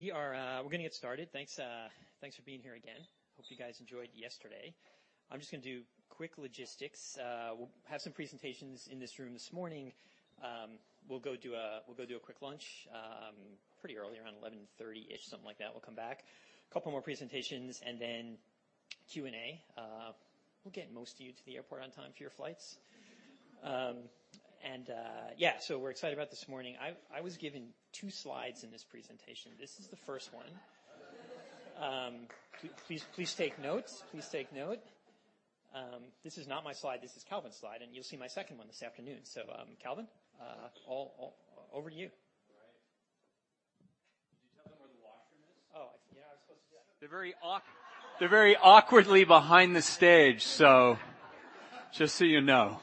We are, we're gonna get started. Thanks, thanks for being here again. Hope you guys enjoyed yesterday. I'm just gonna do quick logistics. We'll have some presentations in this room this morning. We'll go do a quick lunch, pretty early, around 11:30 A.M.-ish, something like that. We'll come back, a couple more presentations, and then Q&A. We'll get most of you to the airport on time for your flights. And, yeah, so we're excited about this morning. I was given two slides in this presentation. This is the first one. Please, please take notes. Please take note. This is not my slide. This is Calvin's slide, and you'll see my second one this afternoon. So, Calvin, over to you. Right. Did you tell them where the washroom is? Oh, yeah, I was supposed to do that. They're very awkwardly behind the stage, so just so you know.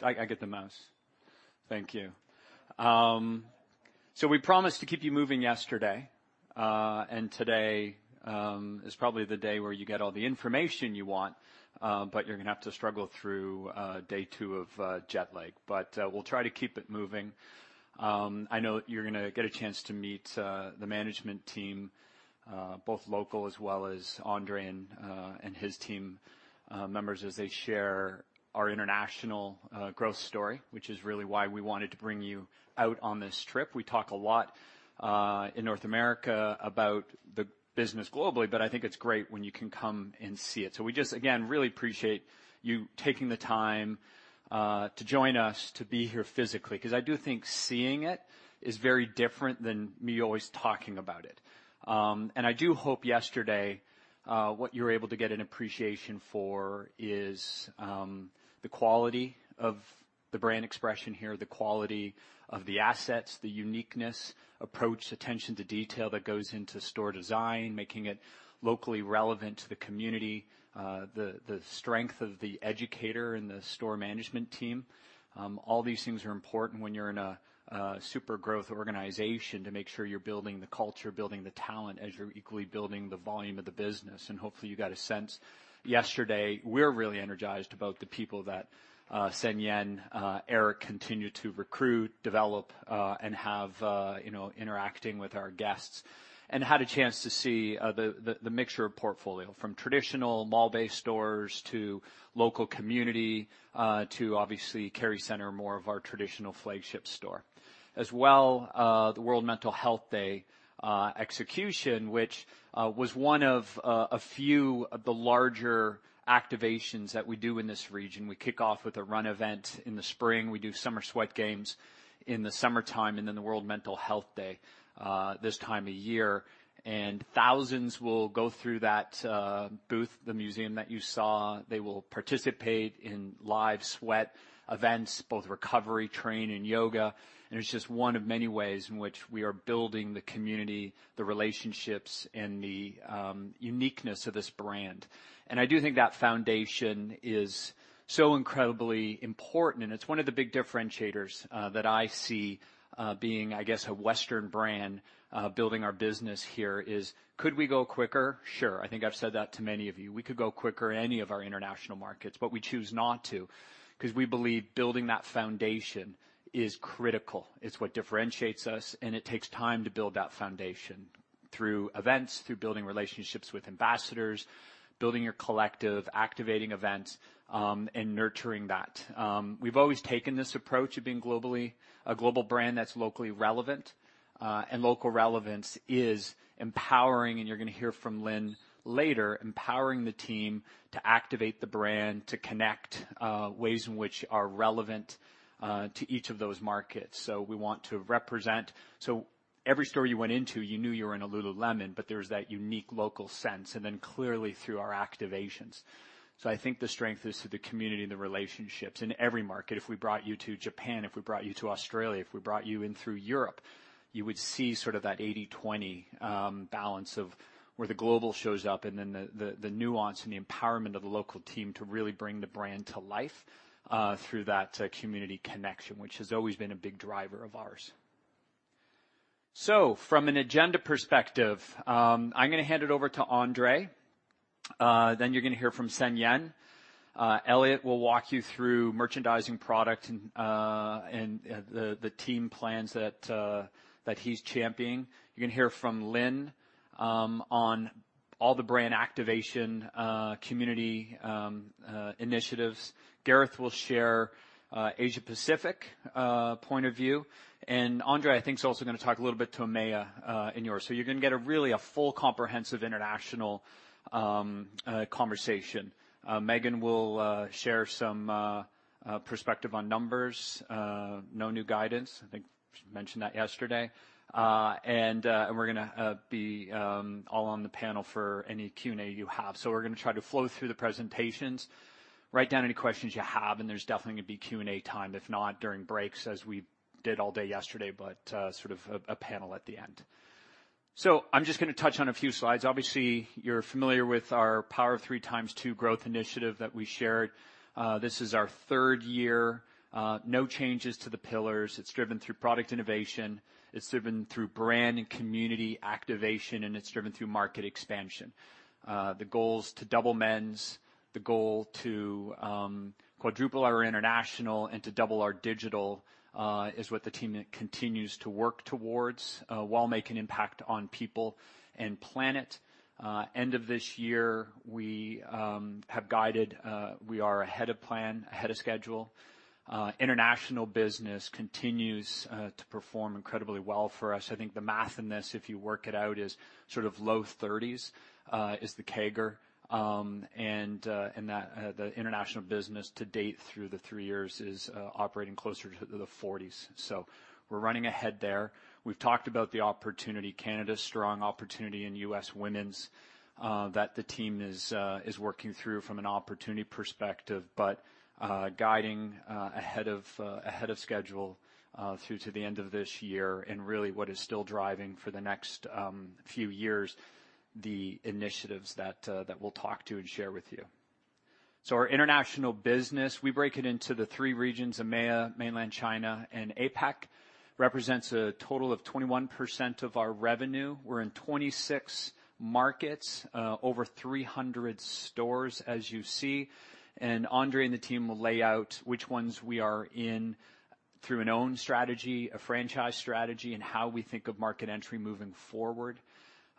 I get the mouse. Thank you. So we promised to keep you moving yesterday, and today is probably the day where you get all the information you want, but you're gonna have to struggle through day two of jet lag. But we'll try to keep it moving. I know you're gonna get a chance to meet the management team, both local, as well as André and his team members, as they share our international growth story, which is really why we wanted to bring you out on this trip. We talk a lot in North America about the business globally, but I think it's great when you can come and see it. So we just, again, really appreciate you taking the time to join us, to be here physically, 'cause I do think seeing it is very different than me always talking about it. And I do hope yesterday what you were able to get an appreciation for is the quality of the brand expression here, the quality of the assets, the uniqueness, approach, attention to detail that goes into store design, making it locally relevant to the community, the strength of the educator and the store management team. All these things are important when you're in a super growth organization, to make sure you're building the culture, building the talent, as you're equally building the volume of the business. Hopefully, you got a sense yesterday. We're really energized about the people that Sun Choe, Eric continue to recruit, develop, and have, you know, interacting with our guests. We had a chance to see the mixture of portfolio, from traditional mall-based stores to local community, to obviously, Kerry Centre, more of our traditional flagship store. As well, the World Mental Health Day execution, which was one of a few of the larger activations that we do in this region. We kick off with a run event in the spring. We do Summer Sweat Games in the summertime, and then the World Mental Health Day this time of year. Thousands will go through that booth, the museum that you saw. They will participate in live sweat events, both recovery, training, and yoga. It's just one of many ways in which we are building the community, the relationships and the uniqueness of this brand. I do think that foundation is so incredibly important, and it's one of the big differentiators that I see, being, I guess, a Western brand building our business here is: Could we go quicker? Sure. I think I've said that to many of you. We could go quicker in any of our international markets, but we choose not to, 'cause we believe building that foundation is critical. It's what differentiates us, and it takes time to build that foundation through events, through building relationships with ambassadors, building your collective, activating events, and nurturing that. We've always taken this approach of being globally a global brand that's locally relevant, and local relevance is empowering, and you're gonna hear from Lynn later, empowering the team to activate the brand, to connect ways in which are relevant to each of those markets. So we want to represent. So every store you went into, you knew you were in a Lululemon, but there was that unique local sense, and then clearly through our activations. So I think the strength is through the community and the relationships in every market. If we brought you to Japan, if we brought you to Australia, if we brought you in through Europe, you would see sort of that eighty/twenty balance of where the global shows up and then the nuance and the empowerment of the local team to really bring the brand to life through that community connection, which has always been a big driver of ours. From an agenda perspective, I'm gonna hand it over to André. Then you're gonna hear from San Yan. Elliot will walk you through merchandising product and the team plans that he's championing. You're gonna hear from Lynn on all the brand activation community initiatives. Gareth will share Asia Pacific point of view. André, I think, is also gonna talk a little bit to EMEA in Europe. You're gonna get a really full comprehensive international conversation. Meghan will share some perspective on numbers. No new guidance. I think she mentioned that yesterday. We're gonna be all on the panel for any Q&A you have. We're gonna try to flow through the presentations. Write down any questions you have, and there's definitely gonna be Q&A time, if not during breaks, as we did all day yesterday, but sort of a panel at the end. I'm just gonna touch on a few slides. Obviously, you're familiar with our Power of Three 2 growth initiative that we shared. This is our third year. No changes to the pillars. It's driven through product innovation, it's driven through brand and community activation, and it's driven through market expansion. The goal is to double men's. The goal to quadruple our international and to double our digital is what the team continues to work towards while making impact on people and planet. End of this year, we have guided we are ahead of plan, ahead of schedule. International business continues to perform incredibly well for us. I think the math in this, if you work it out, is sort of low thirties is the CAGR. And that the international business to date through the three years is operating closer to the forties. So we're running ahead there. We've talked about the opportunity, Canada, strong opportunity in US women's, that the team is working through from an opportunity perspective. But guiding ahead of schedule through to the end of this year and really what is still driving for the next few years, the initiatives that we'll talk to and share with you. Our international business, we break it into the three regions, EMEA, Mainland China, and APAC. It represents a total of 21% of our revenue. We're in 26 markets, over 300 stores, as you see, and André and the team will lay out which ones we are in through our own strategy, a franchise strategy, and how we think of market entry moving forward.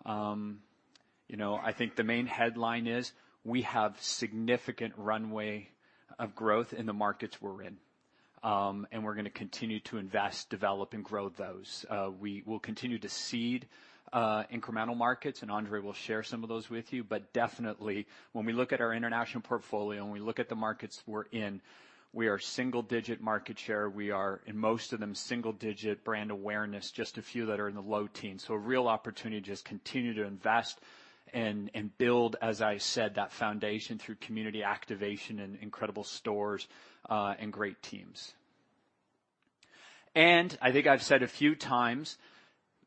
You know, I think the main headline is we have significant runway of growth in the markets we're in, and we're gonna continue to invest, develop, and grow those. We will continue to seed incremental markets, and André will share some of those with you. But definitely, when we look at our international portfolio and we look at the markets we're in, we are single-digit market share. We are, in most of them, single-digit brand awareness, just a few that are in the low teens. So a real opportunity to just continue to invest and build, as I said, that foundation through community activation and incredible stores and great teams. I think I've said a few times,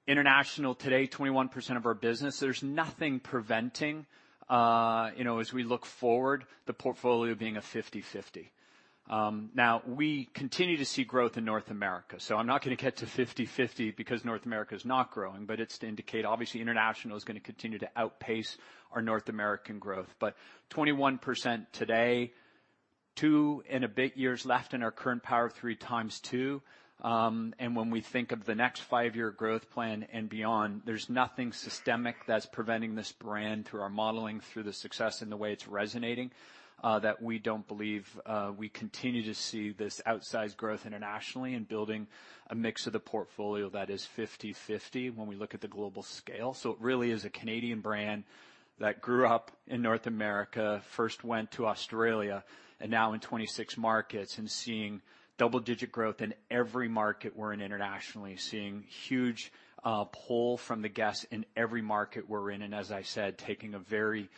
international today, 21% of our business, there's nothing preventing, you know, as we look forward, the portfolio being a 50/50. Now, we continue to see growth in North America, so I'm not gonna get to 50/50 because North America is not growing, but it's to indicate, obviously, international is gonna continue to outpace our North American growth. But 21% today, two and a bit years left in our current Power of Three x2. And when we think of the next five-year growth plan and beyond, there's nothing systemic that's preventing this brand through our modeling, through the success and the way it's resonating, that we don't believe. We continue to see this outsized growth internationally and building a mix of the portfolio that is 50/50 when we look at the global scale. So it really is a Canadian brand that grew up in North America, first went to Australia, and now in 26 markets, and seeing double-digit growth in every market we're in internationally. Seeing huge pull from the guests in every market we're in, and as I said, taking a very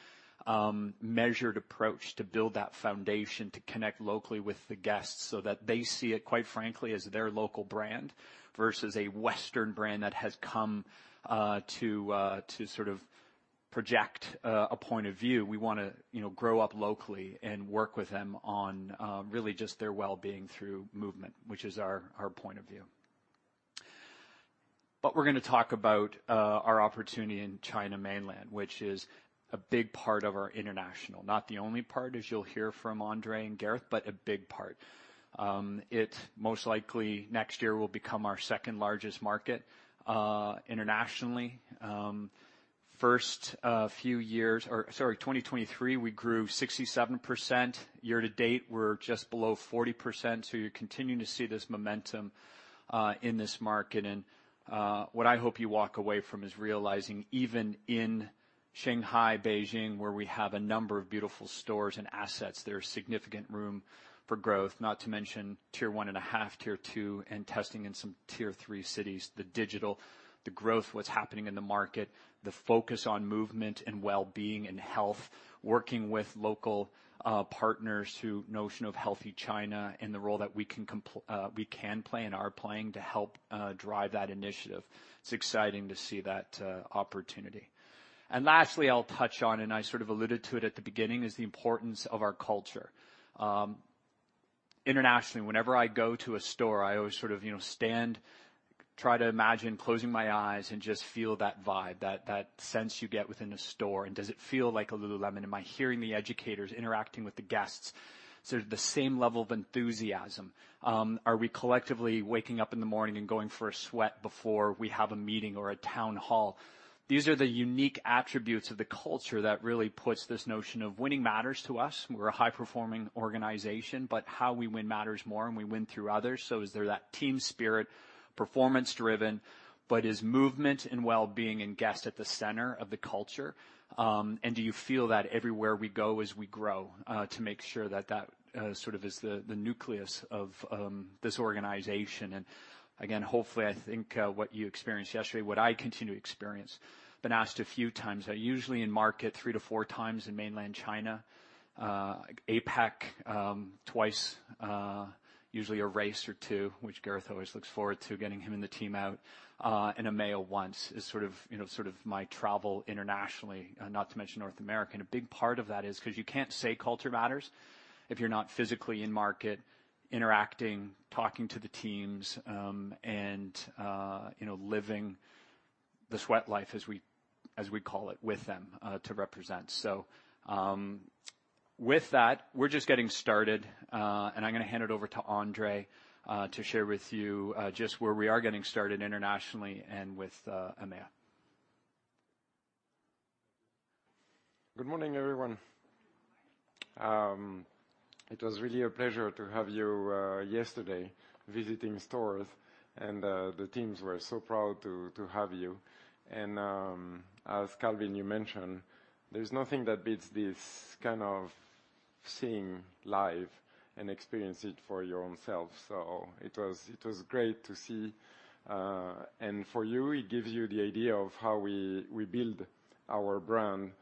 measured approach to build that foundation, to connect locally with the guests so that they see it, quite frankly, as their local brand versus a Western brand that has come to sort of project a point of view. We wanna, you know, grow up locally and work with them on really just their well-being through movement, which is our point of view. But we're gonna talk about our opportunity in China Mainland, which is a big part of our international. Not the only part, as you'll hear from André and Gareth, but a big part. It most likely next year will become our second-largest market internationally. In 2023, we grew 67%. Year to date, we're just below 40%, so you're continuing to see this momentum in this market. What I hope you walk away from is realizing, even in Shanghai, Beijing, where we have a number of beautiful stores and assets, there is significant room for growth, not to mention Tier One and a half, Tier Two, and testing in some Tier Three cities, the digital, the growth, what's happening in the market, the focus on movement and well-being and health, working with local partners who notion of Healthy China and the role that we can play and are playing to help drive that initiative. It's exciting to see that opportunity. Lastly, I'll touch on, and I sort of alluded to it at the beginning, is the importance of our culture. Internationally, whenever I go to a store, I always sort of, you know, stand, try to imagine closing my eyes and just feel that vibe, that sense you get within a store. And does it feel like a lululemon? Am I hearing the educators interacting with the guests, sort of the same level of enthusiasm? Are we collectively waking up in the morning and going for a sweat before we have a meeting or a town hall? These are the unique attributes of the culture that really puts this notion of winning matters to us. We're a high-performing organization, but how we win matters more, and we win through others. So is there that team spirit, performance driven, but is movement and well-being and guest at the center of the culture? And do you feel that everywhere we go as we grow to make sure that sort of is the nucleus of this organization? And again, hopefully, I think, what you experienced yesterday, what I continue to experience, been asked a few times. I usually in market three to four times in mainland China, APAC twice, usually a race or two, which Gareth always looks forward to getting him and the team out, and EMEA once, is sort of, you know, sort of my travel internationally, not to mention North America. And a big part of that is because you can't say culture matters if you're not physically in market, interacting, talking to the teams, and you know, living the sweatlife, as we call it, with them, to represent. So, with that, we're just getting started, and I'm gonna hand it over to André to share with you just where we are getting started internationally and with EMEA. Good morning, everyone. It was really a pleasure to have you yesterday, visiting stores, and the teams were so proud to have you. As Calvin, you mentioned, there's nothing that beats this kind of seeing live and experience it for your own self, so it was great to see. And for you, it gives you the idea of how we build our brand,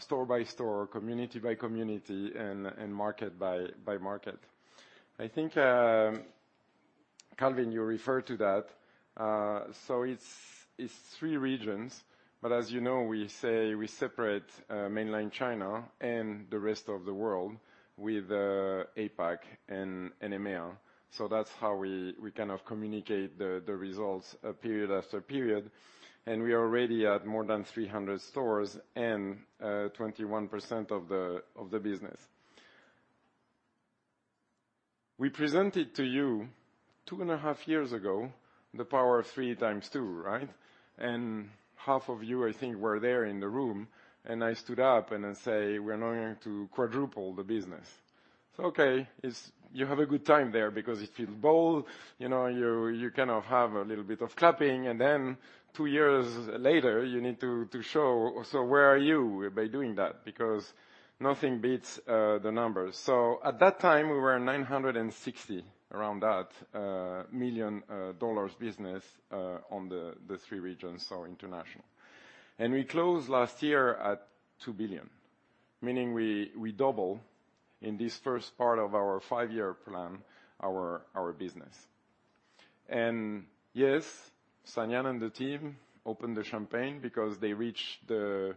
store by store, community by community, and market by market. I think, Calvin, you referred to that. So it's three regions, but as you know, we say we separate mainland China and the rest of the world with APAC and EMEA. So that's how we kind of communicate the results period after period. We are already at more than 300 stores and 21% of the business. We presented to you two and a half years ago the Power of Three x2, right? Half of you, I think, were there in the room, and I stood up and I say: "We're going to quadruple the business." Okay. You have a good time there because it feels bold, you know. You kind of have a little bit of clapping, and then two years later, you need to show, so where are you by doing that? Because nothing beats the numbers. At that time, we were at around $960 million business on the three regions, so international. We closed last year at $2 billion, meaning we double in this first part of our five-year plan, our business. Yes, San Yan and the team opened the champagne because they reached the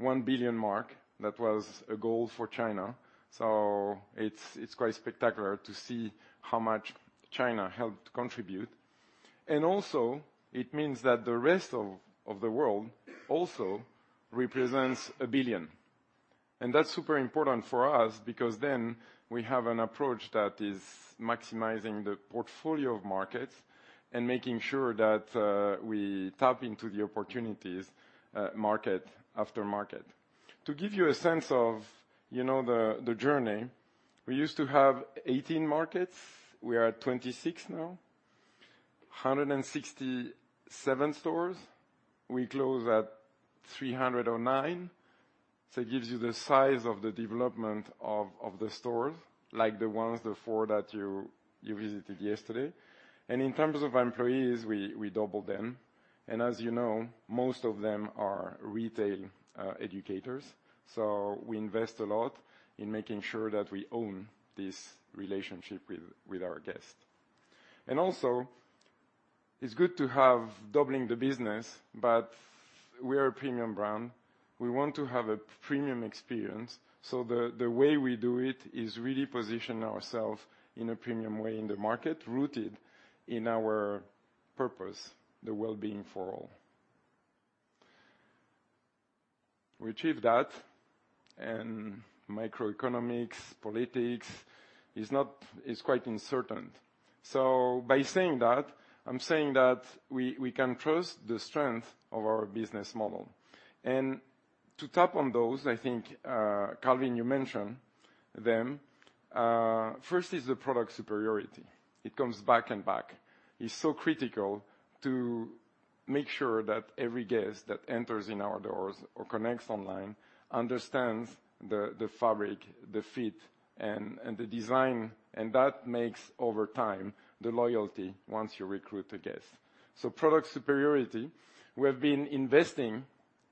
$1 billion mark. That was a goal for China, so it's quite spectacular to see how much China helped contribute. Also, it means that the rest of the world also represents a billion. That's super important for us because then we have an approach that is maximizing the portfolio of markets and making sure that we tap into the opportunities, market after market. To give you a sense of, you know, the journey, we used to have eighteen markets. We are at 26 now. 167 stores. We close at 309. So it gives you the size of the development of the stores, like the ones, the four that you visited yesterday. And in terms of employees, we double them, and as you know, most of them are retail educators, so we invest a lot in making sure that we own this relationship with our guests. And also, it's good to have doubling the business, but we are a premium brand. We want to have a premium experience, so the way we do it is really position ourselves in a premium way in the market, rooted in our purpose, the wellbeing for all. We achieve that, and microeconomics, politics is quite uncertain. So by saying that, I'm saying that we can trust the strength of our business model. And to tap on those, I think, Calvin, you mentioned them. First is the product superiority. It comes back and back. It's so critical to make sure that every guest that enters in our doors or connects online understands the fabric, the fit, and the design, and that makes, over time, the loyalty once you recruit the guest. So product superiority, we have been investing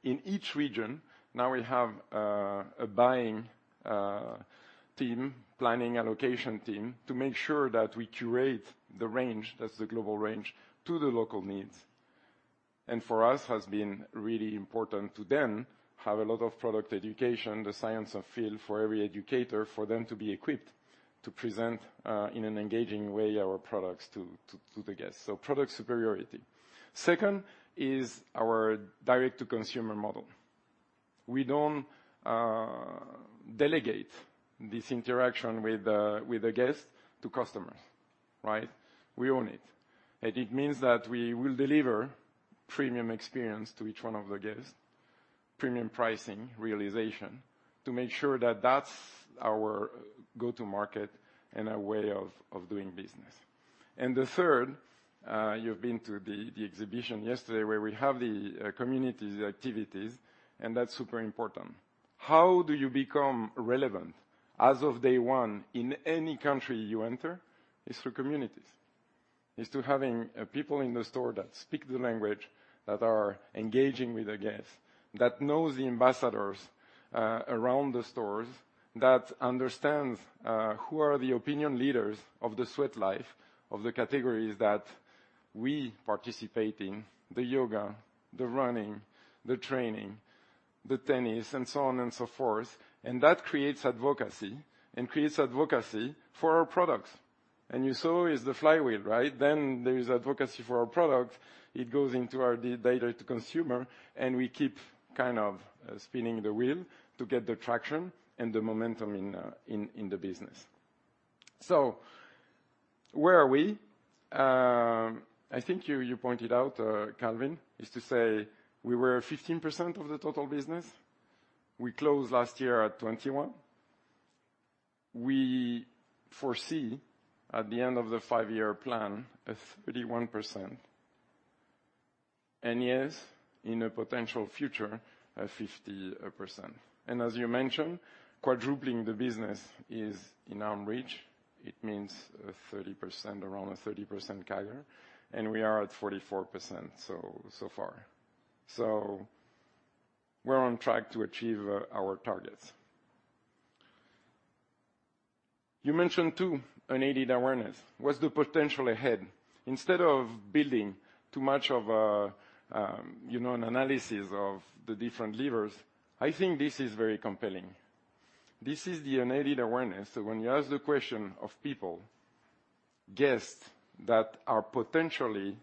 in each region. Now we have a buying team, planning allocation team, to make sure that we curate the range, that's the global range, to the local needs. And for us, has been really important to then have a lot of product education, the science of feel for every educator, for them to be equipped to present in an engaging way, our products to the guests. So product superiority. Second is our direct-to-consumer model. We don't delegate this interaction with the guest to customers, right? We own it, and it means that we will deliver premium experience to each one of the guests, premium pricing, realization, to make sure that that's our go-to market and our way of, of doing business, and the third, you've been to the exhibition yesterday, where we have the communities, the activities, and that's super important. How do you become relevant as of day one in any country you enter? It's through communities. It's through having people in the store that speak the language, that are engaging with the guests, that know the ambassadors around the stores, that understands who are the opinion leaders of the Sweat Life, of the categories that we participate in, the yoga, the running, the training, the tennis, and so on and so forth, and that creates advocacy for our products.... what you saw is the flywheel, right? Then there is advocacy for our product. It goes into our DTC, direct to consumer, and we keep kind of spinning the wheel to get the traction and the momentum in the business. So where are we? I think you pointed out, Calvin, is to say we were 15% of the total business. We closed last year at 21. We foresee, at the end of the five-year plan, a 31%. And yes, in a potential future, a 50%. And as you mentioned, quadrupling the business is in arm's reach. It means a 30%, around a 30% CAGR, and we are at 44%, so far. So we're on track to achieve our targets. You mentioned, too, unaided awareness. What's the potential ahead? Instead of building too much of a, you know, an analysis of the different levers, I think this is very compelling. This is the unaided awareness, that when you ask the question of people, guests that are potentially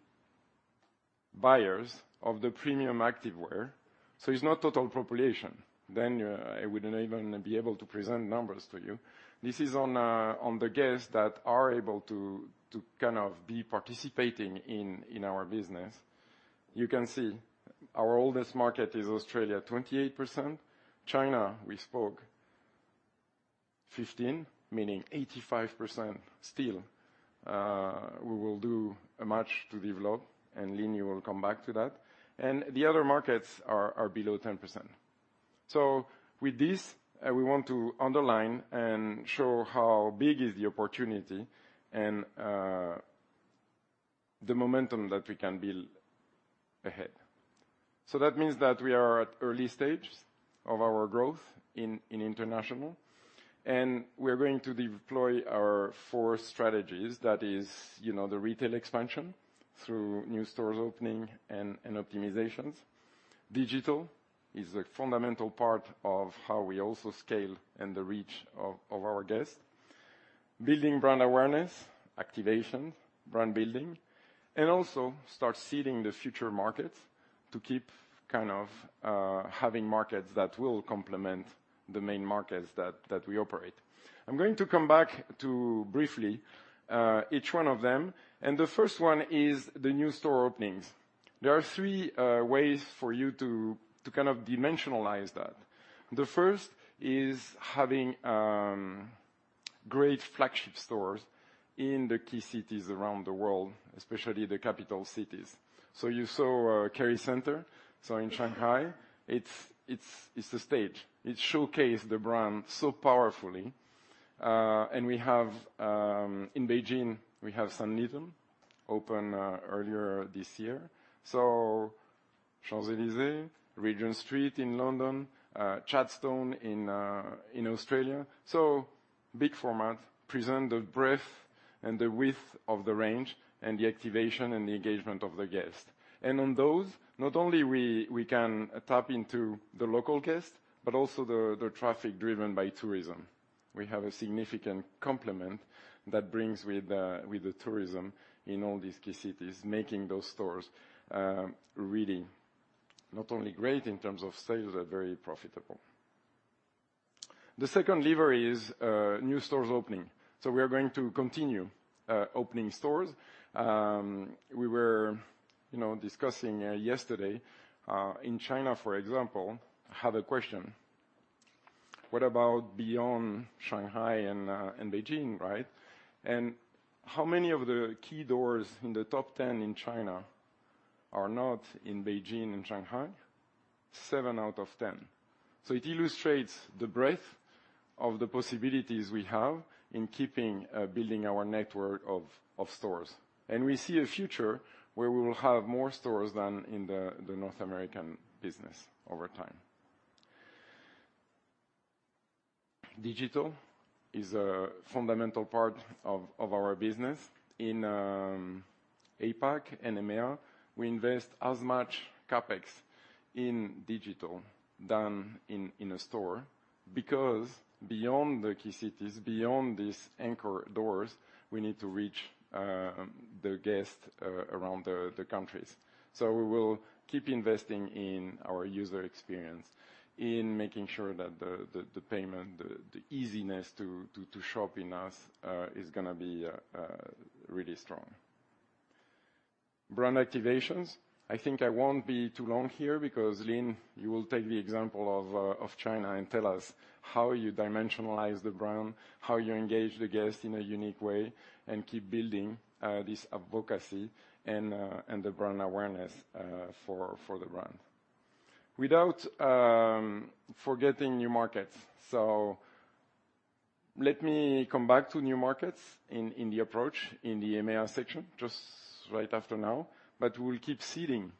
buyers of the premium activewear, so it's not total population, then, I wouldn't even be able to present numbers to you. This is on the guests that are able to, to kind of be participating in our business. You can see our oldest market is Australia, 28%. China, we spoke, 15, meaning 85% still. We will do a much to develop, and Lynn, you will come back to that, and the other markets are below 10%. So with this, we want to underline and show how big is the opportunity and the momentum that we can build ahead. So that means that we are at early stages of our growth in international, and we are going to deploy our four strategies. That is, you know, the retail expansion through new stores opening and optimizations. Digital is a fundamental part of how we also scale and the reach of our guests. Building brand awareness, activation, brand building, and also start seeding the future markets to keep kind of having markets that will complement the main markets that we operate. I'm going to come back to briefly each one of them, and the first one is the new store openings. There are three ways for you to kind of dimensionalize that. The first is having great flagship stores in the key cities around the world, especially the capital cities. So you saw Kerry Centre. So in Shanghai, it's the stage. It showcased the brand so powerfully. And we have in Beijing, we have Sanlitun, opened earlier this year. So Champs-Élysées, Regent Street in London, Chadstone in Australia. So big format, present the breadth and the width of the range and the activation and the engagement of the guest. And on those, not only we can tap into the local guest, but also the traffic driven by tourism. We have a significant component that brings with the tourism in all these key cities, making those stores really not only great in terms of sales, but very profitable. The second lever is new stores opening. So we are going to continue opening stores. We were, you know, discussing yesterday in China, for example. Had a question: What about beyond Shanghai and Beijing, right? And how many of the key doors in the top 10 in China are not in Beijing and Shanghai? Seven out of 10. So it illustrates the breadth of the possibilities we have in keeping building our network of stores. And we see a future where we will have more stores than in the North American business over time. Digital is a fundamental part of our business. In APAC and EMEA, we invest as much CapEx in digital than in a store, because beyond the key cities, beyond these anchor doors, we need to reach the guests around the countries. We will keep investing in our user experience, in making sure that the payment, the easiness to shop in us is gonna be really strong. Brand activations. I think I won't be too long here because Lynn, you will take the example of China and tell us how you dimensionalize the brand, how you engage the guest in a unique way, and keep building this advocacy and the brand awareness for the brand. Without forgetting new markets. Let me come back to new markets in the approach, in the EMEA section, just right after now. We will keep seeding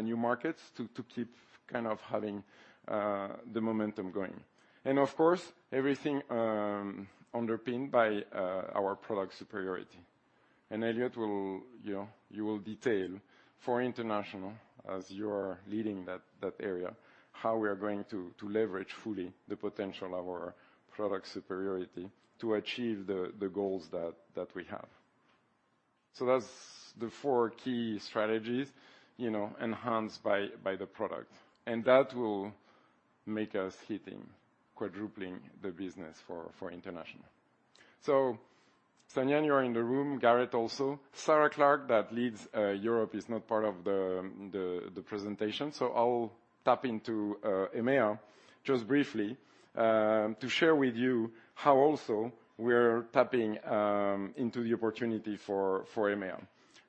new markets to keep kind of having the momentum going. Of course, everything underpinned by our product superiority. Elliot will, you know, detail for international, as you are leading that area, how we are going to leverage fully the potential of our product superiority to achieve the goals that we have. That's the four key strategies, you know, enhanced by the product, and that will make us hitting quadrupling the business for international. San Yan, you are in the room, Gareth also. Sarah Clark, that leads Europe, is not part of the presentation, so I'll tap into EMEA just briefly to share with you how also we're tapping into the opportunity for EMEA.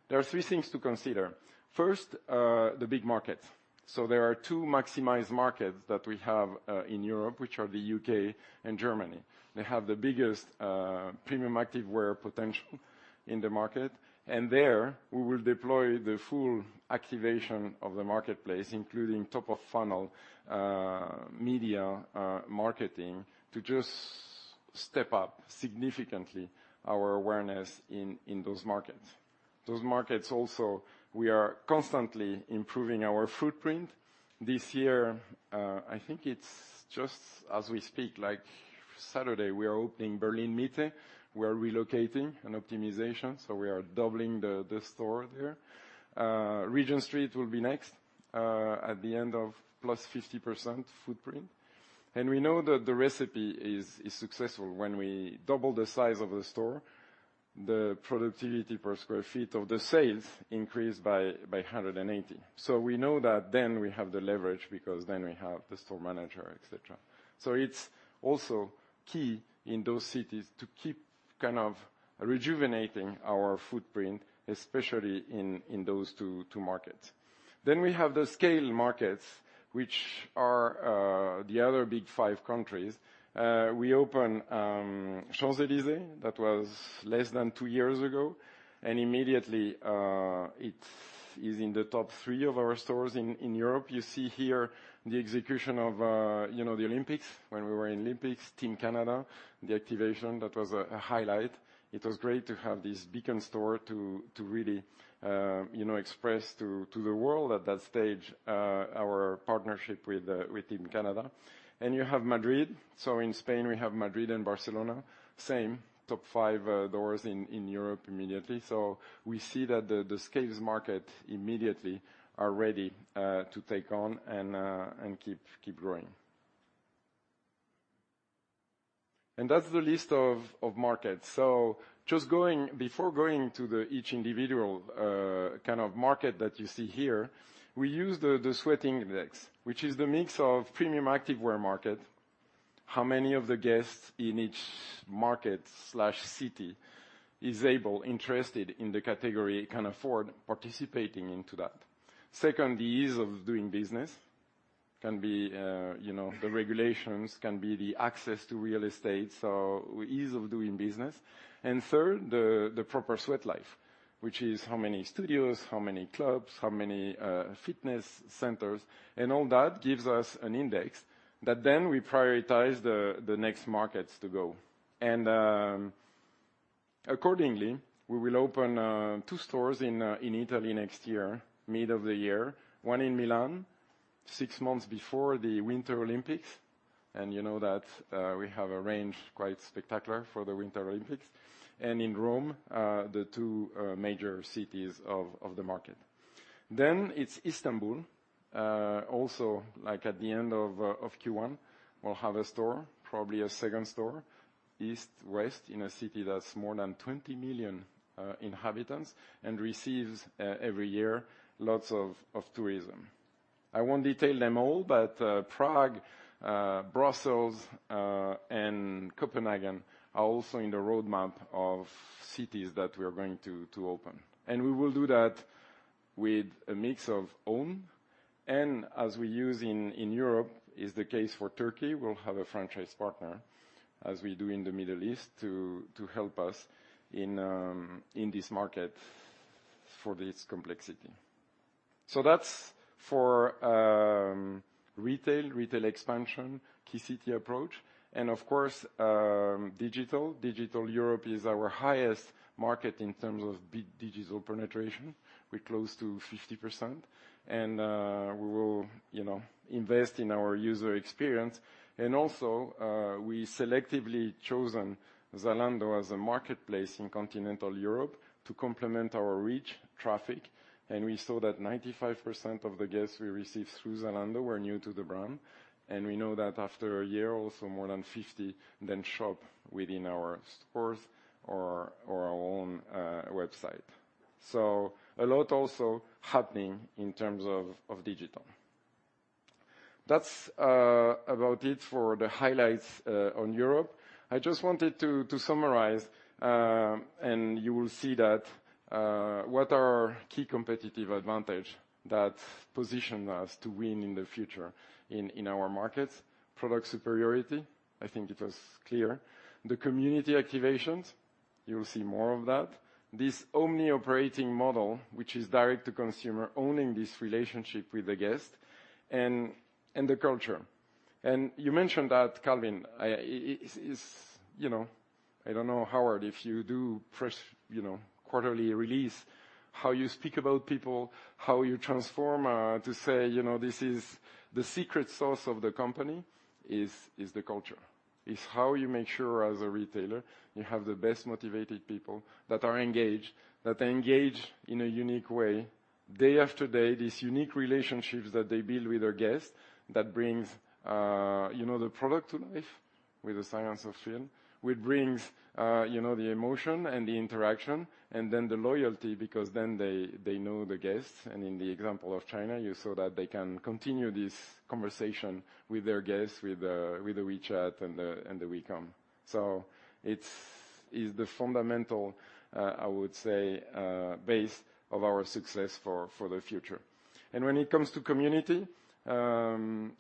There are three things to consider. First, the big markets. There are two maximized markets that we have in Europe, which are the U.K. and Germany. They have the biggest premium activewear potential in the market, and there, we will deploy the full activation of the marketplace, including top-of-funnel media marketing, to just step up significantly our awareness in those markets. Those markets also, we are constantly improving our footprint. This year, I think it's just as we speak, like Saturday, we are opening Berlin Mitte. We are relocating and optimization, so we are doubling the store there. Regent Street will be next, at the end of plus 50% footprint. And we know that the recipe is successful. When we double the size of the store, the productivity per sq ft of the sales increased by 180%. So we know that then we have the leverage because then we have the store manager, et cetera. So it's also key in those cities to keep kind of rejuvenating our footprint, especially in those two markets. Then we have the scale markets, which are the other big five countries. We opened Champs-Élysées. That was less than two years ago, and immediately it is in the top three of our stores in Europe. You see here the execution of you know the Olympics, when we were in Olympics, Team Canada, the activation, that was a highlight. It was great to have this beacon store to really you know express to the world at that stage our partnership with Team Canada. And you have Madrid. So in Spain, we have Madrid and Barcelona. Same, top five stores in Europe immediately. We see that the scale markets immediately are ready to take on and keep growing. And that's the list of markets. Before going to each individual kind of market that you see here, we use the Sweat Index, which is the mix of premium activewear market, how many of the guests in each market or city is able, interested in the category, can afford participating into that. Second, the ease of doing business. Can be, you know, the regulations, can be the access to real estate, so ease of doing business. And third, the proper Sweat Life, which is how many studios, how many clubs, how many fitness centers, and all that gives us an index that then we prioritize the next markets to go. Accordingly, we will open two stores in Italy next year, mid of the year. One in Milan, six months before the Winter Olympics, and you know that we have a range quite spectacular for the Winter Olympics, and in Rome, the two major cities of the market. Then it's Istanbul, also, like at the end of Q1, we'll have a store, probably a second store, east, west, in a city that's more than twenty million inhabitants and receives every year, lots of tourism. I won't detail them all, but Prague, Brussels, and Copenhagen are also in the roadmap of cities that we are going to open. And we will do that with a mix of own and, as we use in Europe, is the case for Turkey. We'll have a franchise partner, as we do in the Middle East, to help us in this market for this complexity. So that's for retail expansion, key city approach, and of course, digital. Digital Europe is our highest market in terms of digital penetration. We're close to 50%, and we will, you know, invest in our user experience. And also, we selectively chosen Zalando as a marketplace in continental Europe to complement our reach, traffic, and we saw that 95% of the guests we received through Zalando were new to the brand, and we know that after a year, also more than 50 then shop within our stores or our own website. A lot also happening in terms of digital. That's about it for the highlights on Europe. I just wanted to summarize, and you will see that, what are our key competitive advantage that position us to win in the future in our markets? Product superiority, I think it was clear. The community activations, you will see more of that. This Omni-operating Model, which is direct to consumer, owning this relationship with the guest, and the culture. And you mentioned that, Calvin, it, it's, you know, I don't know, Howard, if you do press, you know, quarterly release, how you speak about people, how you transform, to say, you know, this is the secret sauce of the company is the culture. It's how you make sure, as a retailer, you have the best motivated people that are engaged, that are engaged in a unique way. Day after day, these unique relationships that they build with their guests, that brings, you know, the product to life with the science of fit, which brings, you know, the emotion and the interaction, and then the loyalty, because then they know the guests. In the example of China, you saw that they can continue this conversation with their guests, with the WeChat and the WeCom. It's the fundamental, I would say, base of our success for the future. When it comes to community,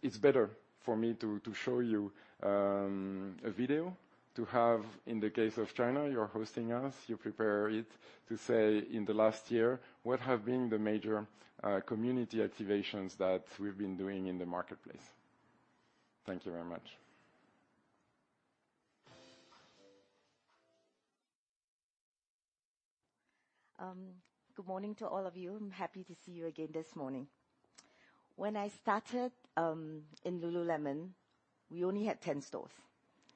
it's better for me to show you a video. To have, in the case of China, you're hosting us, you prepare it to say in the last year, what have been the major community activations that we've been doing in the marketplace? Thank you very much. Good morning to all of you. I'm happy to see you again this morning. When I started in lululemon, we only had ten stores,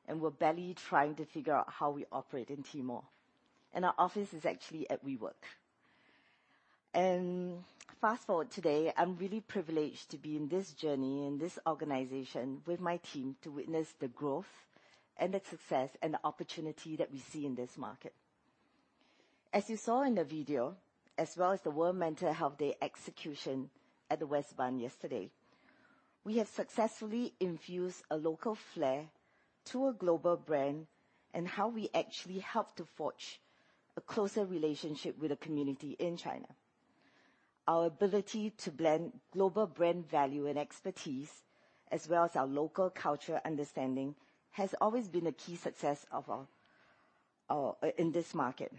and we're barely trying to figure out how we operate in China. And our office is actually at WeWork. And fast-forward today, I'm really privileged to be in this journey, in this organization, with my team, to witness the growth and the success and the opportunity that we see in this market. As you saw in the video, as well as the World Mental Health Day execution at the West Bund yesterday, we have successfully infused a local flair to a global brand, and how we actually help to forge a closer relationship with the community in China. Our ability to blend global brand value and expertise, as well as our local culture understanding, has always been a key success of our in this market.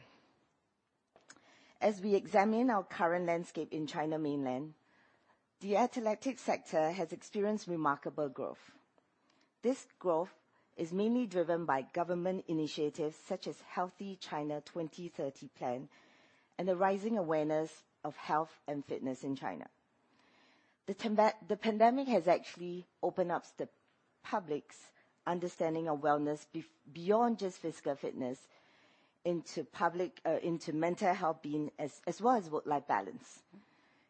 As we examine our current landscape in China Mainland, the athletic sector has experienced remarkable growth. This growth is mainly driven by government initiatives such as Healthy China 2030 Plan and the rising awareness of health and fitness in China. The pandemic has actually opened up the public's understanding of wellness beyond just physical fitness into mental health being, as well as work-life balance.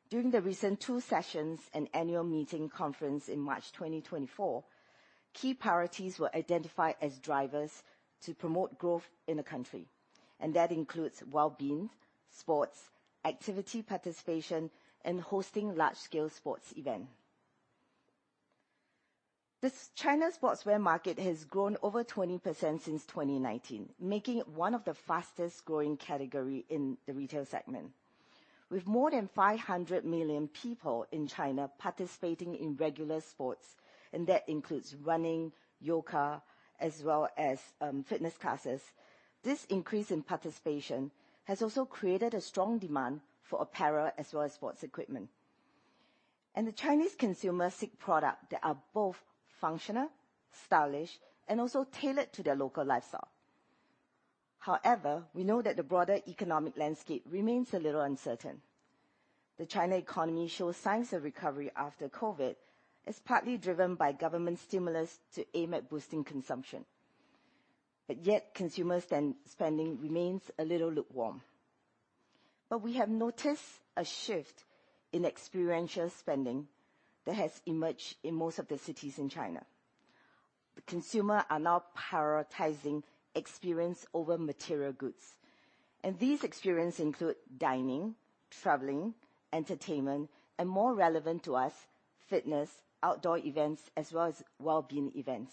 During the recent Two Sessions and annual meeting conference in March 2024, key priorities were identified as drivers to promote growth in the country, and that includes well-being, sports, activity participation, and hosting large-scale sports event. This China sportswear market has grown over 20% since 2019, making it one of the fastest growing category in the retail segment. With more than 500 million people in China participating in regular sports, and that includes running, yoga, as well as fitness classes. This increase in participation has also created a strong demand for apparel as well as sports equipment, and the Chinese consumers seek products that are both functional, stylish, and also tailored to their local lifestyle. However, we know that the broader economic landscape remains a little uncertain. The Chinese economy shows signs of recovery after COVID, as partly driven by government stimulus to aim at boosting consumption, but yet consumer spending remains a little lukewarm, but we have noticed a shift in experiential spending that has emerged in most of the cities in China. The consumers are now prioritizing experiences over material goods, and these experiences include dining, traveling, entertainment, and more relevant to us, fitness, outdoor events, as well as well-being events.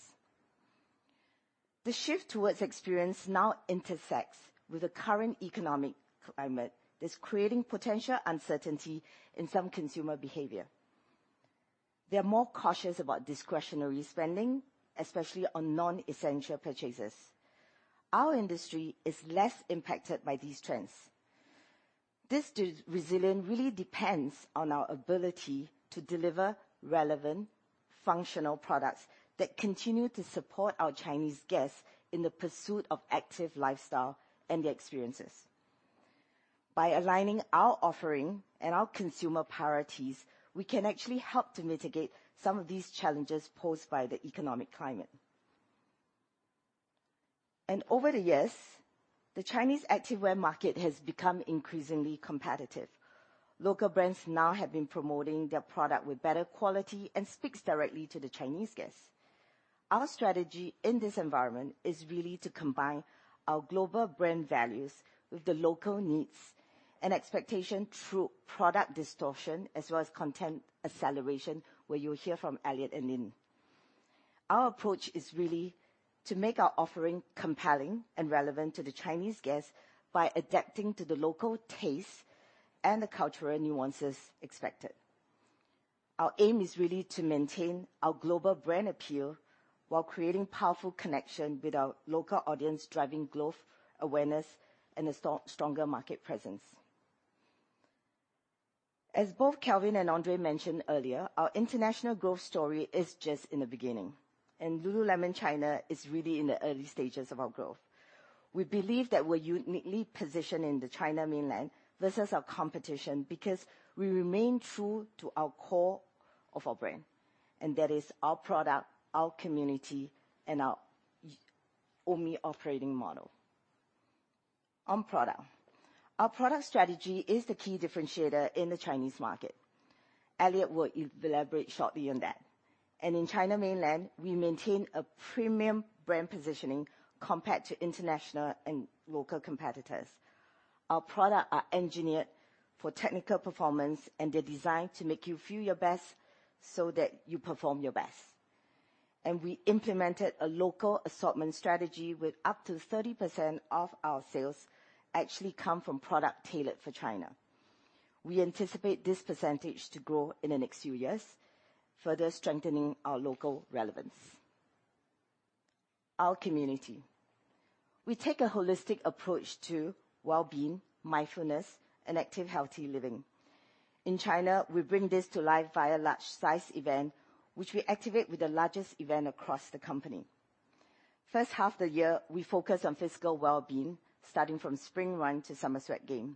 The shift towards experiences now intersects with the current economic climate that's creating potential uncertainty in some consumer behavior. They're more cautious about discretionary spending, especially on non-essential purchases. Our industry is less impacted by these trends. This durability really depends on our ability to deliver relevant, functional products that continue to support our Chinese guests in the pursuit of active lifestyle and their experiences. By aligning our offering and our consumer priorities, we can actually help to mitigate some of these challenges posed by the economic climate. Over the years, the Chinese activewear market has become increasingly competitive. Local brands now have been promoting their product with better quality and speak directly to the Chinese guests. Our strategy in this environment is really to combine our global brand values with the local needs and expectation through product distortion, as well as content acceleration, where you'll hear from Elliot and Lynn. Our approach is really to make our offering compelling and relevant to the Chinese guests by adapting to the local tastes and the cultural nuances expected. Our aim is really to maintain our global brand appeal while creating powerful connection with our local audience, driving growth, awareness, and a strong, stronger market presence. As both Calvin and André mentioned earlier, our international growth story is just in the beginning, and lululemon China is really in the early stages of our growth. We believe that we're uniquely positioned in the China mainland versus our competition because we remain true to our core of our brand, and that is our product, our community, and our omni-operating model. On product. Our product strategy is the key differentiator in the Chinese market. Elliot will elaborate shortly on that. In China Mainland, we maintain a premium brand positioning compared to international and local competitors. Our product are engineered for technical performance, and they're designed to make you feel your best so that you perform your best. We implemented a local assortment strategy with up to 30% of our sales actually come from product tailored for China. We anticipate this percentage to grow in the next few years, further strengthening our local relevance. Our community. We take a holistic approach to well-being, mindfulness, and active, healthy living. In China, we bring this to life via large size event, which we activate with the largest event across the company. First half the year, we focus on physical well-being, starting from Spring Run to Summer Sweat Games.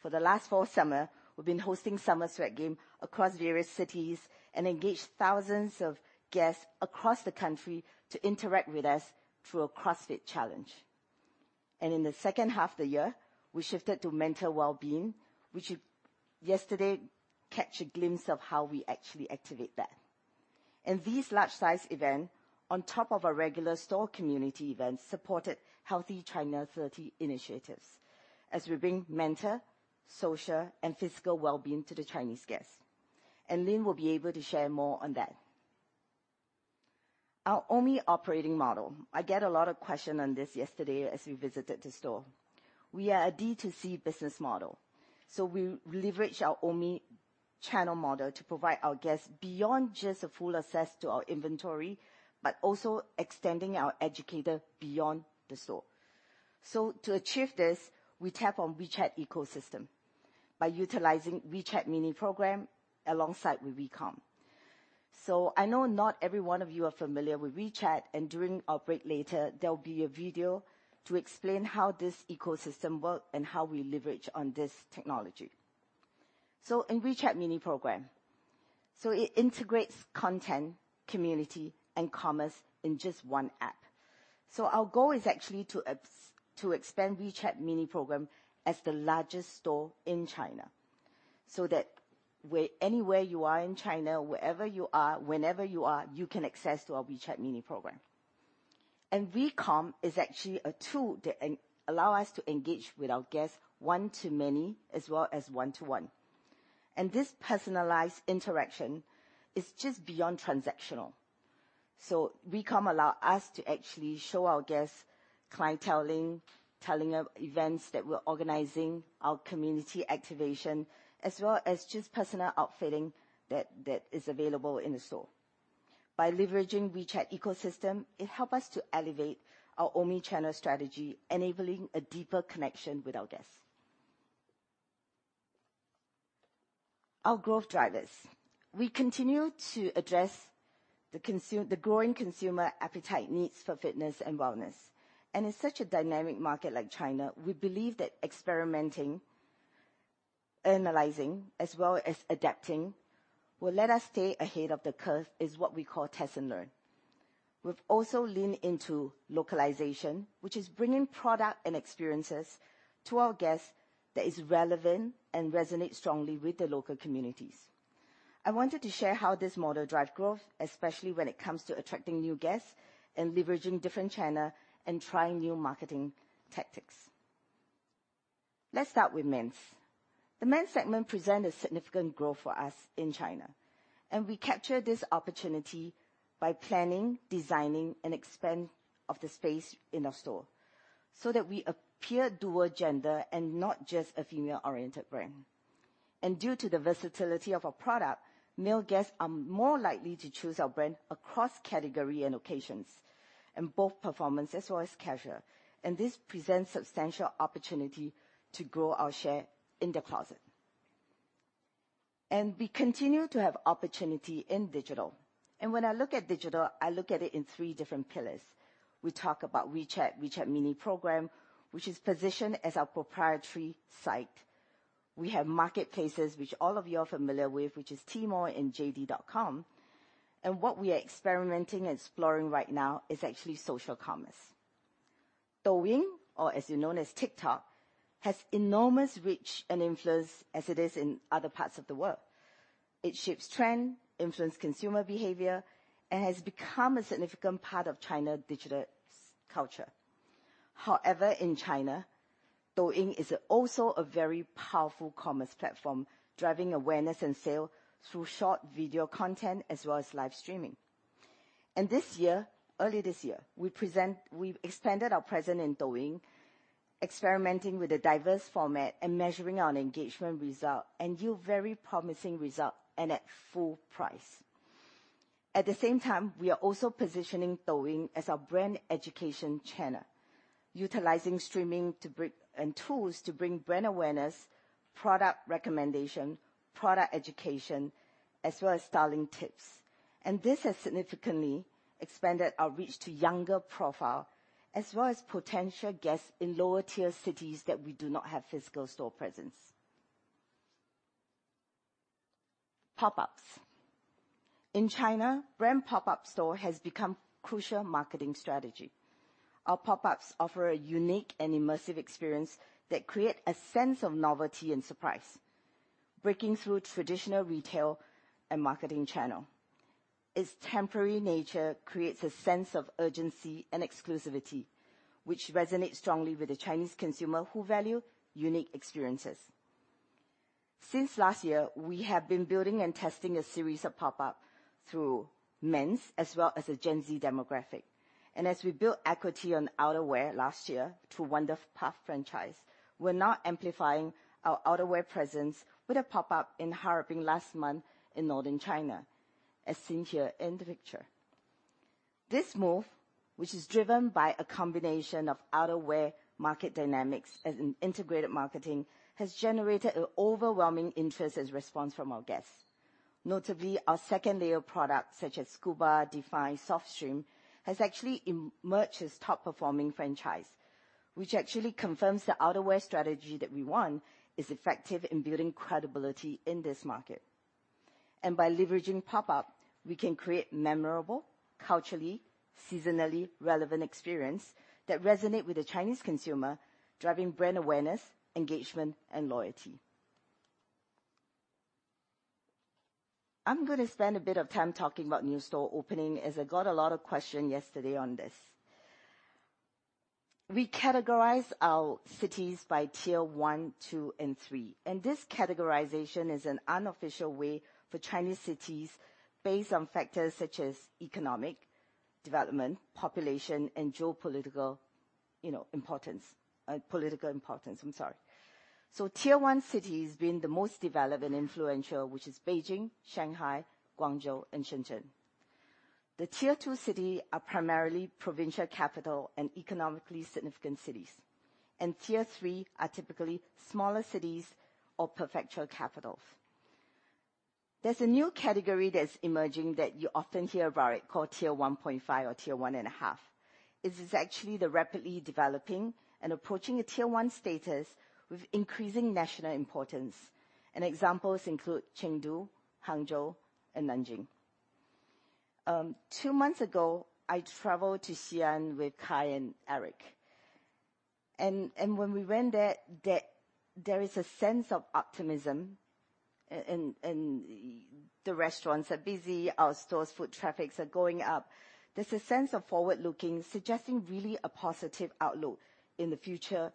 For the last four summers, we've been hosting Summer Sweat Games across various cities and engaged thousands of guests across the country to interact with us through a CrossFit challenge. In the second half of the year, we shifted to mental well-being, which you caught yesterday a glimpse of how we actually activate that. These large-size events, on top of our regular store community events, supported Healthy China 2030 initiatives, as we bring mental, social, and physical well-being to the Chinese guests. Lynn will be able to share more on that. Our omni-operating model. I get a lot of questions on this yesterday as we visited the store. We are a D2C business model, so we leverage our omni-channel model to provide our guests beyond just the full access to our inventory, but also extending our educators beyond the store. To achieve this, we tap on WeChat ecosystem by utilizing WeChat Mini Program alongside with WeCom. I know not every one of you are familiar with WeChat, and during our break later, there will be a video to explain how this ecosystem work and how we leverage on this technology. In WeChat Mini Program, it integrates content, community, and commerce in just one app. Our goal is actually to expand WeChat Mini Program as the largest store in China, so that anywhere you are in China, wherever you are, whenever you are, you can access to our WeChat Mini Program. WeCom is actually a tool that allow us to engage with our guests one to many, as well as one to one. This personalized interaction is just beyond transactional. WeCom allow us to actually show our guests clienteling, telling of events that we're organizing, our community activation, as well as just personal outfitting that, that is available in the store. By leveraging WeChat ecosystem, it help us to elevate our omni-channel strategy, enabling a deeper connection with our guests. Our growth drivers. We continue to address the growing consumer appetite needs for fitness and wellness. In such a dynamic market like China, we believe that experimenting, analyzing, as well as adapting, will let us stay ahead of the curve, is what we call test and learn. We've also leaned into localization, which is bringing product and experiences to our guests that is relevant and resonate strongly with the local communities. I wanted to share how this model drives growth, especially when it comes to attracting new guests and leveraging different channels and trying new marketing tactics. Let's start with men's. The men's segment presents a significant growth for us in China, and we capture this opportunity by planning, designing, and expanding the space in our store, so that we appear dual-gender and not just a female-oriented brand. Due to the versatility of our product, male guests are more likely to choose our brand across categories and occasions, in both performance as well as casual, and this presents substantial opportunity to grow our share in the closet. We continue to have opportunity in digital. When I look at digital, I look at it in three different pillars. We talk about WeChat, WeChat Mini Program, which is positioned as our proprietary site. We have marketplaces, which all of you are familiar with, which is Tmall and JD.com. What we are experimenting and exploring right now is actually social commerce. Douyin, or as you know as TikTok, has enormous reach and influence as it is in other parts of the world. It shapes trend, influence consumer behavior, and has become a significant part of China's digital social culture. However, in China, Douyin is also a very powerful commerce platform, driving awareness and sales through short video content as well as live streaming. This year, early this year, we've expanded our presence in Douyin, experimenting with a diverse format and measuring our engagement results, and yielded very promising results and at full price. At the same time, we are also positioning Douyin as our brand education channel, utilizing streaming and tools to bring brand awareness, product recommendation, product education, as well as styling tips. This has significantly expanded our reach to younger profiles, as well as potential guests in lower-tier cities that we do not have physical store presence. Pop-ups. In China, brand pop-up stores have become a crucial marketing strategy. Our pop-ups offer a unique and immersive experience that creates a sense of novelty and surprise, breaking through traditional retail and marketing channels. Its temporary nature creates a sense of urgency and exclusivity, which resonates strongly with the Chinese consumer, who value unique experiences. Since last year, we have been building and testing a series of pop-up through men's as well as the Gen Z demographic. We built equity on outerwear last year through Wunder Puff franchise. We're now amplifying our outerwear presence with a pop-up in Harbin last month in northern China, as seen here in the picture. This move, which is driven by a combination of outerwear market dynamics as an integrated marketing, has generated an overwhelming interest and response from our guests. Notably, our second-layer products such as Scuba, Define, Softstreme, has actually emerged as top-performing franchise, which actually confirms the outerwear strategy that we want is effective in building credibility in this market. By leveraging pop-up, we can create memorable, culturally, seasonally relevant experience that resonate with the Chinese consumer, driving brand awareness, engagement, and loyalty. I'm gonna spend a bit of time talking about new store opening, as I got a lot of questions yesterday on this. We categorize our cities by Tier One, two, and three, and this categorization is an unofficial way for Chinese cities based on factors such as economic development, population, and geopolitical, you know, importance, political importance. I'm sorry. So Tier One cities being the most developed and influential, which is Beijing, Shanghai, Guangzhou, and Shenzhen. The Tier Two cities are primarily provincial capitals and economically significant cities, and Tier Three are typically smaller cities or prefecture capitals. There's a new category that's emerging that you often hear about it, called Tier One point five or tier one and a half. This is actually the rapidly developing and approaching a Tier One status with increasing national importance, and examples include Chengdu, Hangzhou, and Nanjing. Two months ago, I traveled to Xi'an with Kai and Eric, and when we went there, there is a sense of optimism. And the restaurants are busy. Our stores' foot traffic is going up. There's a sense of forward-looking, suggesting really a positive outlook in the future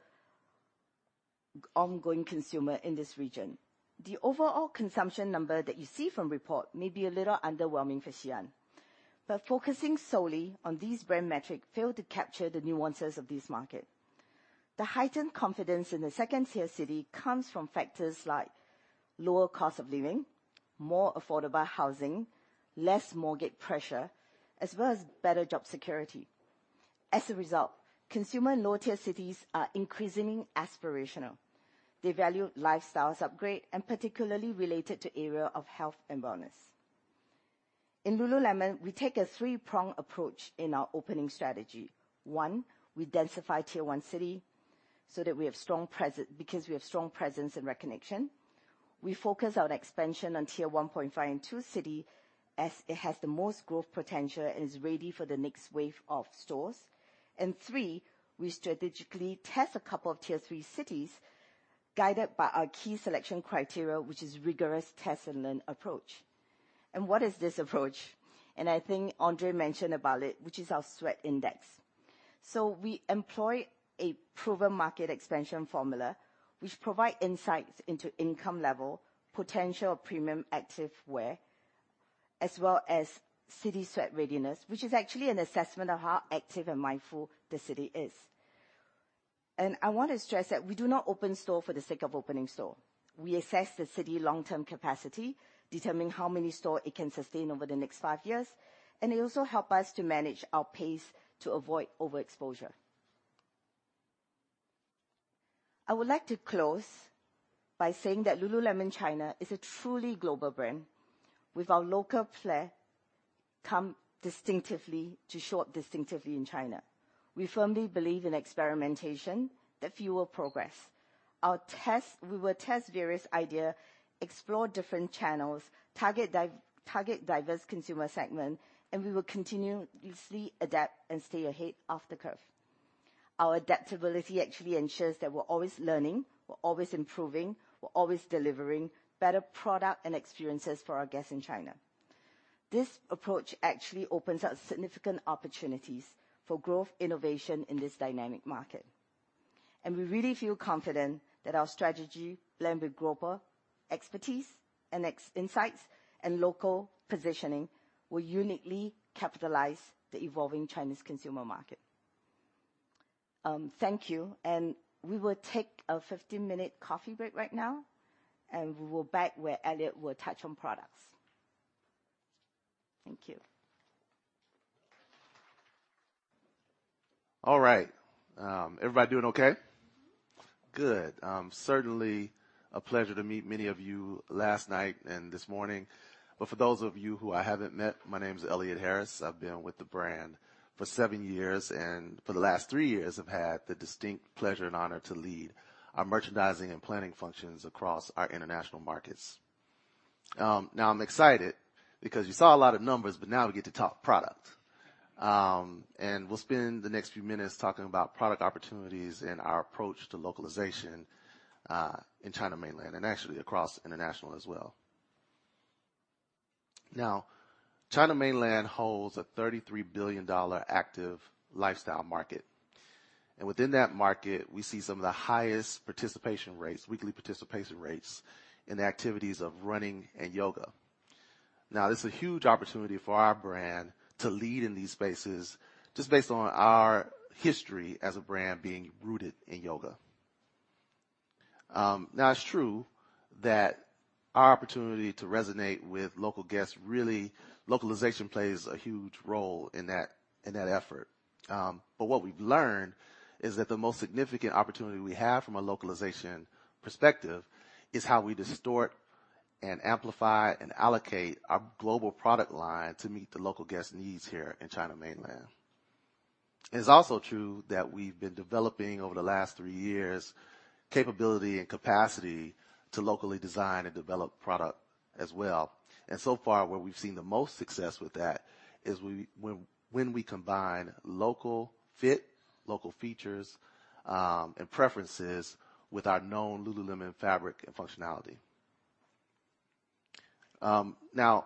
ongoing consumer in this region. The overall consumption number that you see from report may be a little underwhelming for Xi'an, but focusing solely on these brand metric fail to capture the nuances of this market. The heightened confidence in the second-tier city comes from factors like lower cost of living, more affordable housing, less mortgage pressure, as well as better job security. As a result, consumer in lower-tier cities are increasingly aspirational. They value lifestyles upgrade and particularly related to area of health and wellness. In lululemon, we take a three-prong approach in our opening strategy. One, we densify Tier One city so that we have strong presence because we have strong presence and recognition. We focus on expansion on Tier One point five and two city, as it has the most growth potential and is ready for the next wave of stores. And three, we strategically test a couple of Tier Three cities, guided by our key selection criteria, which is rigorous test-and-learn approach. And what is this approach? And I think André mentioned about it, which is our Sweat Index. So we employ a proven market expansion formula, which provide insights into income level, potential premium activewear, as well as city sweat readiness, which is actually an assessment of how active and mindful the city is. And I want to stress that we do not open store for the sake of opening store. We assess the city's long-term capacity, determining how many stores it can sustain over the next five years, and it also helps us to manage our pace to avoid overexposure. I would like to close by saying that lululemon China is a truly global brand, with our local flair comes distinctively to show up distinctively in China. We firmly believe in experimentation that fuels progress. We will test various ideas, explore different channels, target diverse consumer segments, and we will continuously adapt and stay ahead of the curve. Our adaptability actually ensures that we're always learning, we're always improving, we're always delivering better products and experiences for our guests in China. This approach actually opens up significant opportunities for growth, innovation in this dynamic market, and we really feel confident that our strategy, blend with global expertise and ex-China insights and local positioning, will uniquely capitalize on the evolving Chinese consumer market. Thank you, and we will take a 15-minute coffee break right now, and we will be back where Elliot will touch on products. Thank you. All right. Everybody doing okay? Good. Certainly a pleasure to meet many of you last night and this morning, but for those of you who I haven't met, my name is Elliot Harris. I've been with the brand for seven years, and for the last three years, I've had the distinct pleasure and honor to lead our merchandising and planning functions across our international markets. Now I'm excited because you saw a lot of numbers, but now we get to talk product. And we'll spend the next few minutes talking about product opportunities and our approach to localization in China Mainland, and actually across international as well. Now, China Mainland holds a $33 billion active lifestyle market, and within that market, we see some of the highest participation rates, weekly participation rates in the activities of running and yoga. Now, this is a huge opportunity for our brand to lead in these spaces just based on our history as a brand being rooted in yoga. Now, it's true that our opportunity to resonate with local guests. Really, localization plays a huge role in that effort. But what we've learned is that the most significant opportunity we have from a localization perspective is how we distort and amplify and allocate our global product line to meet the local guests' needs here in China Mainland. It's also true that we've been developing over the last three years, capability and capacity to locally design and develop product as well. And so far, where we've seen the most success with that is when we combine local fit, local features, and preferences with our known lululemon fabric and functionality. Now,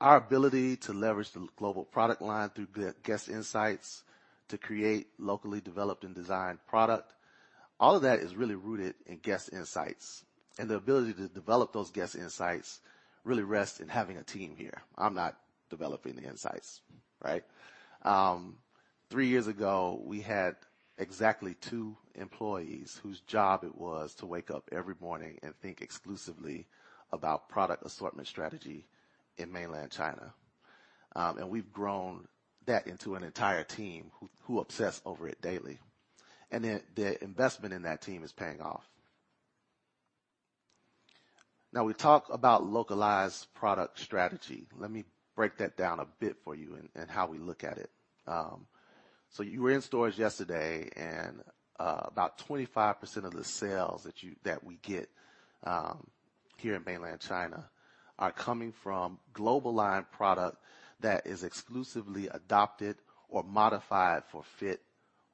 our ability to leverage the global product line through the guest insights to create locally developed and designed product, all of that is really rooted in guest insights, and the ability to develop those guest insights really rests in having a team here. I'm not developing the insights, right? Three years ago, we had exactly two employees whose job it was to wake up every morning and think exclusively about product assortment strategy in Mainland China, and we've grown that into an entire team who obsess over it daily, and the investment in that team is paying off. Now, we talk about localized product strategy. Let me break that down a bit for you and how we look at it. So you were in stores yesterday, and about 25% of the sales that we get here in Mainland China are coming from global line product that is exclusively adopted or modified for fit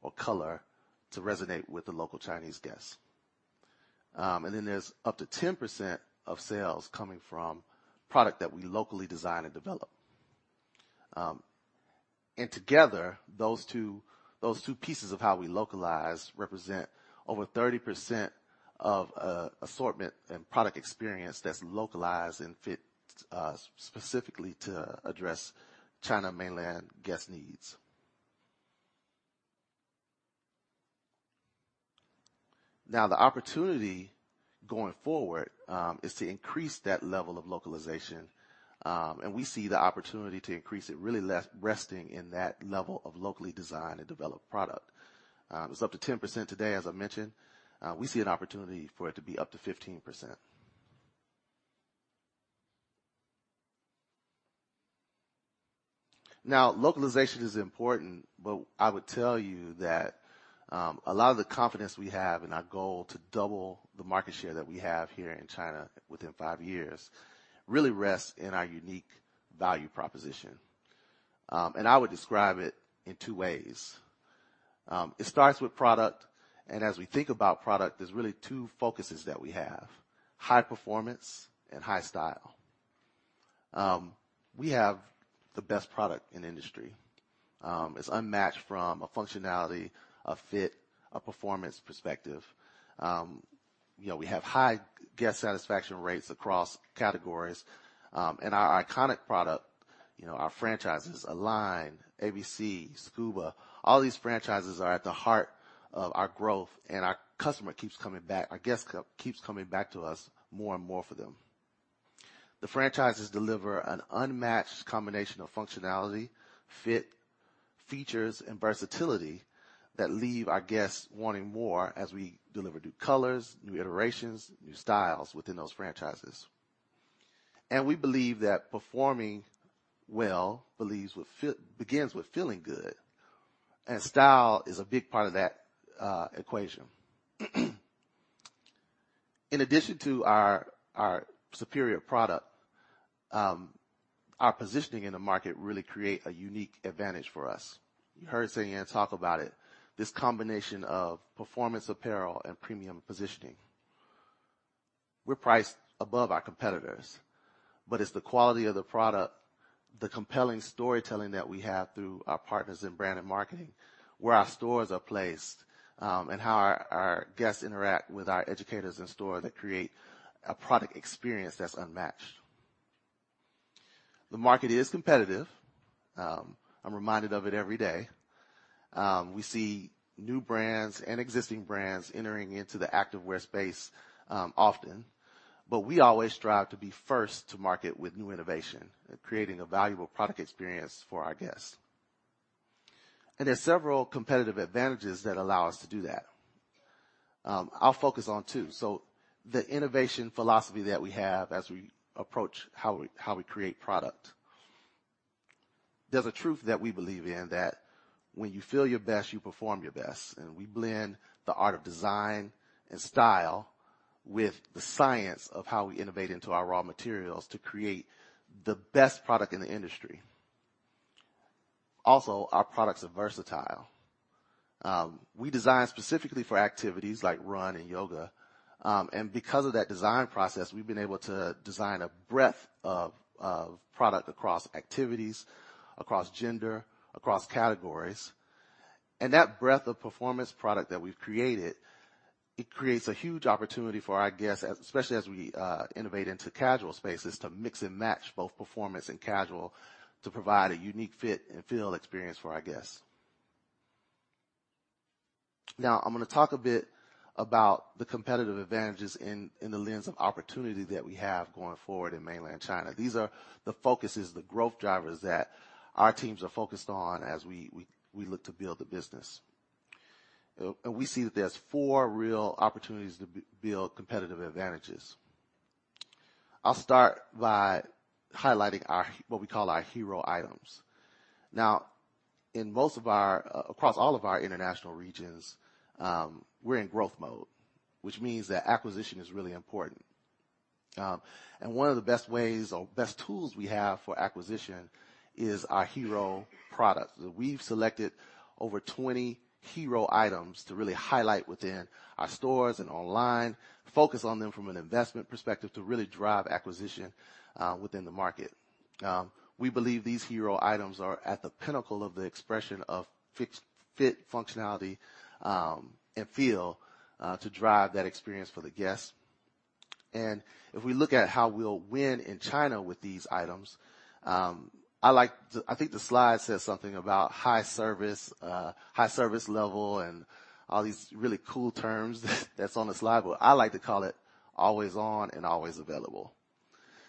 or color to resonate with the local Chinese guests. And then there's up to 10% of sales coming from product that we locally design and develop. And together, those two pieces of how we localize represent over 30% of assortment and product experience that's localized and fit specifically to address China Mainland guest needs. Now, the opportunity going forward is to increase that level of localization, and we see the opportunity to increase it really leveraging that level of locally designed and developed product. It's up to 10% today, as I mentioned. We see an opportunity for it to be up to 15%. Now, localization is important, but I would tell you that a lot of the confidence we have in our goal to double the market share that we have here in China within five years really rests in our unique value proposition. And I would describe it in two ways. It starts with product, and as we think about product, there's really two focuses that we have: high performance and high style. We have the best product in the industry. It's unmatched from a functionality, a fit, a performance perspective. You know, we have high guest satisfaction rates across categories, and our iconic product, you know, our franchises, Align, ABC, Scuba, all these franchises are at the heart of our growth, and our customer keeps coming back. Our guests keep coming back to us more and more for them. The franchises deliver an unmatched combination of functionality, fit, features, and versatility that leave our guests wanting more as we deliver new colors, new iterations, new styles within those franchises. And we believe that performing well begins with feeling good, and style is a big part of that equation. In addition to our superior product, our positioning in the market really create a unique advantage for us. You heard San Yan talk about it, this combination of performance apparel and premium positioning. We're priced above our competitors, but it's the quality of the product, the compelling storytelling that we have through our partners in brand and marketing, where our stores are placed, and how our guests interact with our educators in-store that create a product experience that's unmatched. The market is competitive. I'm reminded of it every day. We see new brands and existing brands entering into the activewear space, often, but we always strive to be first to market with new innovation and creating a valuable product experience for our guests. And there are several competitive advantages that allow us to do that. I'll focus on two. So the innovation philosophy that we have as we approach how we create product. There's a truth that we believe in, that when you feel your best, you perform your best, and we blend the art of design and style with the science of how we innovate into our raw materials to create the best product in the industry. Also, our products are versatile. We design specifically for activities like run and yoga, and because of that design process, we've been able to design a breadth of product across activities, across gender, across categories. And that breadth of performance product that we've created, it creates a huge opportunity for our guests, especially as we innovate into casual spaces, to mix and match both performance and casual, to provide a unique fit and feel experience for our guests. Now, I'm gonna talk a bit about the competitive advantages in the lens of opportunity that we have going forward in Mainland China. The focus is the growth drivers that our teams are focused on as we look to build the business, and we see that there's four real opportunities to build competitive advantages. I'll start by highlighting our what we call our hero items. Now, in most of our across all of our international regions, we're in growth mode, which means that acquisition is really important. And one of the best ways or best tools we have for acquisition is our hero products. We've selected over twenty hero items to really highlight within our stores and online, focus on them from an investment perspective to really drive acquisition within the market. We believe these hero items are at the pinnacle of the expression of fit, functionality, and feel to drive that experience for the guests, and if we look at how we'll win in China with these items, I think the slide says something about high service, high service level and all these really cool terms that's on the slide, but I like to call it always on and always available,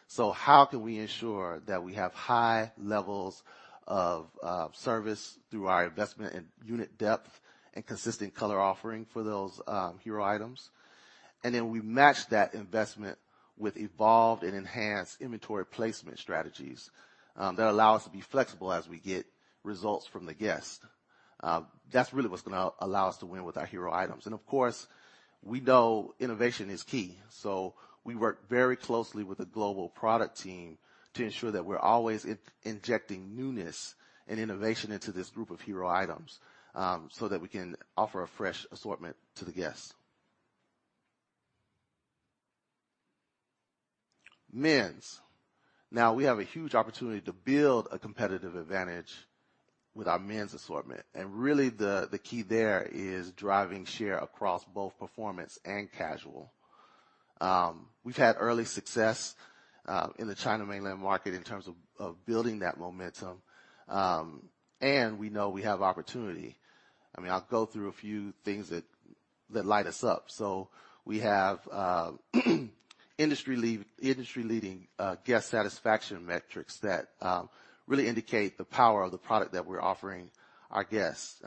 so how can we ensure that we have high levels of service through our investment in unit depth and consistent color offering for those hero items, and then we match that investment with evolved and enhanced inventory placement strategies that allow us to be flexible as we get results from the guest. That's really what's gonna allow us to win with our hero items. Of course, we know innovation is key, so we work very closely with the global product team to ensure that we're always injecting newness and innovation into this group of hero items, so that we can offer a fresh assortment to the guests. Men's. Now, we have a huge opportunity to build a competitive advantage with our men's assortment, and really, the key there is driving share across both performance and casual. We've had early success in the China Mainland market in terms of building that momentum. We know we have opportunity. I mean, I'll go through a few things that light us up. We have industry-leading guest satisfaction metrics that really indicate the power of the product that we're offering our guests.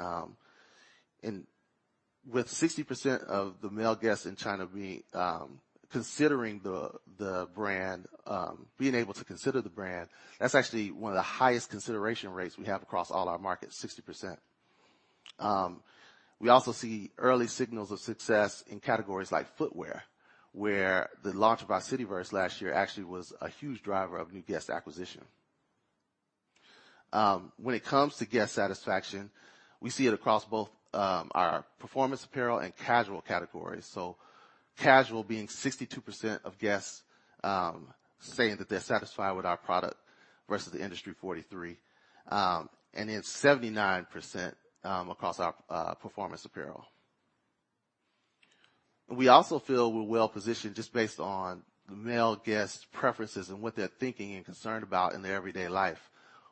And with 60% of the male guests in China being considering the brand, being able to consider the brand, that's actually one of the highest consideration rates we have across all our markets, 60%. We also see early signals of success in categories like footwear, where the launch of our Cityverse last year actually was a huge driver of new guest acquisition. When it comes to guest satisfaction, we see it across both our performance apparel and casual categories. So casual being 62% of guests saying that they're satisfied with our product versus the industry, 43%, and it's 79% across our performance apparel. We also feel we're well-positioned just based on the male guests' preferences and what they're thinking and concerned about in their everyday life,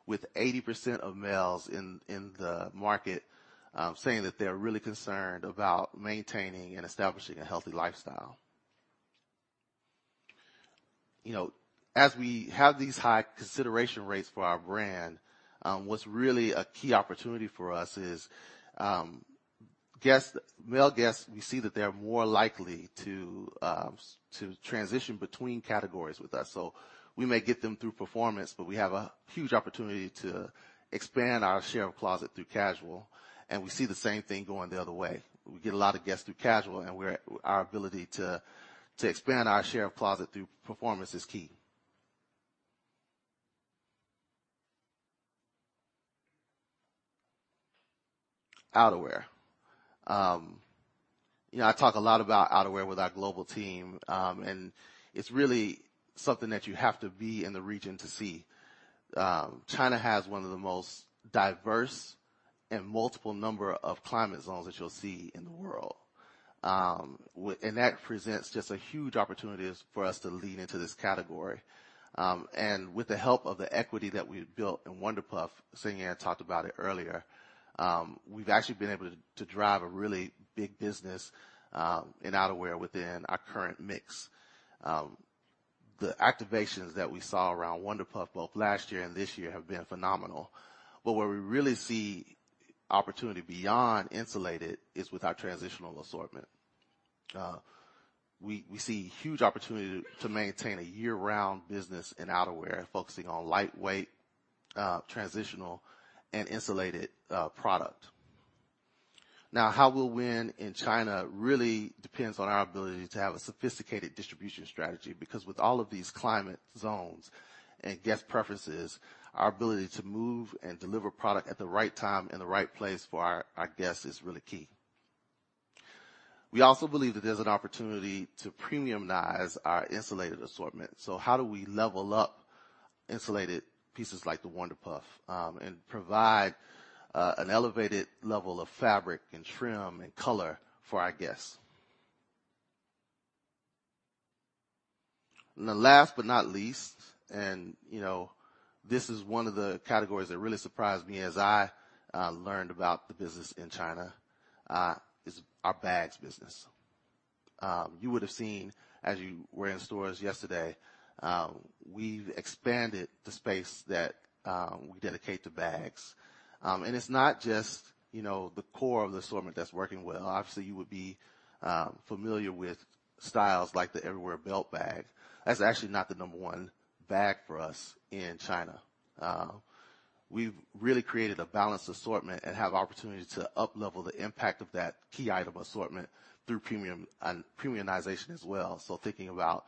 with 80% of males in the market saying that they're really concerned about maintaining and establishing a healthy lifestyle. You know, as we have these high consideration rates for our brand, what's really a key opportunity for us is guests, male guests. We see that they are more likely to transition between categories with us. So we may get them through performance, but we have a huge opportunity to expand our share of closet through casual, and we see the same thing going the other way. We get a lot of guests through casual, and our ability to expand our share of closet through performance is key. Outerwear. You know, I talk a lot about outerwear with our global team, and it's really something that you have to be in the region to see. China has one of the most diverse and multiple number of climate zones that you'll see in the world, and that presents just a huge opportunity for us to lean into this category, and with the help of the equity that we've built in Wunder Puff, Sun Choe talked about it earlier, we've actually been able to drive a really big business in outerwear within our current mix. The activations that we saw around Wunder Puff, both last year and this year, have been phenomenal, but where we really see opportunity beyond insulated is with our transitional assortment. We see huge opportunity to maintain a year-round business in outerwear, focusing on lightweight, transitional and insulated product. Now, how we'll win in China really depends on our ability to have a sophisticated distribution strategy, because with all of these climate zones and guest preferences, our ability to move and deliver product at the right time and the right place for our guests is really key. We also believe that there's an opportunity to premiumize our insulated assortment. So how do we level up insulated pieces like the Wunder Puff, and provide an elevated level of fabric and trim and color for our guests? And then last but not least, you know, this is one of the categories that really surprised me as I learned about the business in China, is our bags business. You would have seen, as you were in stores yesterday, we've expanded the space that we dedicate to bags. And it's not just, you know, the core of the assortment that's working well. Obviously, you would be familiar with styles like the Everywhere Belt Bag. That's actually not the number one bag for us in China. We've really created a balanced assortment and have opportunity to uplevel the impact of that key item assortment through premium and premiumization as well. So thinking about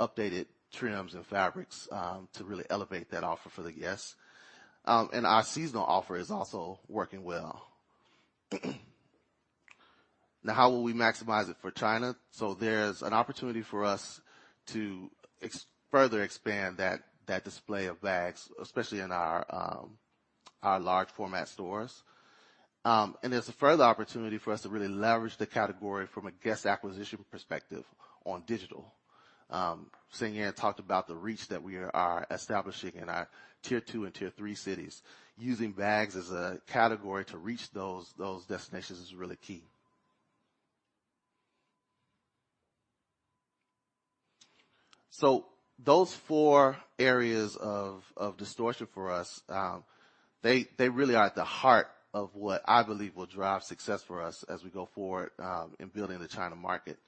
updated trims and fabrics, to really elevate that offer for the guests. And our seasonal offer is also working well. Now, how will we maximize it for China? So there's an opportunity for us to further expand that display of bags, especially in our large format stores. And there's a further opportunity for us to really leverage the category from a guest acquisition perspective on digital. Sun Choe talked about the reach that we are establishing in our Tier Two and Tier Three cities. Using bags as a category to reach those destinations is really key. So those four areas of distortion for us, they really are at the heart of what I believe will drive success for us as we go forward, in building the China market.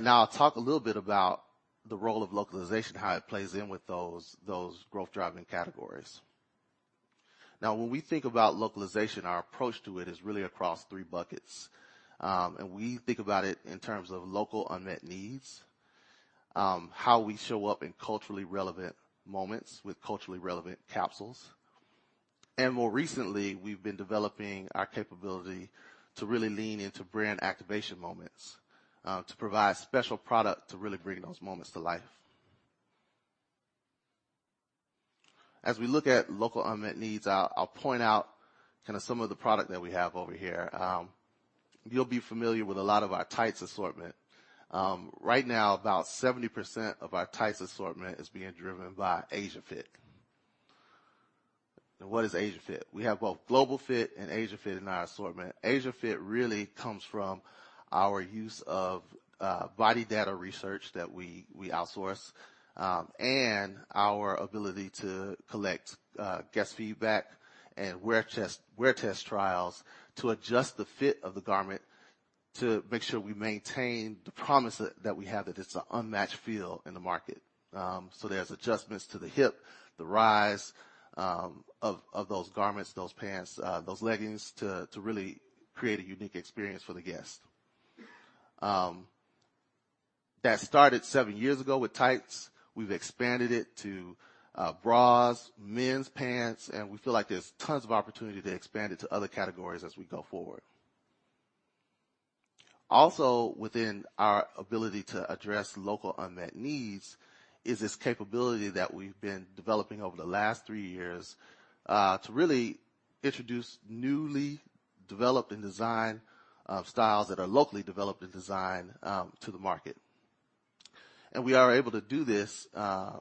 Now I'll talk a little bit about the role of localization, how it plays in with those growth-driving categories. Now, when we think about localization, our approach to it is really across three buckets. We think about it in terms of local unmet needs, how we show up in culturally relevant moments with culturally relevant capsules. More recently, we've been developing our capability to really lean into brand activation moments to provide special product to really bring those moments to life. As we look at local unmet needs, I'll point out kinda some of the product that we have over here. You'll be familiar with a lot of our tights assortment. Right now, about 70% of our tights assortment is being driven by Asia Fit. And what is Asia Fit? We have both Global Fit and Asia Fit in our assortment. Asia Fit really comes from our use of body data research that we outsource and our ability to collect guest feedback and wear test trials to adjust the fit of the garment, to make sure we maintain the promise that we have, that it's an unmatched feel in the market. There's adjustments to the hip, the rise of those garments, those pants, those leggings to really create a unique experience for the guest. That started seven years ago with tights. We've expanded it to bras, men's pants, and we feel like there's tons of opportunity to expand it to other categories as we go forward. Also, within our ability to address local unmet needs is this capability that we've been developing over the last three years to really introduce newly developed and designed styles that are locally developed and designed to the market, and we are able to do this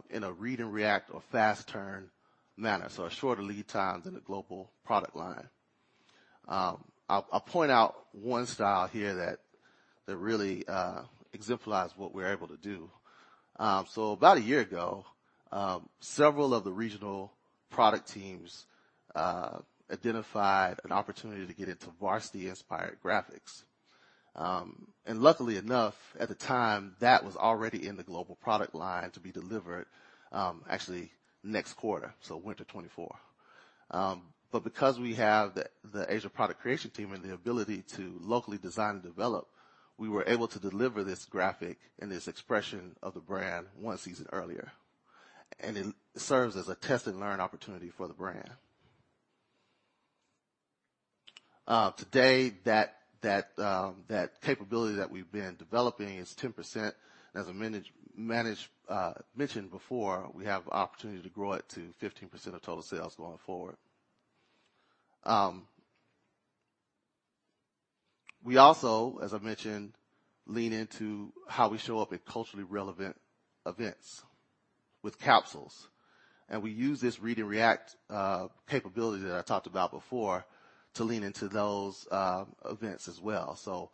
in a read and react or fast turn manner, so a shorter lead times in the global product line. I'll point out one style here that really exemplifies what we're able to do. So about a year ago, several of the regional product teams identified an opportunity to get into varsity-inspired graphics. And luckily enough, at the time, that was already in the global product line to be delivered, actually next quarter, so winter 2024. But because we have the Asia product creation team and the ability to locally design and develop, we were able to deliver this graphic and this expression of the brand one season earlier, and it serves as a test and learn opportunity for the brand. Today, that capability that we've been developing is 10%. As I mentioned before, we have opportunity to grow it to 15% of total sales going forward... We also, as I mentioned, lean into how we show up at culturally relevant events with capsules, and we use this read and react capability that I talked about before, to lean into those events as well. So,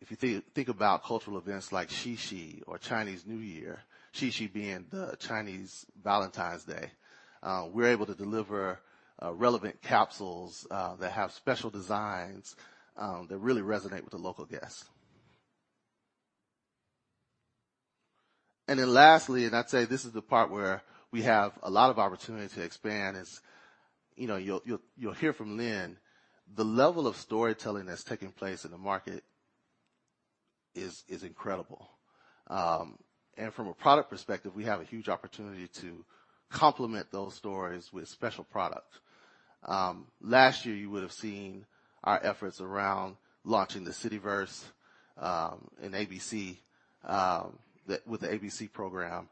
if you think about cultural events like Qixi or Chinese New Year, Qixi being the Chinese Valentine's Day, we're able to deliver relevant capsules that have special designs that really resonate with the local guests. And then lastly, and I'd say this is the part where we have a lot of opportunity to expand, is, you know, you'll hear from Lynn, the level of storytelling that's taking place in the market is incredible. And from a product perspective, we have a huge opportunity to complement those stories with special products. Last year, you would have seen our efforts around launching the CityVerse in ABC with the ABC program,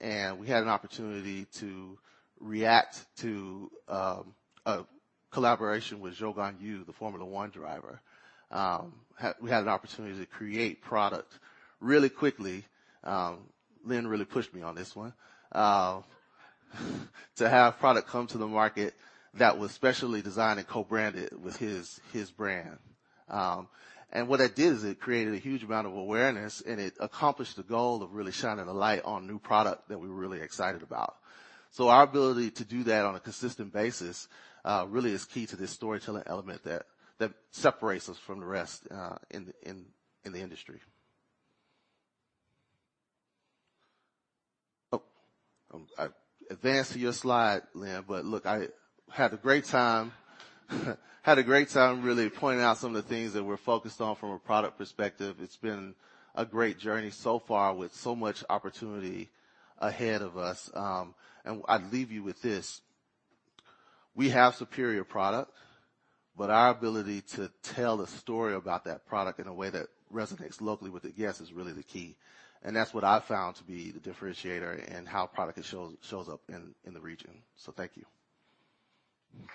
and we had an opportunity to react to a collaboration with Zhou Guanyu, the Formula One driver. We had an opportunity to create product really quickly. Lynn really pushed me on this one to have product come to the market that was specially designed and co-branded with his brand, and what that did is it created a huge amount of awareness, and it accomplished the goal of really shining a light on new product that we're really excited about, so our ability to do that on a consistent basis really is key to this storytelling element that separates us from the rest in the industry. I advanced to your slide, Lynn, but look, I had a great time. Had a great time really pointing out some of the things that we're focused on from a product perspective. It's been a great journey so far, with so much opportunity ahead of us. And I'd leave you with this: We have superior product, but our ability to tell the story about that product in a way that resonates locally with the guests is really the key. And that's what I found to be the differentiator in how product shows up in the region. So thank you. Thank you.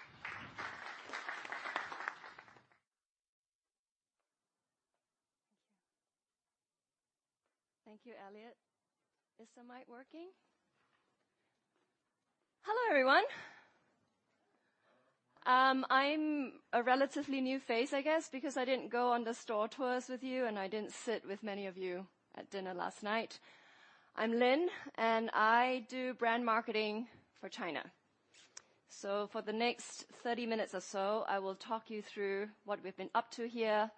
Thank you, Elliot. Is the mic working? Hello, everyone. I'm a relatively new face, I guess, because I didn't go on the store tours with you, and I didn't sit with many of you at dinner last night. I'm Lynn, and I do brand marketing for China. So for the next thirty minutes or so, I will talk you through what we've been up to here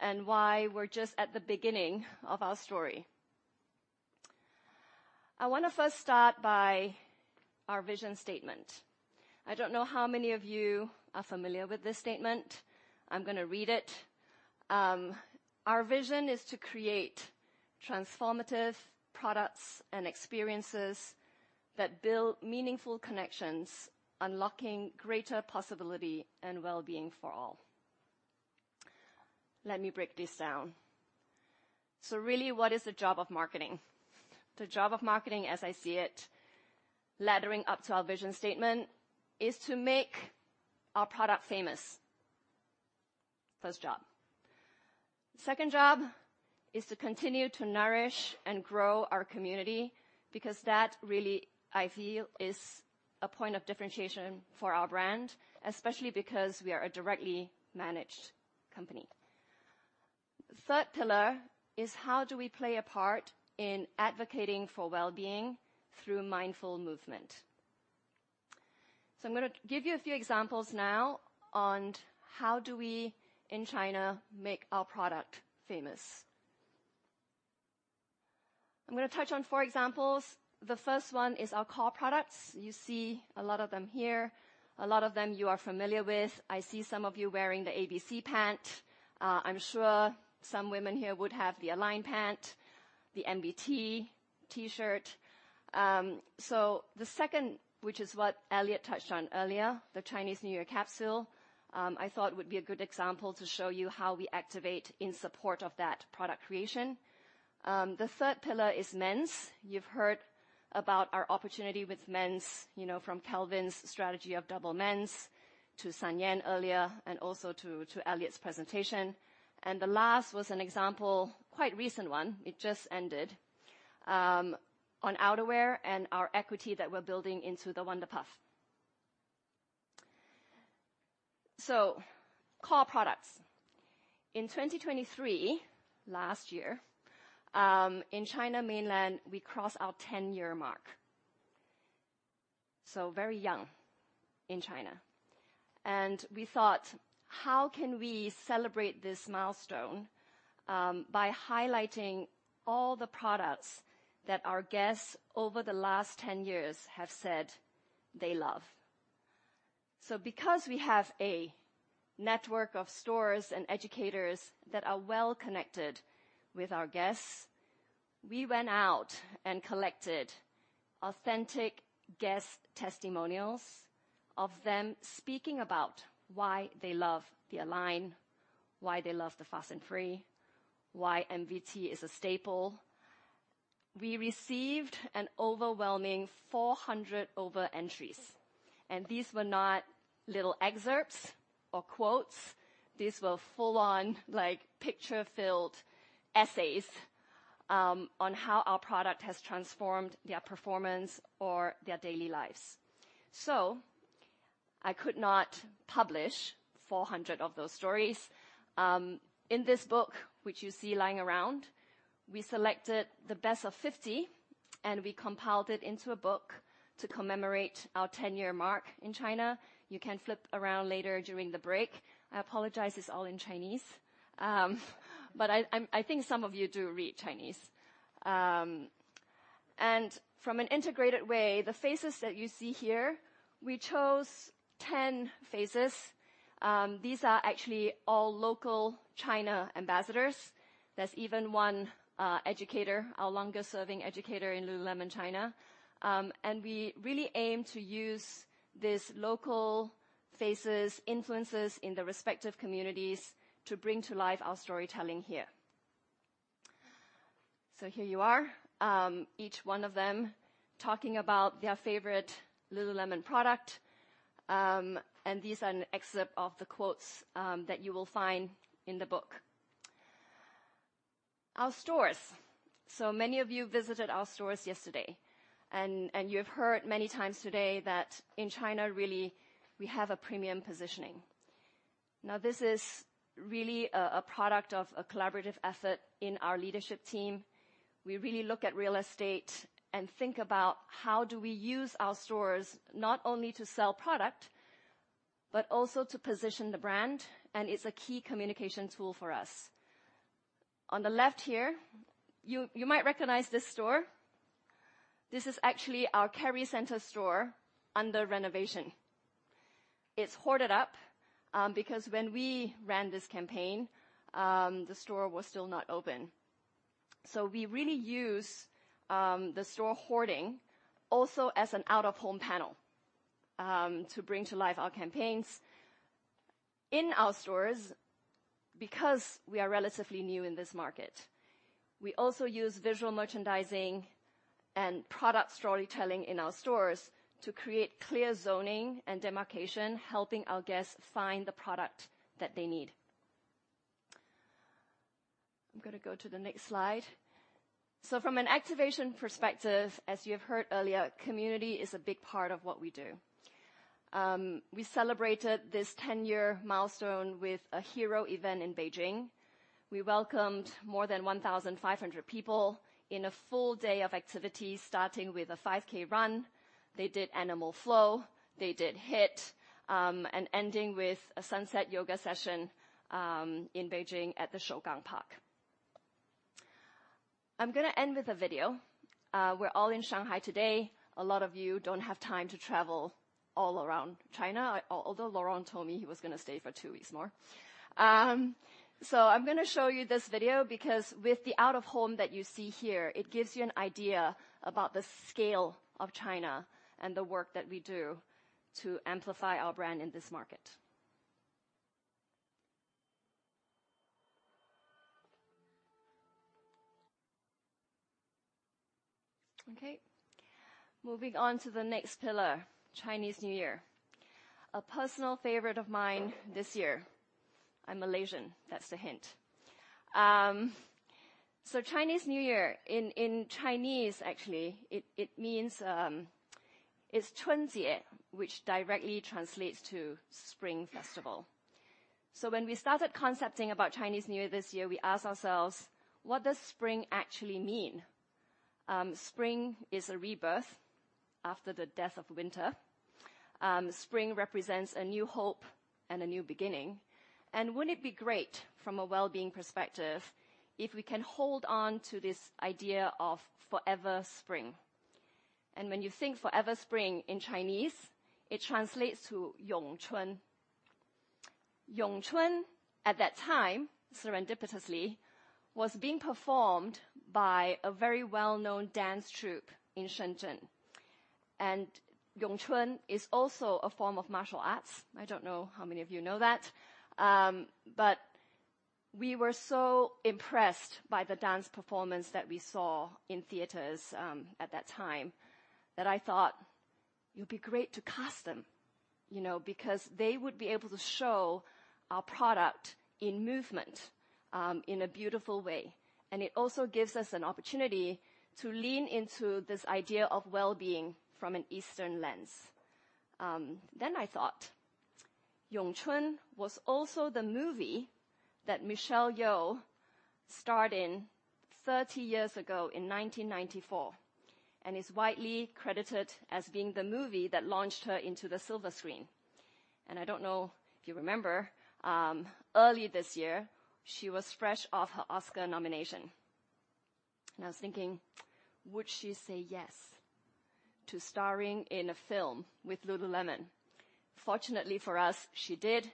and why we're just at the beginning of our story. I want to first start by our vision statement. I don't know how many of you are familiar with this statement. I'm gonna read it. Our vision is to create transformative products and experiences that build meaningful connections, unlocking greater possibility and well-being for all. Let me break this down. So really, what is the job of marketing? The job of marketing, as I see it, laddering up to our vision statement, is to make our product famous. First job. Second job is to continue to nourish and grow our community, because that really, I feel, is a point of differentiation for our brand, especially because we are a directly managed company. Third pillar is: How do we play a part in advocating for well-being through mindful movement? So I'm gonna give you a few examples now on how do we, in China, make our product famous. I'm gonna touch on four examples. The first one is our core products. You see a lot of them here. A lot of them, you are familiar with. I see some of you wearing the ABC Pant. I'm sure some women here would have the Align Pant, the MVT T-shirt. So the second, which is what Elliot touched on earlier, the Chinese New Year capsule, I thought would be a good example to show you how we activate in support of that product creation. The third pillar is men's. You've heard about our opportunity with men's, you know, from Calvin's strategy of double men's to San Yan earlier, and also to Elliot's presentation. And the last was an example, quite recent one, it just ended, on outerwear and our equity that we're building into the Wunder Puff. So core products. In 2023, last year, in China Mainland, we crossed our ten-year mark. So very young in China. And we thought: How can we celebrate this milestone, by highlighting all the products that our guests over the last ten years have said they love? Because we have a network of stores and educators that are well connected with our guests, we went out and collected authentic guest testimonials of them speaking about why they love the Align, why they love the Fast and Free, why MBT is a staple. We received an overwhelming 400 over entries, and these were not little excerpts or quotes. These were full-on, like, picture-filled essays on how our product has transformed their performance or their daily lives. So I could not publish 400 of those stories. In this book, which you see lying around, we selected the best of 50, and we compiled it into a book to commemorate our 10-year mark in China. You can flip around later during the break. I apologize, it's all in Chinese. But I, I'm, I think some of you do read Chinese. And from an integrated way, the faces that you see here, we chose 10 faces. These are actually all local China ambassadors. There's even one educator, our longest-serving educator in lululemon China. And we really aim to use these local faces, influencers in their respective communities, to bring to life our storytelling here. So here you are, each one of them talking about their favorite lululemon product. And these are an excerpt of the quotes that you will find in the book. Our stores. So many of you visited our stores yesterday, and you have heard many times today that in China, really, we have a premium positioning. Now, this is really a product of a collaborative effort in our leadership team. We really look at real estate and think about how do we use our stores not only to sell product, but also to position the brand, and it's a key communication tool for us. On the left here, you might recognize this store. This is actually our Kerry Centre store under renovation. It's hoarded up, because when we ran this campaign, the store was still not open. So we really use the store hoarding also as an out-of-home panel to bring to life our campaigns. In our stores, because we are relatively new in this market, we also use visual merchandising and product storytelling in our stores to create clear zoning and demarcation, helping our guests find the product that they need. I'm gonna go to the next slide. From an activation perspective, as you have heard earlier, community is a big part of what we do. We celebrated this ten-year milestone with a hero event in Beijing. We welcomed more than one thousand five hundred people in a full day of activities, starting with a 5K run. They did animal flow, they did HIIT, and ending with a sunset yoga session in Beijing at the Shougang Park. I'm gonna end with a video. We're all in Shanghai today. A lot of you don't have time to travel all around China, although Laurent told me he was gonna stay for two weeks more. So I'm gonna show you this video because with the out of home that you see here, it gives you an idea about the scale of China and the work that we do to amplify our brand in this market. Okay, moving on to the next pillar, Chinese New Year. A personal favorite of mine this year. I'm Malaysian. That's a hint. So Chinese New Year, in Chinese, actually, it means it's Chunjie, which directly translates to Spring Festival. So when we started concepting about Chinese New Year this year, we asked ourselves: What does spring actually mean? Spring is a rebirth after the death of winter. Spring represents a new hope and a new beginning, and wouldn't it be great from a well-being perspective if we can hold on to this idea of forever spring? When you think forever spring in Chinese, it translates to Yong Chun. Yong Chun, at that time, serendipitously, was being performed by a very well-known dance troupe in Shenzhen, and Yong Chun is also a form of martial arts. I don't know how many of you know that. But we were so impressed by the dance performance that we saw in theaters, at that time, that I thought, "It'd be great to cast them," you know, because they would be able to show our product in movement, in a beautiful way. It also gives us an opportunity to lean into this idea of well-being from an Eastern lens. I thought, Yong Chun was also the movie that Michelle Yeoh starred in thirty years ago in nineteen ninety-four, and is widely credited as being the movie that launched her into the silver screen. I don't know if you remember, early this year, she was fresh off her Oscar nomination, and I was thinking, "Would she say yes to starring in a film with lululemon?" Fortunately for us, she did,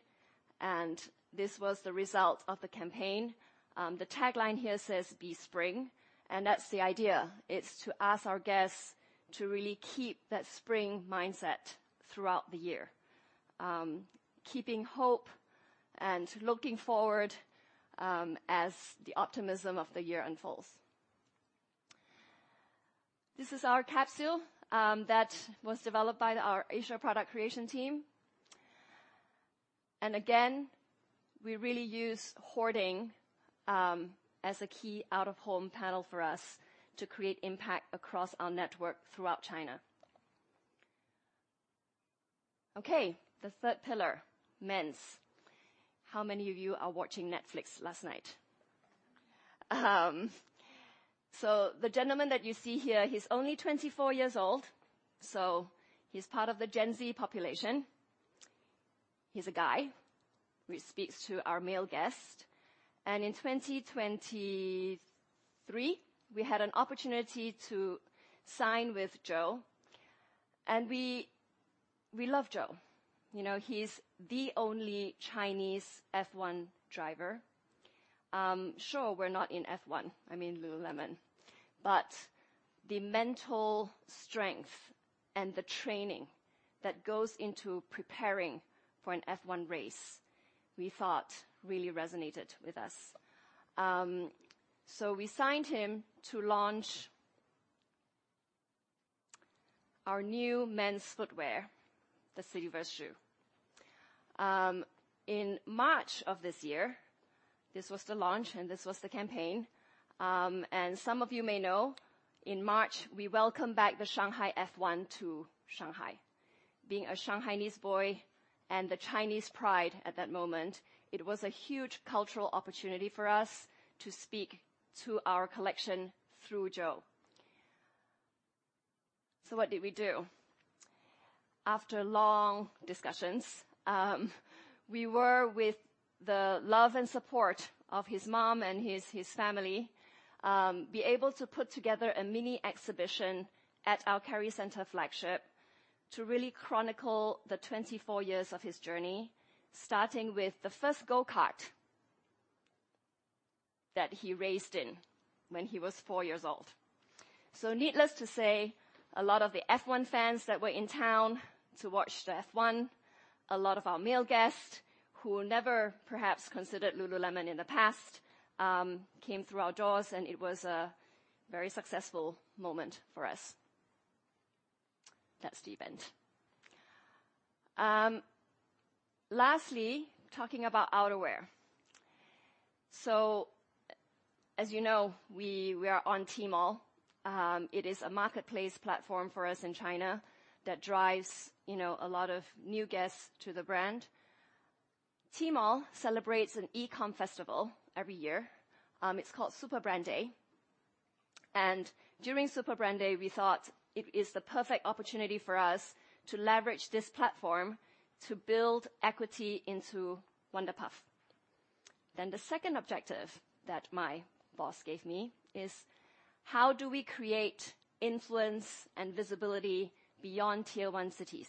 and this was the result of the campaign. The tagline here says, "Be Spring," and that's the idea. It's to ask our guests to really keep that spring mindset throughout the year. Keeping hope and looking forward, as the optimism of the year unfolds. This is our capsule, that was developed by our Asia product creation team. And again, we really use hoarding, as a key out-of-home panel for us to create impact across our network throughout China. Okay, the third pillar, men's. How many of you are watching Netflix last night? So the gentleman that you see here, he's only 24 years old, so he's part of the Gen Z population. He's a guy, which speaks to our male guest, and in 2023, we had an opportunity to sign with Zhou, and we love Zhou. You know, he's the only Chinese F1 driver. Sure, we're not in F1, I mean, lululemon, but the mental strength and the training that goes into preparing for an F1 race, we thought really resonated with us. So we signed him to launch our new men's footwear, the CityVerse shoe. In March of this year, this was the launch, and this was the campaign. And some of you may know, in March, we welcomed back the Shanghai F1 to Shanghai. Being a Shanghainese boy and the Chinese pride at that moment, it was a huge cultural opportunity for us to speak to our collection through Zhou. So what did we do? After long discussions, we were with the love and support of his mom and his family be able to put together a mini exhibition at our Kerry Centre flagship to really chronicle the twenty-four years of his journey, starting with the first go-kart that he raced in when he was four years old. So needless to say, a lot of the F1 fans that were in town to watch the F1, a lot of our male guests, who never perhaps considered lululemon in the past, came through our doors, and it was a very successful moment for us. That's the event. Lastly, talking about outerwear. So as you know, we are on Tmall. It is a marketplace platform for us in China that drives, you know, a lot of new guests to the brand. Tmall celebrates an e-com festival every year. It's called Super Brand Day. And during Super Brand Day, we thought it is the perfect opportunity for us to leverage this platform to build equity into Wunder Puff. Then the second objective that my boss gave me is: how do we create influence and visibility beyond Tier One cities?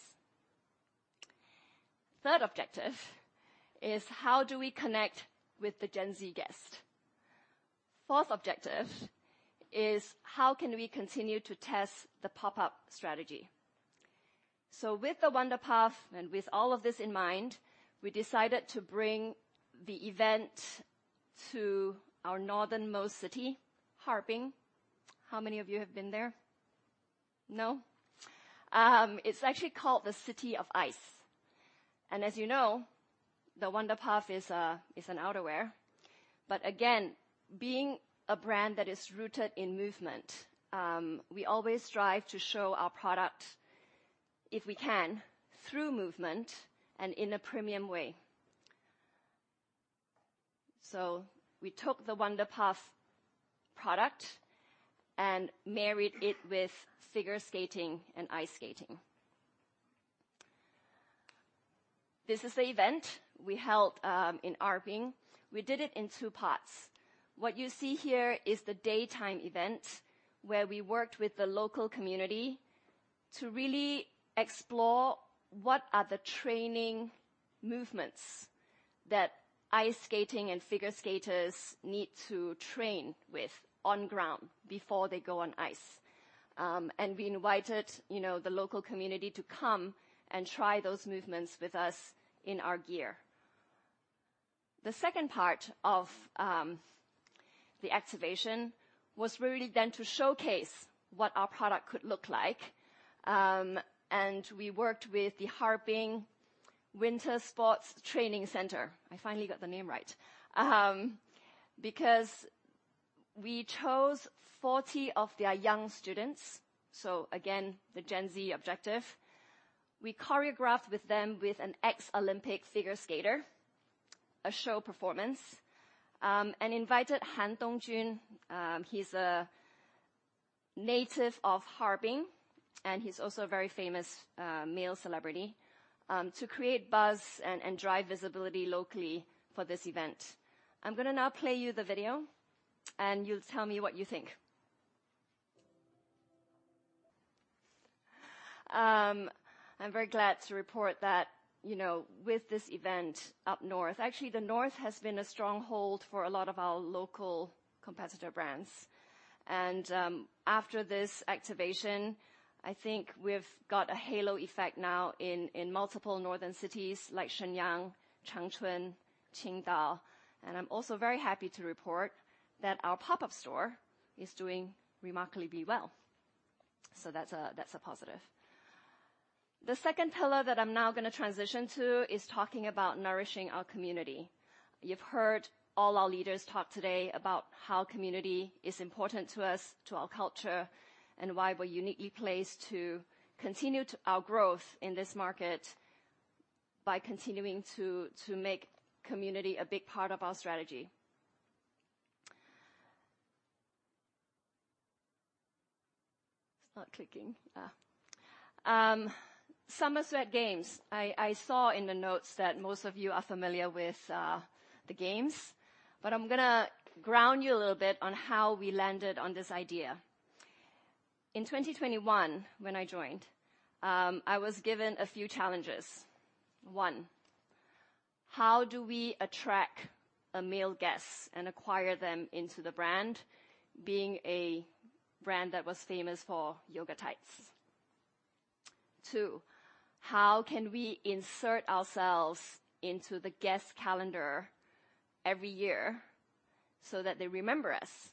Third objective is: how do we connect with the Gen Z guest? Fourth objective is: how can we continue to test the pop-up strategy? So with the Wunder Puff and with all of this in mind, we decided to bring the event to our northernmost city, Harbin. How many of you have been there? No? It's actually called the City of Ice, and as you know, the Wunder Puff is an outerwear. But again, being a brand that is rooted in movement, we always strive to show our product, if we can, through movement and in a premium way. So we took the Wunder Puff product and married it with figure skating and ice skating. This is the event we held in Harbin. We did it in two parts. What you see here is the daytime event, where we worked with the local community to really explore what are the training movements that ice skating and figure skaters need to train with on the ground before they go on ice. And we invited, you know, the local community to come and try those movements with us in our gear. The second part of the activation was really then to showcase what our product could look like, and we worked with the Harbin Winter Sports Training Center. I finally got the name right. Because we chose forty of their young students, so again, the Gen Z objective. We choreographed with them with an ex-Olympic figure skater, a show performance, and invited Han Dongjun, he's a native of Harbin, and he's also a very famous male celebrity, to create buzz and drive visibility locally for this event. I'm gonna now play you the video, and you'll tell me what you think. I'm very glad to report that, you know, with this event up north. Actually, the North has been a stronghold for a lot of our local competitor brands. And, after this activation, I think we've got a halo effect now in multiple northern cities like Shenyang, Changchun, Qingdao. I'm also very happy to report that our pop-up store is doing remarkably well. That's a positive. The second pillar that I'm now gonna transition to is talking about nourishing our community. You've heard all our leaders talk today about how community is important to us, to our culture, and why we're uniquely placed to continue to our growth in this market by continuing to make community a big part of our strategy. Summer Sweat Games. I saw in the notes that most of you are familiar with the games, but I'm gonna ground you a little bit on how we landed on this idea. In 2021, when I joined, I was given a few challenges. One, how do we attract a male guest and acquire them into the brand, being a brand that was famous for yoga tights? Two, how can we insert ourselves into the guest calendar every year so that they remember us?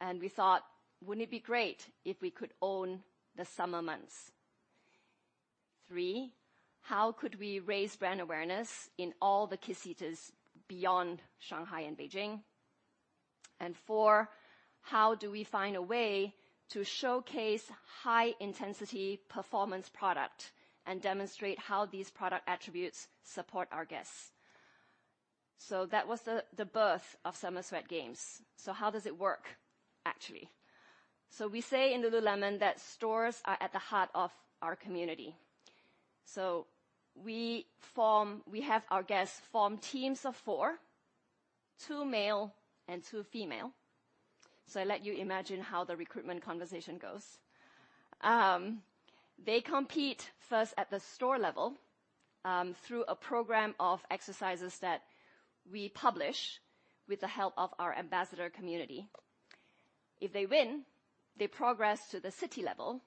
And we thought, "Wouldn't it be great if we could own the summer months?" Three, how could we raise brand awareness in all the key cities beyond Shanghai and Beijing? And four, how do we find a way to showcase high-intensity performance product and demonstrate how these product attributes support our guests? So that was the birth of Summer Sweat Games. So how does it work, actually? So we say in lululemon that stores are at the heart of our community. So we have our guests form teams of four, two male and two female. So I let you imagine how the recruitment conversation goes. They compete first at the store level, through a program of exercises that we publish with the help of our ambassador community. If they win, they progress to the city level.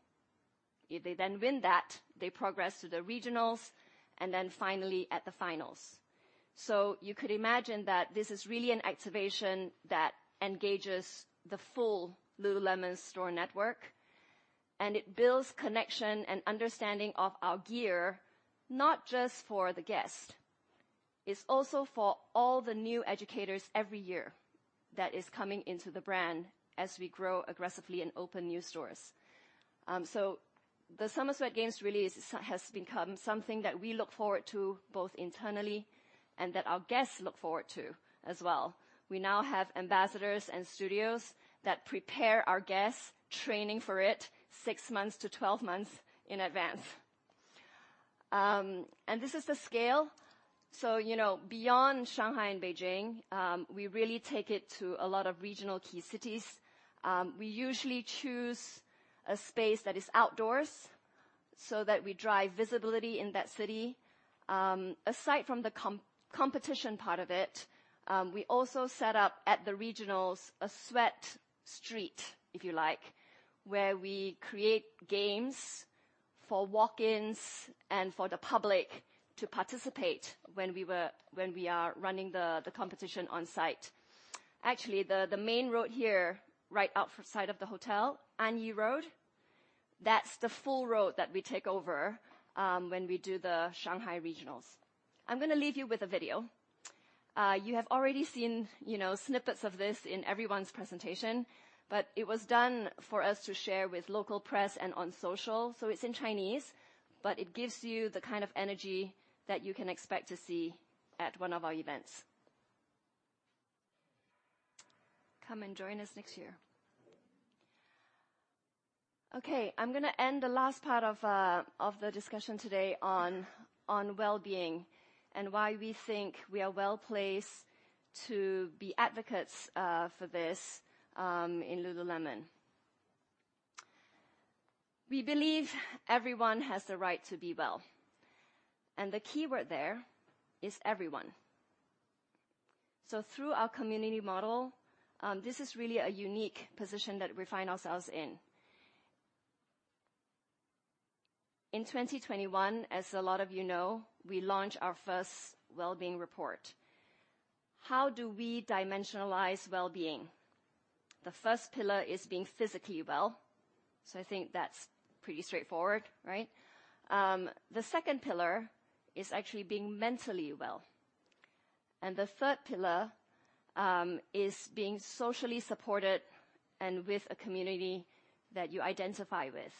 If they then win that, they progress to the regionals and then finally at the finals. So you could imagine that this is really an activation that engages the full lululemon store network, and it builds connection and understanding of our gear, not just for the guest. It's also for all the new educators every year that is coming into the brand as we grow aggressively and open new stores. So the Summer Sweat Games really is, has become something that we look forward to, both internally, and that our guests look forward to as well. We now have ambassadors and studios that prepare our guests, training for it six months to twelve months in advance. This is the scale. So, you know, beyond Shanghai and Beijing, we really take it to a lot of regional key cities. We usually choose a space that is outdoors so that we drive visibility in that city. Aside from the competition part of it, we also set up at the regionals a Sweat Street, if you like, where we create games for walk-ins and for the public to participate when we are running the competition on site. Actually, the main road here, right outside of the hotel, Anyi Road, that's the full road that we take over when we do the Shanghai regionals. I'm gonna leave you with a video. You have already seen, you know, snippets of this in everyone's presentation, but it was done for us to share with local press and on social. So it's in Chinese, but it gives you the kind of energy that you can expect to see at one of our events. Come and join us next year. Okay, I'm gonna end the last part of the discussion today on well-being and why we think we are well-placed to be advocates for this in Lululemon. We believe everyone has the right to be well, and the keyword there is everyone. So through our community model, this is really a unique position that we find ourselves in. In 2021, as a lot of you know, we launched our first well-being report. How do we dimensionalize well-being? The first pillar is being physically well, so I think that's pretty straightforward, right? The second pillar is actually being mentally well, and the third pillar is being socially supported and with a community that you identify with.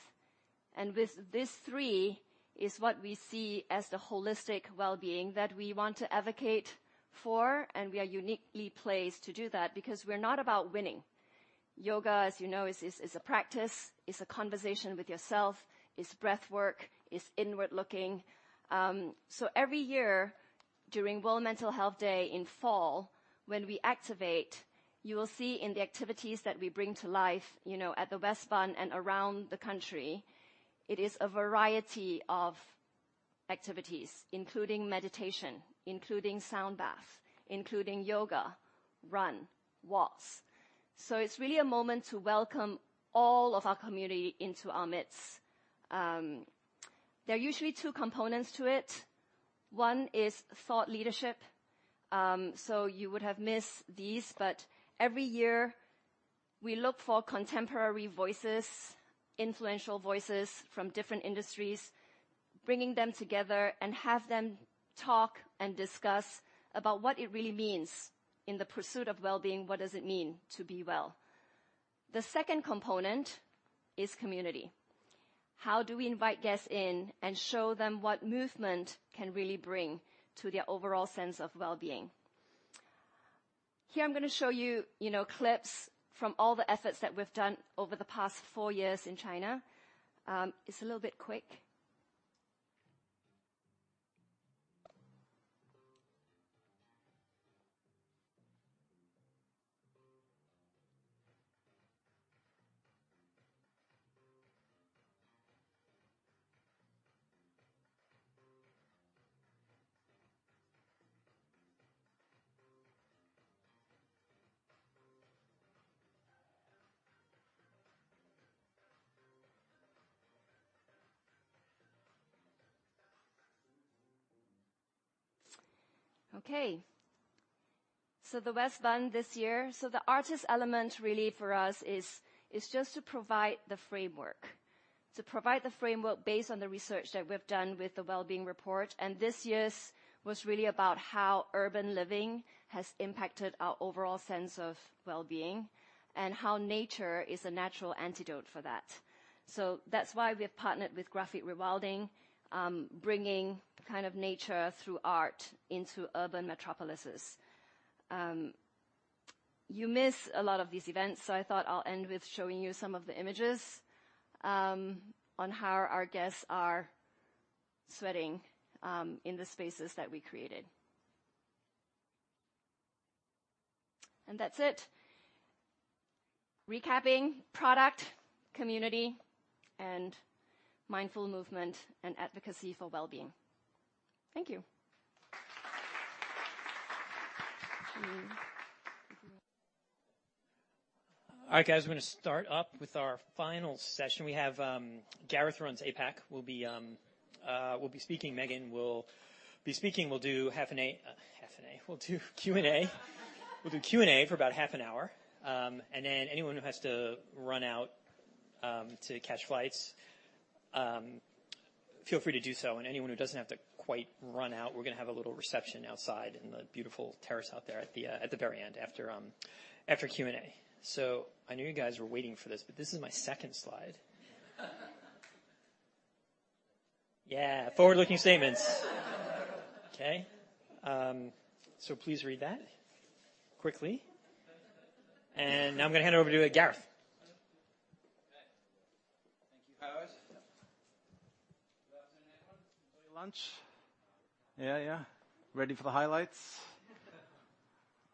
And with these three is what we see as the holistic well-being that we want to advocate for, and we are uniquely placed to do that because we're not about winning. Yoga, as you know, is a practice, is a conversation with yourself, is breathwork, is inward-looking. So every year during World Mental Health Day in fall, when we activate, you will see in the activities that we bring to life, you know, at the West Bund and around the country, it is a variety of activities, including meditation, including sound bath, including yoga, run, walks. It's really a moment to welcome all of our community into our midst. There are usually two components to it. One is thought leadership. You would have missed these, but every year, we look for contemporary voices, influential voices from different industries, bringing them together and have them talk and discuss about what it really means. In the pursuit of well-being, what does it mean to be well? The second component is community. How do we invite guests in and show them what movement can really bring to their overall sense of well-being? Here, I'm gonna show you, you know, clips from all the efforts that we've done over the past four years in China. It's a little bit quick. Okay, the West Bund this year. The artist element really for us is just to provide the framework. To provide the framework based on the research that we've done with the well-being report, and this year's was really about how urban living has impacted our overall sense of well-being and how nature is a natural antidote for that. So that's why we have partnered with Graphic Rewilding, bringing kind of nature through art into urban metropolises. You missed a lot of these events, so I thought I'll end with showing you some of the images, on how our guests are sweating, in the spaces that we created. And that's it. Recapping: product, community, and mindful movement and advocacy for well-being. Thank you. All right, guys, we're gonna start up with our final session. We have Gareth, who runs APAC, will be speaking. Meghan will be speaking. We'll do Q&A for about half an hour, and then anyone who has to run out to catch flights feel free to do so, and anyone who doesn't have to quite run out, we're gonna have a little reception outside in the beautiful terrace out there at the very end after Q&A. So I knew you guys were waiting for this, but this is my second slide. Yeah, forward-looking statements. Okay. So please read that quickly, and now I'm gonna hand over to Gareth. Thank you, Howard. Good afternoon, everyone. Enjoy your lunch? Yeah, yeah. Ready for the highlights?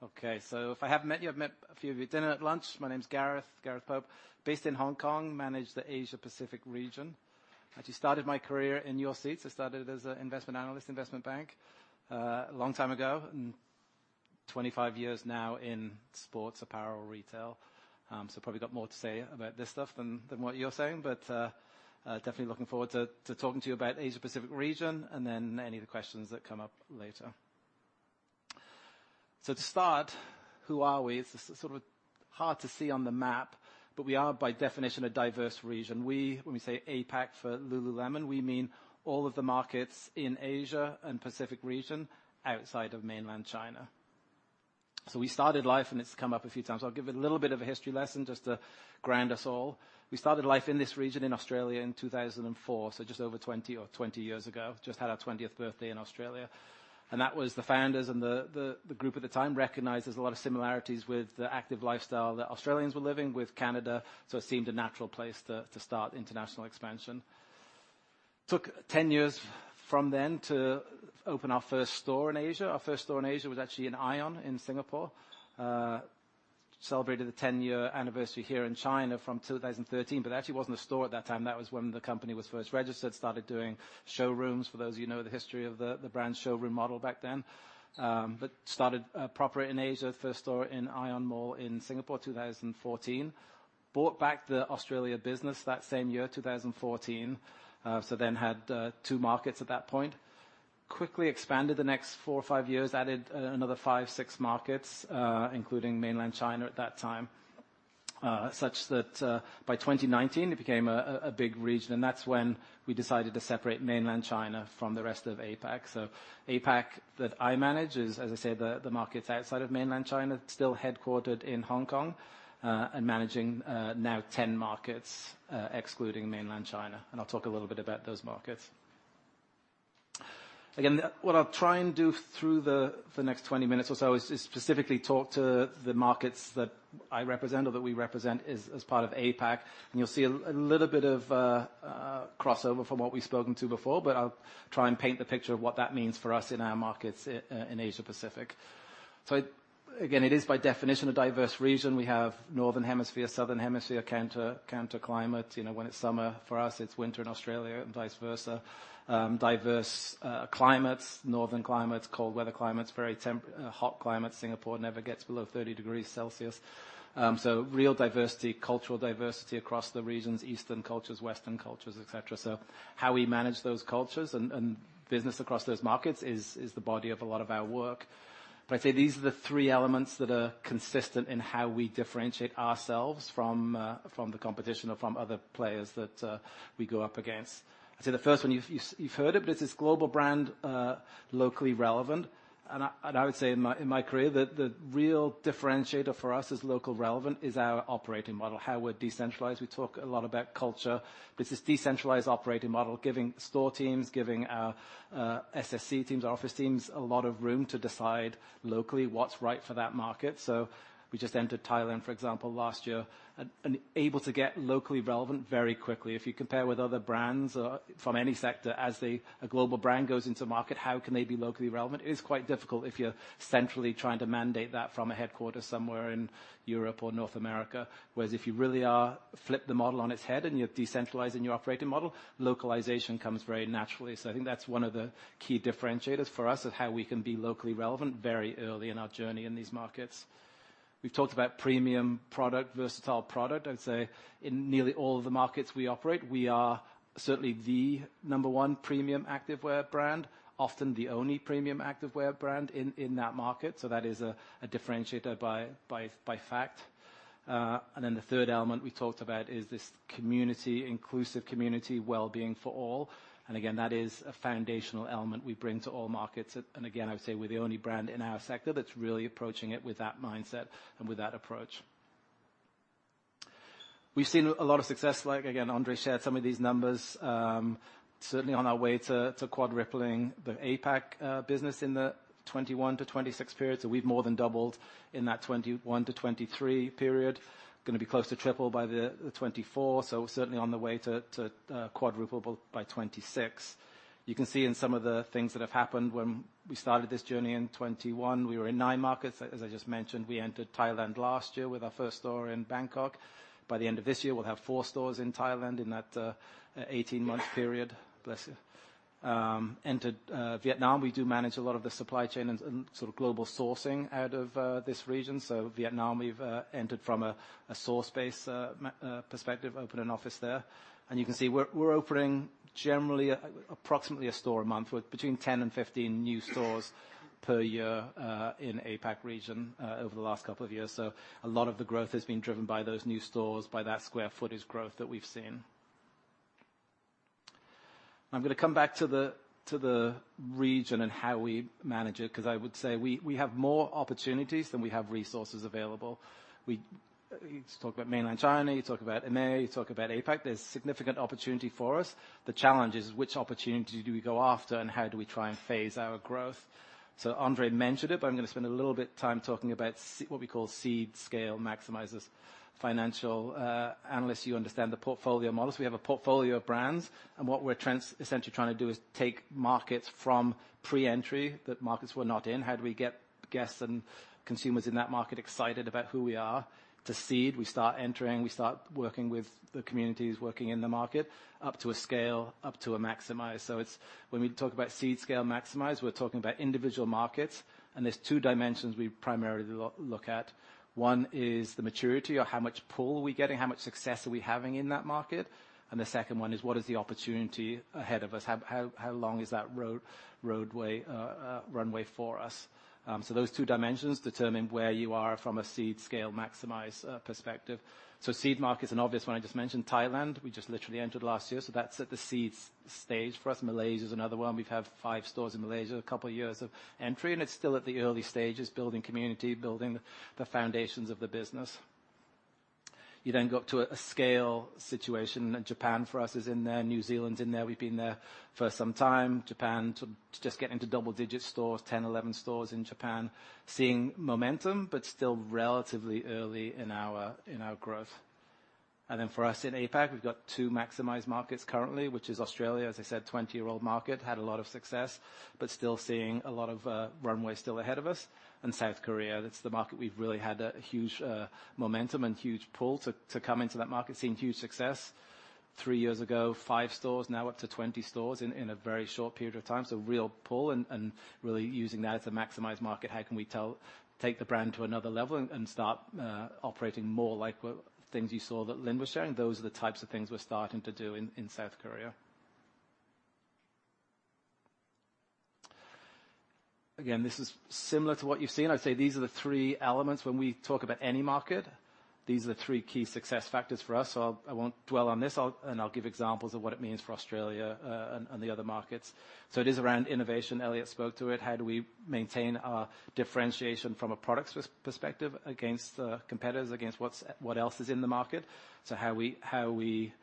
Okay, so if I haven't met you, I've met a few of you dinner at lunch. My name is Gareth, Gareth Pope, based in Hong Kong, manage the Asia Pacific region. I actually started my career in your seats. I started as a investment analyst, investment bank, long time ago, and twenty-five years now in sports apparel, retail, so probably got more to say about this stuff than what you're saying, but definitely looking forward to talking to you about Asia Pacific region and then any of the questions that come up later, so to start, who are we? It's sort of hard to see on the map, but we are by definition a diverse region. We... When we say APAC for lululemon, we mean all of the markets in Asia and Pacific region outside of mainland China. So we started life, and it's come up a few times. I'll give it a little bit of a history lesson just to ground us all. We started life in this region, in Australia, in 2004, so just over twenty or twenty years ago. Just had our twentieth birthday in Australia, and that was the founders and the group at the time recognized there's a lot of similarities with the active lifestyle that Australians were living with Canada, so it seemed a natural place to start international expansion. Took ten years from then to open our first store in Asia. Our first store in Asia was actually in ION in Singapore. Celebrated the ten-year anniversary here in China from 2013, but actually wasn't a store at that time. That was when the company was first registered, started doing showrooms, for those of you who know the history of the brand showroom model back then. But started proper in Asia, first store in ION Orchard in Singapore, 2014. Bought back the Australia business that same year, 2014. So then had two markets at that point. Quickly expanded the next four or five years, added another five, six markets, including mainland China at that time, such that by 2019, it became a big region, and that's when we decided to separate mainland China from the rest of APAC. APAC that I manage is, as I said, the markets outside of mainland China, still headquartered in Hong Kong, and managing now 10 markets, excluding mainland China, and I'll talk a little bit about those markets. Again, what I'll try and do through the next 20 minutes or so is specifically talk to the markets that I represent or that we represent as part of APAC, and you'll see a little bit of crossover from what we've spoken to before, but I'll try and paint the picture of what that means for us in our markets in Asia Pacific. So, again, it is by definition a diverse region. We have Northern Hemisphere, Southern Hemisphere, counter climate. You know, when it's summer for us, it's winter in Australia and vice versa. Diverse climates, northern climates, cold weather climates, hot climates. Singapore never gets below thirty degrees Celsius. Real diversity, cultural diversity across the regions, Eastern cultures, Western cultures, et cetera. How we manage those cultures and business across those markets is the body of a lot of our work. These are the three elements that are consistent in how we differentiate ourselves from the competition or from other players that we go up against. The first one, you've heard it, but it's this global brand, locally relevant. I would say in my career, the real differentiator for us as local relevant is our operating model, how we're decentralized. We talk a lot about culture, but it's this decentralized operating model, giving store teams, giving our SSC teams, our office teams, a lot of room to decide locally what's right for that market. So we just entered Thailand, for example, last year, and able to get locally relevant very quickly. If you compare with other brands from any sector, as a global brand goes into market, how can they be locally relevant? It is quite difficult if you're centrally trying to mandate that from a headquarters somewhere in Europe or North America. Whereas if you really are flip the model on its head and you're decentralizing your operating model, localization comes very naturally. So I think that's one of the key differentiators for us of how we can be locally relevant very early in our journey in these markets. We've talked about premium product, versatile product. I'd say in nearly all of the markets we operate, we are certainly the number one premium activewear brand, often the only premium activewear brand in that market, so that is a differentiator by fact. And then the third element we talked about is this community, inclusive community, wellbeing for all. And again, that is a foundational element we bring to all markets. And again, I would say we're the only brand in our sector that's really approaching it with that mindset and with that approach. We've seen a lot of success, like, again, André shared some of these numbers. Certainly on our way to quadrupling the APAC business in the 2021-2026 period, so we've more than doubled in that 2021-2023 period. Gonna be close to triple by 2024, so certainly on the way to quadruple by 2026. You can see in some of the things that have happened, when we started this journey in 2021, we were in nine markets. As I just mentioned, we entered Thailand last year with our first store in Bangkok. By the end of this year, we'll have four stores in Thailand in that eighteen-month period. Bless you. Entered Vietnam. We do manage a lot of the supply chain and sort of global sourcing out of this region. So Vietnam, we've entered from a source-based perspective, opened an office there. And you can see we're opening generally, approximately a store a month, with between 10 and 15 new stores per year in APAC region over the last couple of years. So a lot of the growth has been driven by those new stores, by that square footage growth that we've seen. I'm gonna come back to the, to the region and how we manage it, 'cause I would say we, we have more opportunities than we have resources available. We... You talk about Mainland China, you talk about EMEA, you talk about APAC. There's significant opportunity for us. The challenge is, which opportunity do we go after, and how do we try and phase our growth? So André mentioned it, but I'm gonna spend a little bit time talking about what we call seed scale maximizers. Financial, analysts, you understand the portfolio models. We have a portfolio of brands, and what we're essentially trying to do is take markets from pre-entry, that markets we're not in. How do we get guests and consumers in that market excited about who we are? To seed, we start entering, we start working with the communities, working in the market, up to a scale, up to a maximize. So it's. When we talk about seed, scale, maximize, we're talking about individual markets, and there's two dimensions we primarily look at. One is the maturity, or how much pull are we getting? How much success are we having in that market? And the second one is, what is the opportunity ahead of us? How, how, how long is that roadway runway for us? So those two dimensions determine where you are from a seed, scale, maximize perspective. So seed market is an obvious one. I just mentioned Thailand, we just literally entered last year, so that's at the seed stage for us. Malaysia's another one. We've had five stores in Malaysia, a couple years of entry, and it's still at the early stages, building community, building the foundations of the business. You then go up to a scale situation, and Japan for us is in there. New Zealand's in there. We've been there for some time. Japan, too, just getting to double digits stores, 10, 11 stores in Japan. Seeing momentum, but still relatively early in our growth. And then for us in APAC, we've got two maximize markets currently, which is Australia, as I said, 20-year-old market, had a lot of success, but still seeing a lot of runway still ahead of us. And South Korea, that's the market we've really had a huge momentum and huge pull to come into that market. Seeing huge success. Three years ago, five stores, now up to 20 stores in a very short period of time. So real pull and really using that as a maximize market, how can we take the brand to another level and start operating more like what things you saw that Lynn was sharing? Those are the types of things we're starting to do in South Korea. Again, this is similar to what you've seen. I'd say these are the three elements when we talk about any market; these are the three key success factors for us. I won't dwell on this, and I'll give examples of what it means for Australia and the other markets. It is around innovation. Elliot spoke to it. How do we maintain our differentiation from a product's perspective against the competitors, against what's, what else is in the market? So how we, how we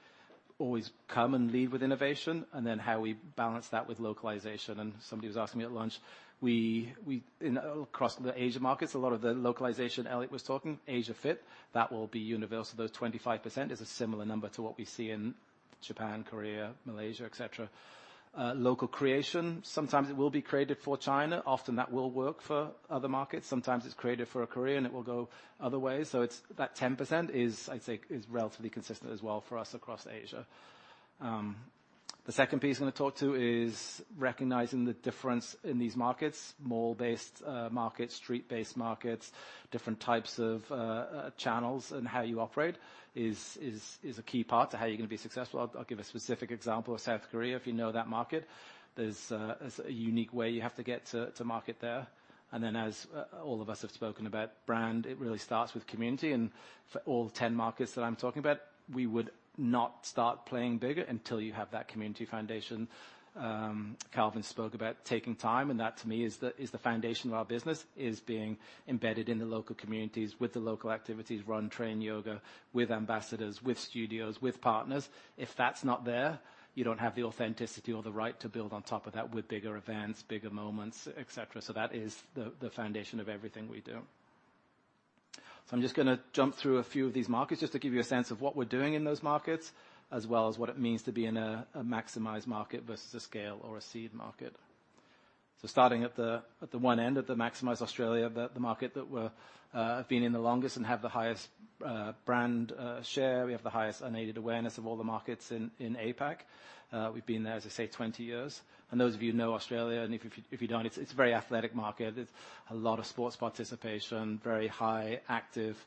always come and lead with innovation, and then how we balance that with localization. And somebody was asking me at lunch, we in across the Asia markets, a lot of the localization Elliot was talking, Asia Fit, that will be universal. Those 25% is a similar number to what we see in Japan, Korea, Malaysia, et cetera. Local creation, sometimes it will be created for China. Often, that will work for other markets. Sometimes it's created for a Korean, it will go other ways. So it's that 10% is, I'd say, is relatively consistent as well for us across Asia. The second piece I'm gonna talk to is recognizing the difference in these markets. Mall-based markets, street-based markets, different types of channels, and how you operate is a key part to how you're gonna be successful. I'll give a specific example of South Korea, if you know that market. There's a unique way you have to get to market there, and then, as all of us have spoken about brand, it really starts with community, and for all the 10 markets that I'm talking about, we would not start playing bigger until you have that community foundation. Calvin spoke about taking time, and that to me is the foundation of our business, is being embedded in the local communities with the local activities, run, train, yoga, with ambassadors, with studios, with partners. If that's not there, you don't have the authenticity or the right to build on top of that with bigger events, bigger moments, et cetera. So that is the foundation of everything we do. So I'm just gonna jump through a few of these markets, just to give you a sense of what we're doing in those markets, as well as what it means to be in a maximized market versus a scale or a seed market. So starting at the one end, at the maximizer Australia, the market that we've been in the longest and have the highest brand share. We have the highest unaided awareness of all the markets in APAC. We've been there, as I say, 20 years, and those of you who know Australia, and if you don't, it's a very athletic market. It's a lot of sports participation, very high active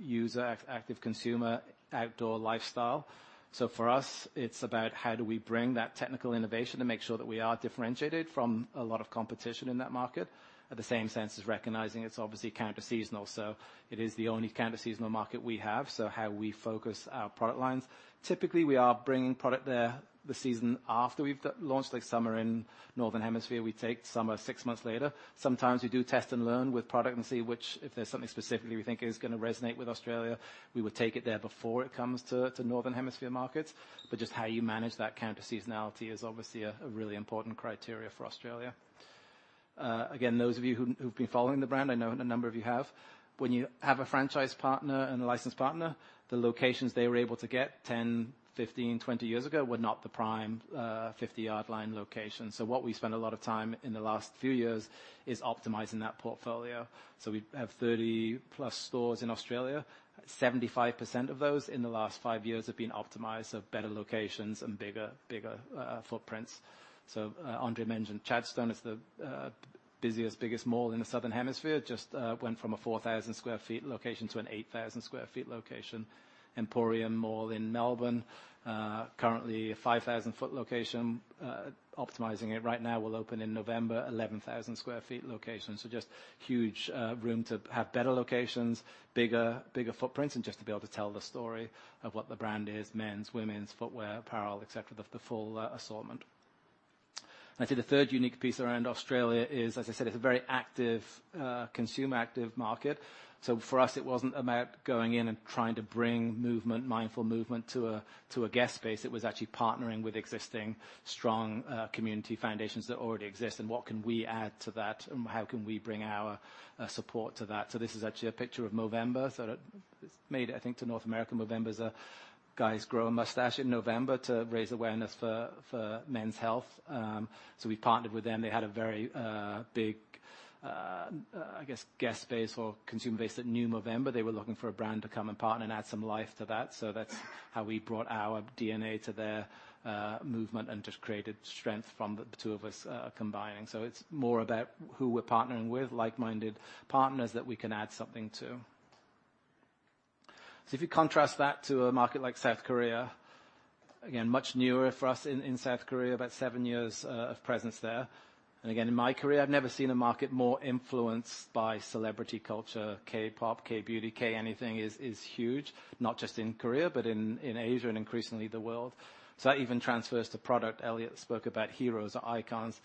user, active consumer, outdoor lifestyle. So for us, it's about how do we bring that technical innovation to make sure that we are differentiated from a lot of competition in that market. At the same sense as recognizing it's obviously counterseasonal, so it is the only counterseasonal market we have, so how we focus our product lines. Typically, we are bringing product there the season after we've launched, like summer in northern hemisphere, we take summer six months later. Sometimes we do test and learn with product and see which if there's something specifically we think is gonna resonate with Australia, we would take it there before it comes to northern hemisphere markets. But just how you manage that counterseasonality is obviously a really important criteria for Australia. Again, those of you who've been following the brand, I know a number of you have. When you have a franchise partner and a license partner, the locations they were able to get ten, fifteen, twenty years ago were not the prime fifty-yard line location. So what we spent a lot of time in the last few years is optimizing that portfolio. So we have 30+ stores in Australia. 75% of those in the last five years have been optimized, so better locations and bigger footprints. So André mentioned Chadstone is the busiest, biggest mall in the Southern Hemisphere, just went from a 4,000 sq ft location to an 8,000 sq ft location. Emporium Mall in Melbourne currently a 5,000 sq ft location, optimizing it right now, will open in November, 11,000 sq ft location. So just huge room to have better locations, bigger, bigger footprints, and just to be able to tell the story of what the brand is, men's, women's, footwear, apparel, et cetera, the full assortment. I'd say the third unique piece around Australia is, as I said, it's a very active consumer-active market. So for us, it wasn't about going in and trying to bring movement, mindful movement to a guest space. It was actually partnering with existing strong community foundations that already exist, and what can we add to that and how can we bring our support to that? So this is actually a picture of Movember. So it's made, I think, to North America. Movember is guys grow a mustache in November to raise awareness for men's health. So we partnered with them. They had a very, big, I guess, guest base or consumer base that knew Movember. They were looking for a brand to come and partner and add some life to that. So that's how we brought our DNA to their movement and just created strength from the two of us combining. So it's more about who we're partnering with, like-minded partners that we can add something to. So if you contrast that to a market like South Korea, again, much newer for us in South Korea, about seven years of presence there. And again, in my career, I've never seen a market more influenced by celebrity culture. K-pop, K-beauty, K-anything is huge, not just in Korea, but in Asia and increasingly the world. So that even transfers to product. Elliot spoke about heroes or icons.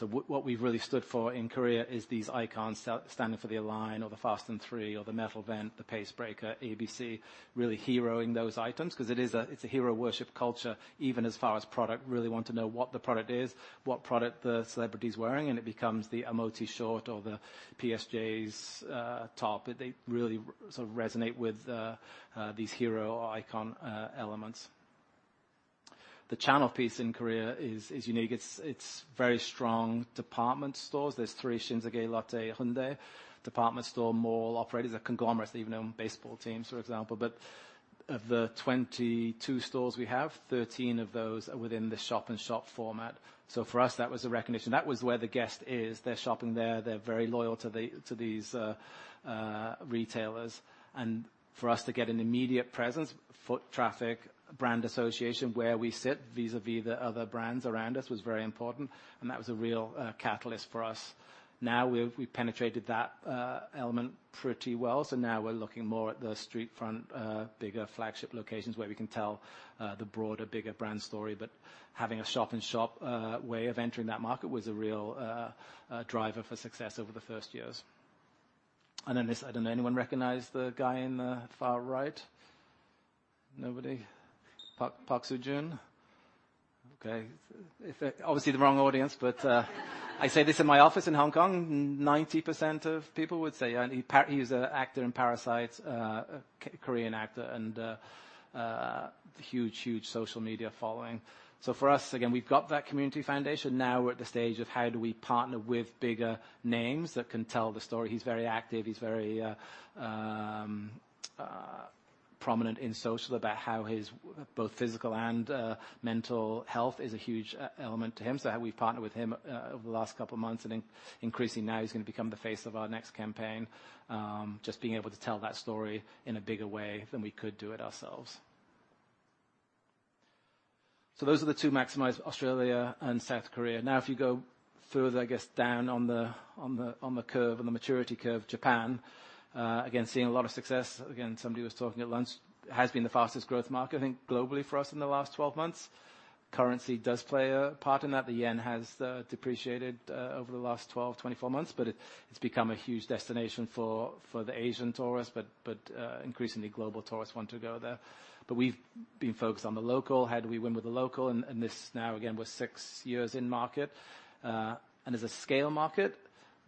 What we've really stood for in Korea is these icons standing for the Align or the Fast and Free or the Metal Vent Tech, the Pace Breaker, ABC, really heroing those items, 'cause it is a hero worship culture, even as far as product. Really want to know what the product is, what product the celebrity's wearing, and it becomes the Amotti short or the PSJ's top. But they really sort of resonate with these hero or icon elements. The channel piece in Korea is unique. It's very strong department stores. There are 3, Shinsegae, Lotte, Hyundai. Department store, mall operators, a conglomerate that even own baseball teams, for example. But of the 22 stores we have, 13 of those are within the Shop-in-Shop format. So for us, that was a recognition. That was where the guest is. They're shopping there. They're very loyal to the, to these, retailers. And for us to get an immediate presence, foot traffic, brand association, where we sit, vis-a-vis the other brands around us, was very important, and that was a real, catalyst for us. Now, we've penetrated that, element pretty well, so now we're looking more at the street front, bigger flagship locations where we can tell, the broader, bigger brand story. But having a shop and shop, way of entering that market was a real, driver for success over the first years. And then this, I don't know, anyone recognize the guy in the far right? Nobody? Park Seo-joon. Okay, if obviously the wrong audience, but I say this in my office in Hong Kong, 90% of people would say he's an actor in Parasite, a Korean actor, and huge social media following. So for us, again, we've got that community foundation. Now we're at the stage of how do we partner with bigger names that can tell the story? He's very active, he's very prominent in social about how his both physical and mental health is a huge element to him. So we've partnered with him over the last couple of months, and increasingly now, he's going to become the face of our next campaign. Just being able to tell that story in a bigger way than we could do it ourselves. So those are the two maximize, Australia and South Korea. Now, if you go further, I guess, down on the curve, on the maturity curve, Japan, again, seeing a lot of success. Again, somebody was talking at lunch, has been the fastest growth market, I think, globally for us in the last twelve months. Currency does play a part in that. The yen has depreciated over the last twelve, twenty-four months, but it, it's become a huge destination for the Asian tourists. But increasingly global tourists want to go there. But we've been focused on the local. How do we win with the local? And this now, again, we're six years in market, and as a scale market,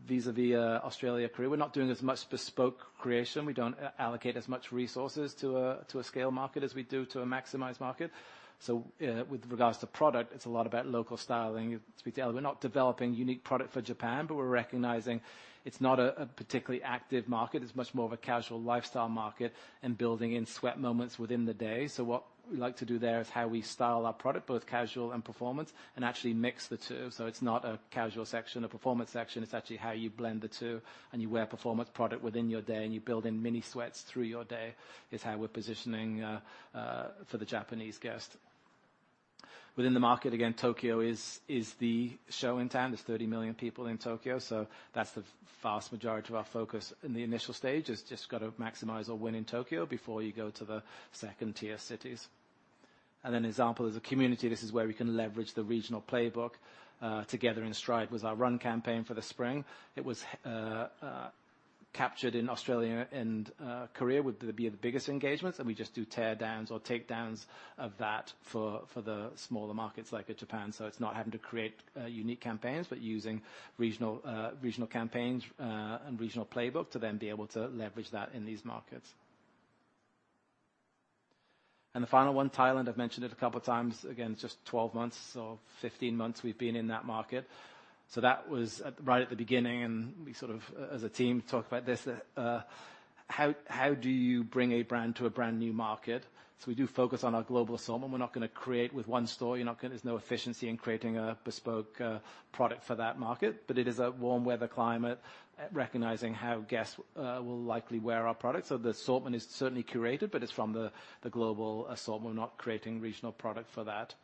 vis-à-vis Australia, Korea, we're not doing as much bespoke creation. We don't allocate as much resources to a scale market as we do to a maximize market. So, with regards to product, it's a lot about local styling. To be clear, we're not developing unique product for Japan, but we're recognizing it's not a particularly active market. It's much more of a casual lifestyle market and building in sweat moments within the day. So what we like to do there is how we style our product, both casual and performance, and actually mix the two. So it's not a casual section, a performance section. It's actually how you blend the two, and you wear performance product within your day, and you build in mini sweats through your day, is how we're positioning for the Japanese guest. Within the market, again, Tokyo is the show in town. There's 30 million people in Tokyo, so that's the vast majority of our focus in the initial stage, is just got to maximize or win in Tokyo before you go to the second-tier cities. And then example, as a community, this is where we can leverage the regional playbook. Together in Stride was our run campaign for the spring. It was captured in Australia and Korea, would be the biggest engagements, and we just do tear downs or takedowns of that for the smaller markets like Japan. So it's not having to create unique campaigns, but using regional campaigns and regional playbook to then be able to leverage that in these markets. And the final one, Thailand, I've mentioned it a couple of times. Again, just 12 months or 15 months we've been in that market. So that was at, right at the beginning, and we sort of, as a team, talked about this. How do you bring a brand to a brand-new market? So we do focus on our global assortment. We're not gonna create with one store. You're not gonna... There's no efficiency in creating a bespoke product for that market, but it is a warm weather climate, recognizing how guests will likely wear our products. So the assortment is certainly curated, but it's from the global assortment. We're not creating regional product for that.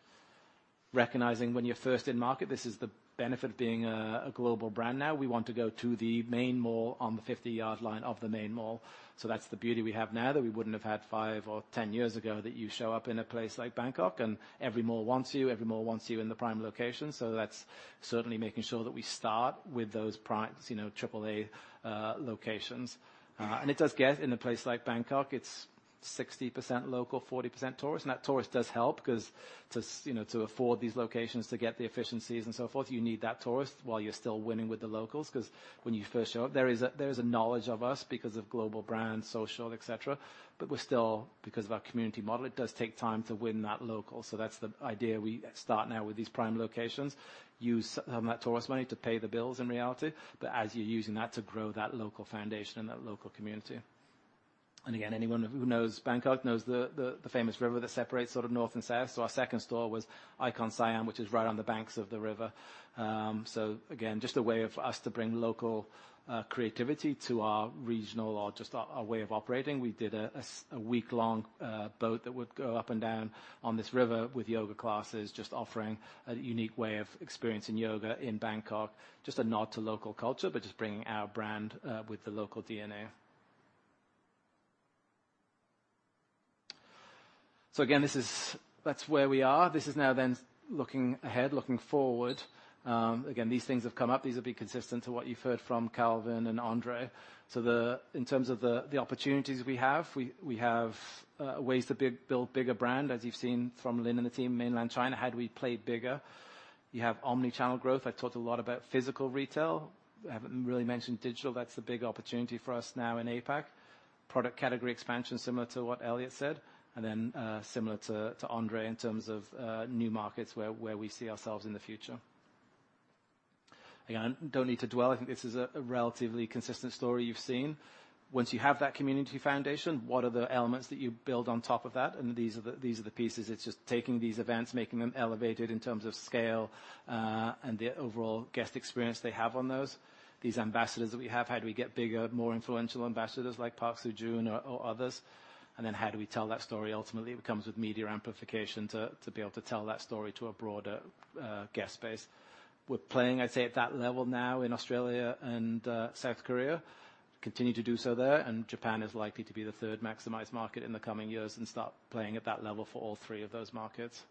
Recognizing when you're first in market, this is the benefit of being a global brand now. We want to go to the main mall, on the 50-yard line of the main mall. So that's the beauty we have now that we wouldn't have had five or ten years ago, that you show up in a place like Bangkok, and every mall wants you, every mall wants you in the prime location. So that's certainly making sure that we start with those prime, you know, triple A locations. And it does get in a place like Bangkok. It's 60% local, 40% tourists. And that tourist does help because to, you know, to afford these locations, to get the efficiencies and so forth, you need that tourist while you're still winning with the locals. Because when you first show up, there is a knowledge of us because of global brands, social, et cetera, but we're still, because of our community model, it does take time to win that local. So that's the idea. We start now with these prime locations, use some of that tourist money to pay the bills in reality, but as you're using that to grow that local foundation and that local community, and again, anyone who knows Bangkok knows the famous river that separates sort of north and south. So our second store was IconSiam, which is right on the banks of the river. So again, just a way of us to bring local creativity to our regional or just our way of operating. We did a week-long boat that would go up and down on this river with yoga classes, just offering a unique way of experiencing yoga in Bangkok. Just a nod to local culture, but just bringing our brand with the local DNA. So again, this is... That's where we are. This is now then looking ahead, looking forward. Again, these things have come up. These will be consistent to what you've heard from Calvin and André. So, in terms of the opportunities we have, we have ways to build bigger brand, as you've seen from Lynn and the team in Mainland China, how do we play bigger? You have omni-channel growth. I talked a lot about physical retail. I haven't really mentioned digital. That's the big opportunity for us now in APAC. Product category expansion, similar to what Elliot said, and then, similar to André in terms of new markets where we see ourselves in the future. Again, I don't need to dwell. I think this is a relatively consistent story you've seen. Once you have that community foundation, what are the elements that you build on top of that? These are the pieces. It's just taking these events, making them elevated in terms of scale, and the overall guest experience they have on those. These ambassadors that we have, how do we get bigger, more influential ambassadors like Park Seo-joon or others? Then how do we tell that story? Ultimately, it comes with media amplification to be able to tell that story to a broader guest base. We're playing, I'd say, at that level now in Australia and South Korea. Continue to do so there, and Japan is likely to be the third maximized market in the coming years and start playing at that level for all three of those markets....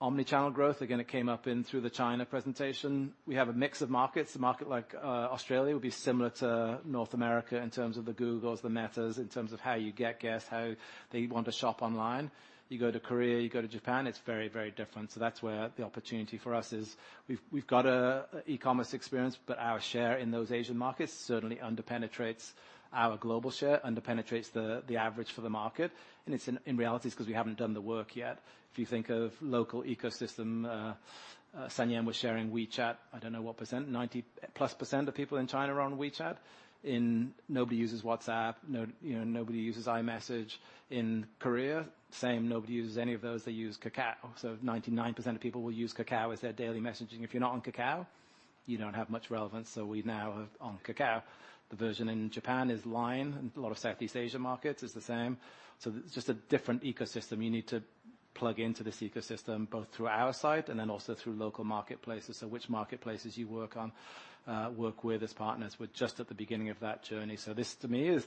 Omnichannel growth, again, it came up in the China presentation. We have a mix of markets. A market like Australia would be similar to North America in terms of the Googles, the Metas, in terms of how you get guests, how they want to shop online. You go to Korea, you go to Japan, it's very, very different. That's where the opportunity for us is. We've got a e-commerce experience, but our share in those Asian markets certainly under-penetrates our global share, under-penetrates the average for the market, and it's in reality, it's because we haven't done the work yet. If you think of local ecosystem, San Yan was sharing WeChat. I don't know what percent, 90-plus% of people in China are on WeChat. Nobody uses WhatsApp, no, you know, nobody uses iMessage. In Korea, same, nobody uses any of those, they use Kakao. 99% of people will use Kakao as their daily messaging. If you're not on Kakao, you don't have much relevance, so we now are on Kakao. The version in Japan is Line, and a lot of Southeast Asia markets, it's the same. So it's just a different ecosystem. You need to plug into this ecosystem, both through our site and then also through local marketplaces. So which marketplaces you work on, work with as partners? We're just at the beginning of that journey. So this, to me, is...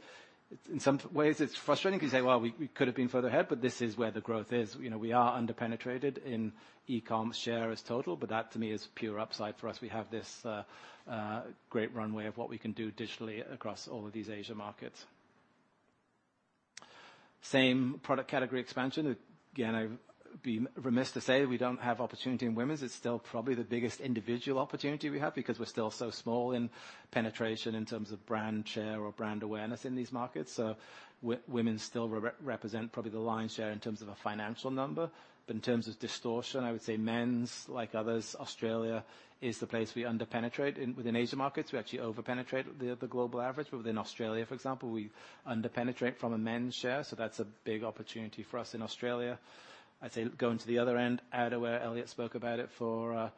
In some ways, it's frustrating because you say, "Well, we could have been further ahead," but this is where the growth is. You know, we are under-penetrated in e-com share as total, but that to me, is pure upside for us. We have this, great runway of what we can do digitally across all of these Asia markets. Same product category expansion. Again, I'd be remiss to say we don't have opportunity in women's. It's still probably the biggest individual opportunity we have because we're still so small in penetration in terms of brand share or brand awareness in these markets. So women still represent probably the lion's share in terms of a financial number. But in terms of distortion, I would say men's, like others, Australia is the place we under-penetrate. Within Asia markets, we actually over-penetrate the global average, but within Australia, for example, we under-penetrate from a men's share, so that's a big opportunity for us in Australia. I'd say going to the other end, outerwear. Elliot spoke about it for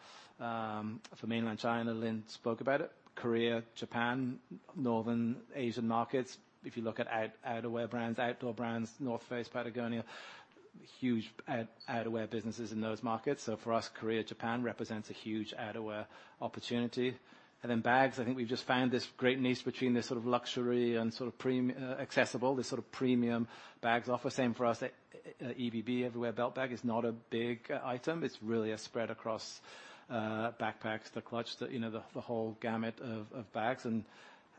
mainland China, Lynn spoke about it, Korea, Japan, Northern Asian markets. If you look at outerwear brands, outdoor brands, North Face, Patagonia, huge outerwear businesses in those markets. For us, Korea, Japan represents a huge outerwear opportunity. And then bags, I think we've just found this great niche between this sort of luxury and sort of premium accessible, this sort of premium bags offer. Same for us, EBB, Everywhere Belt Bag, is not a big item. It's really a spread across backpacks to clutch, to you know, the whole gamut of bags, and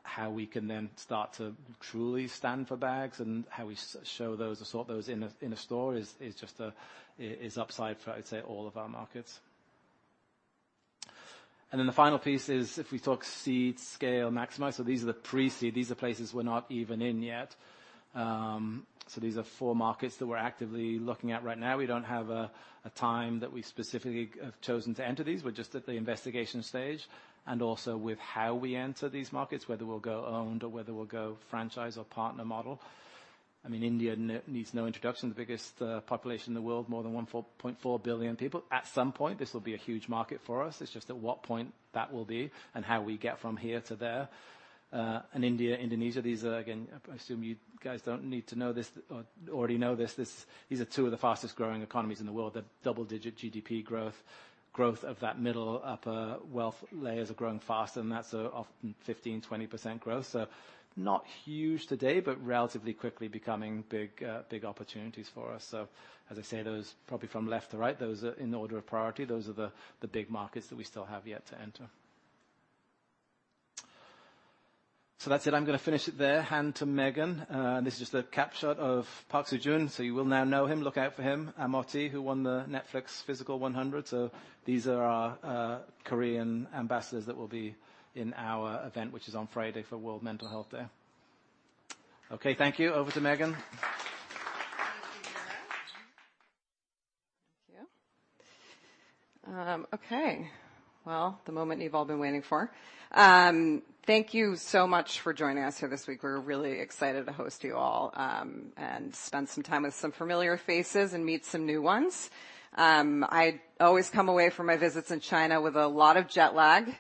how we can then start to truly stand for bags and how we show those or sort those in a store is just upside for, I'd say, all of our markets. And then the final piece is if we talk seed, scale, maximize. These are the pre-seed. These are places we're not even in yet. These are four markets that we're actively looking at right now. We don't have a time that we specifically have chosen to enter these. We're just at the investigation stage and also with how we enter these markets, whether we'll go owned or whether we'll go franchise or partner model. I mean, India needs no introduction, the biggest population in the world, more than 1.4 billion people. At some point, this will be a huge market for us. It's just at what point that will be and how we get from here to there. And India, Indonesia, these are, again, I assume you guys don't need to know this, or already know this, these are two of the fastest-growing economies in the world. The double-digit GDP growth, growth of that middle, upper wealth layers are growing faster, and that's often 15%-20% growth. So not huge today, but relatively quickly becoming big, big opportunities for us. So as I say, those, probably from left to right, those are in order of priority. Those are the, the big markets that we still have yet to enter. So that's it. I'm gonna finish it there. Hand to Meghan. This is just a cap shot of Park Seo-joon, so you will now know him. Look out for him, Amotti, who won the Netflix Physical: 100. So these are our, Korean ambassadors that will be in our event, which is on Friday for World Mental Health Day. Okay, thank you. Over to Meghan. Thank you. Okay. Well, the moment you've all been waiting for. Thank you so much for joining us here this week. We're really excited to host you all, and spend some time with some familiar faces and meet some new ones. I always come away from my visits in China with a lot of jet lag,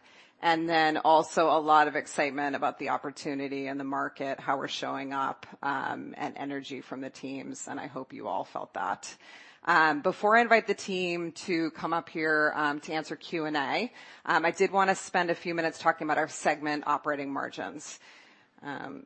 and then also a lot of excitement about the opportunity and the market, how we're showing up, and energy from the teams, and I hope you all felt that. Before I invite the team to come up here, to answer Q&A, I did want to spend a few minutes talking about our segment operating margins. Hold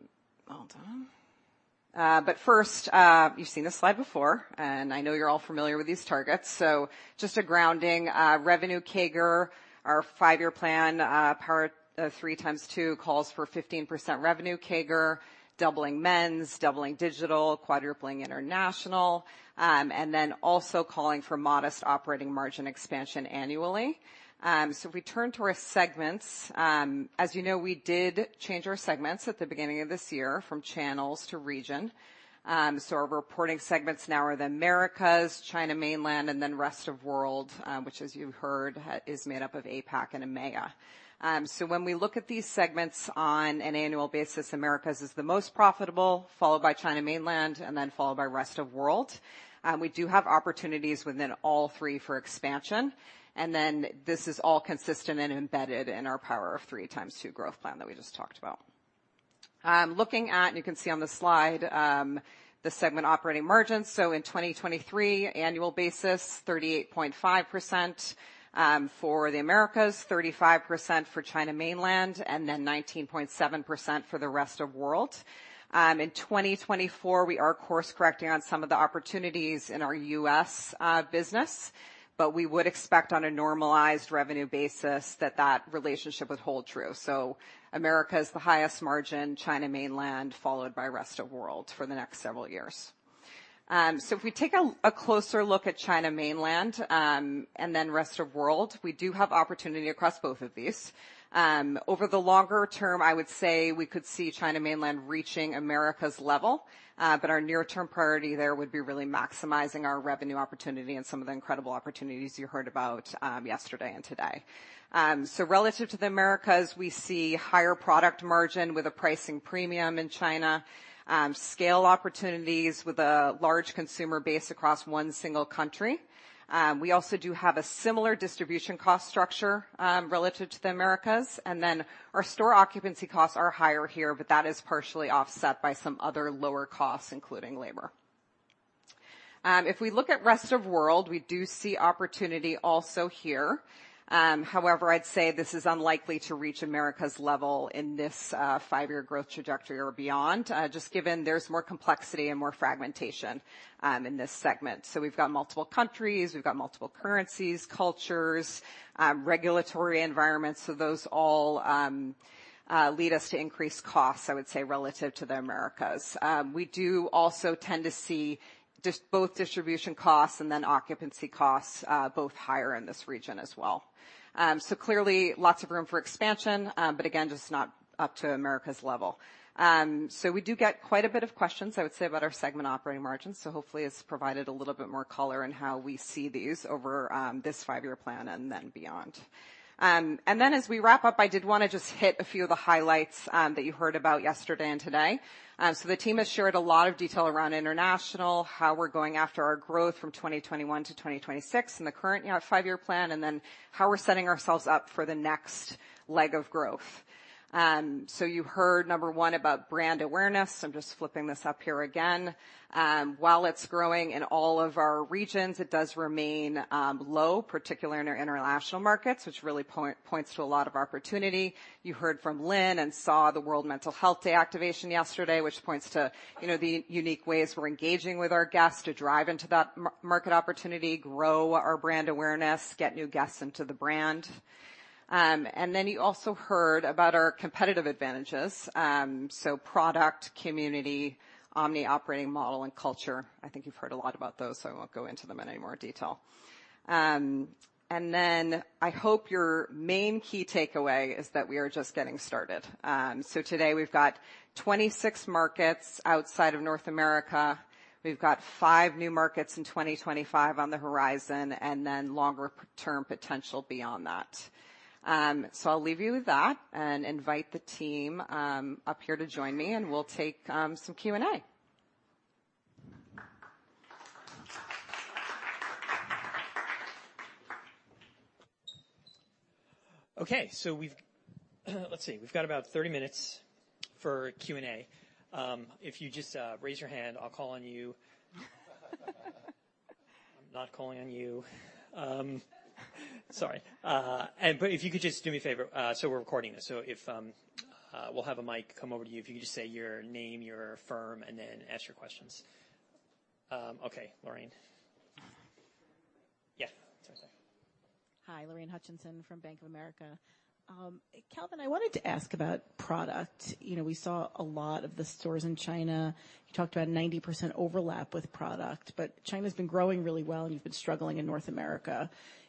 on. But first, you've seen this slide before, and I know you're all familiar with these targets, so just a grounding. Revenue CAGR, our five-year plan, Power of Three times Two calls for 15% revenue CAGR, doubling men's, doubling digital, quadrupling international, and then also calling for modest operating margin expansion annually. So if we turn to our segments, as you know, we did change our segments at the beginning of this year from channels to region. So our reporting segments now are the Americas, China Mainland, and then Rest of World, which, as you heard, is made up of APAC and EMEA. So when we look at these segments on an annual basis, Americas is the most profitable, followed by China Mainland, and then followed by Rest of World. We do have opportunities within all three for expansion, and then this is all consistent and embedded in our Power of Three x2 growth plan that we just talked about. Looking at, you can see on the slide the segment operating margins. So in 2023, annual basis, 38.5% for the Americas, 35% for China Mainland, and then 19.7% for the rest of world. In 2024, we are course-correcting on some of the opportunities in our US business, but we would expect on a normalized revenue basis that that relationship would hold true. So America is the highest margin, China Mainland, followed by rest of world for the next several years. So if we take a closer look at China Mainland, and then rest of world, we do have opportunity across both of these. Over the longer term, I would say we could see China Mainland reaching Americas' level, but our near-term priority there would be really maximizing our revenue opportunity and some of the incredible opportunities you heard about, yesterday and today. So relative to the Americas, we see higher product margin with a pricing premium in China, scale opportunities with a large consumer base across one single country. We also do have a similar distribution cost structure, relative to the Americas, and then our store occupancy costs are higher here, but that is partially offset by some other lower costs, including labor. If we look at rest of world, we do see opportunity also here. However, I'd say this is unlikely to reach America's level in this five-year growth trajectory or beyond, just given there's more complexity and more fragmentation in this segment. So we've got multiple countries, we've got multiple currencies, cultures, regulatory environments. So those all lead us to increased costs, I would say, relative to the Americas. We do also tend to see both distribution costs and then occupancy costs both higher in this region as well. So clearly, lots of room for expansion, but again, just not up to America's level. So we do get quite a bit of questions, I would say, about our segment operating margins, so hopefully, it's provided a little bit more color in how we see these over this five-year plan and then beyond. And then as we wrap up, I did wanna just hit a few of the highlights that you heard about yesterday and today. So the team has shared a lot of detail around international, how we're going after our growth from 2021 to 2026 and the current five-year plan, and then how we're setting ourselves up for the next leg of growth. So you heard, number one, about brand awareness. I'm just flipping this up here again. While it's growing in all of our regions, it does remain low, particularly in our international markets, which really points to a lot of opportunity. You heard from Lynn and saw the World Mental Health Day activation yesterday, which points to, you know, the unique ways we're engaging with our guests to drive into that market opportunity, grow our brand awareness, get new guests into the brand. And then you also heard about our competitive advantages. So product, community, omni-operating model, and culture. I think you've heard a lot about those, so I won't go into them in any more detail. And then I hope your main key takeaway is that we are just getting started. So today we've got 26 markets outside of North America. We've got five new markets in 2025 on the horizon, and then longer term potential beyond that. So I'll leave you with that and invite the team up here to join me, and we'll take some Q&A. Okay, let's see. We've got about 30 minutes for Q&A. If you just raise your hand, I'll call on you. I'm not calling on you. Sorry, and but if you could just do me a favor, so we're recording this. So if we'll have a mic come over to you, if you could just say your name, your firm, and then ask your questions. Okay, Lorraine. Yeah, sorry. Hi, Lorraine Hutchinson from Bank of America. Calvin, I wanted to ask about product. You know, we saw a lot of the stores in China. You talked about 90% overlap with product, but China's been growing really well, and you've been struggling in North America.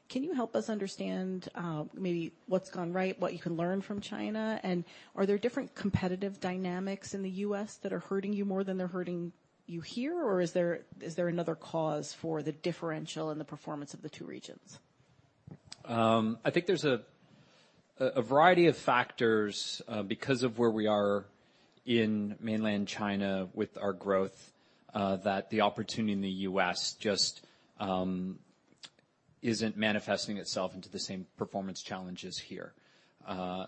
Can you help us understand, maybe what's gone right, what you can learn from China? And are there different competitive dynamics in the U.S. that are hurting you more than they're hurting you here, or is there another cause for the differential in the performance of the two regions? I think there's a variety of factors because of where we are in mainland China with our growth that the opportunity in the US just isn't manifesting itself into the same performance challenges here.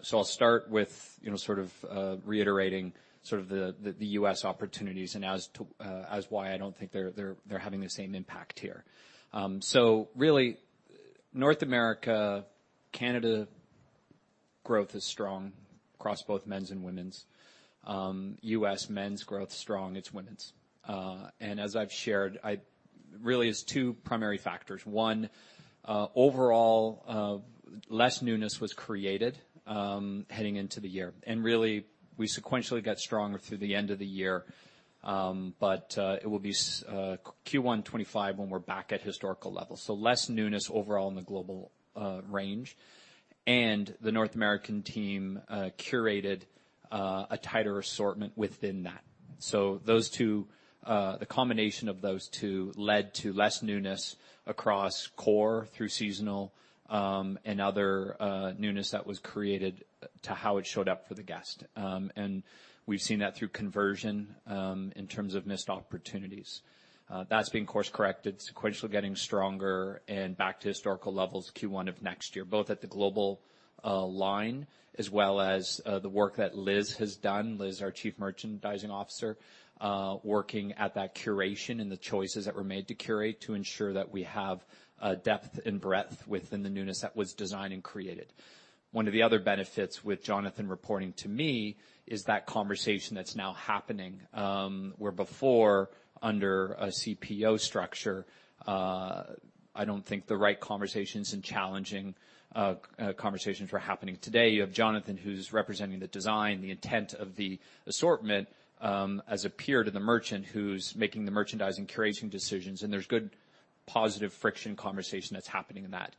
So I'll start with you know sort of reiterating sort of the US opportunities and as to why I don't think they're having the same impact here. So really North America Canada growth is strong across both men's and women's. US men's growth strong it's women's. And as I've shared really it's two primary factors. One overall less newness was created heading into the year and really we sequentially got stronger through the end of the year. But it will be Q1 2025 when we're back at historical levels. So less newness overall in the global range. And the North American team curated a tighter assortment within that. So those two, the combination of those two led to less newness across core, through seasonal, and other, newness that was created to how it showed up for the guest. And we've seen that through conversion, in terms of missed opportunities. That's being course-corrected, sequentially getting stronger, and back to historical levels Q1 of next year, both at the global, line, as well as, the work that Liz has done. Liz, our Chief Merchandising Officer, working at that curation and the choices that were made to curate, to ensure that we have, depth and breadth within the newness that was designed and created. One of the other benefits with Jonathan reporting to me, is that conversation that's now happening, where before, under a CPO structure, I don't think the right conversations and challenging, conversations were happening. Today, you have Jonathan, who's representing the design, the intent of the assortment, as a peer to the merchant, who's making the merchandising, curating decisions, and there's good, positive friction conversation that's happening in that.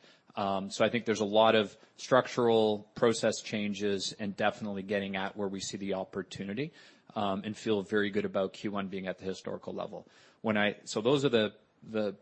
So I think there's a lot of structural process changes, and definitely getting at where we see the opportunity, and feel very good about Q1 being at the historical level. So those are the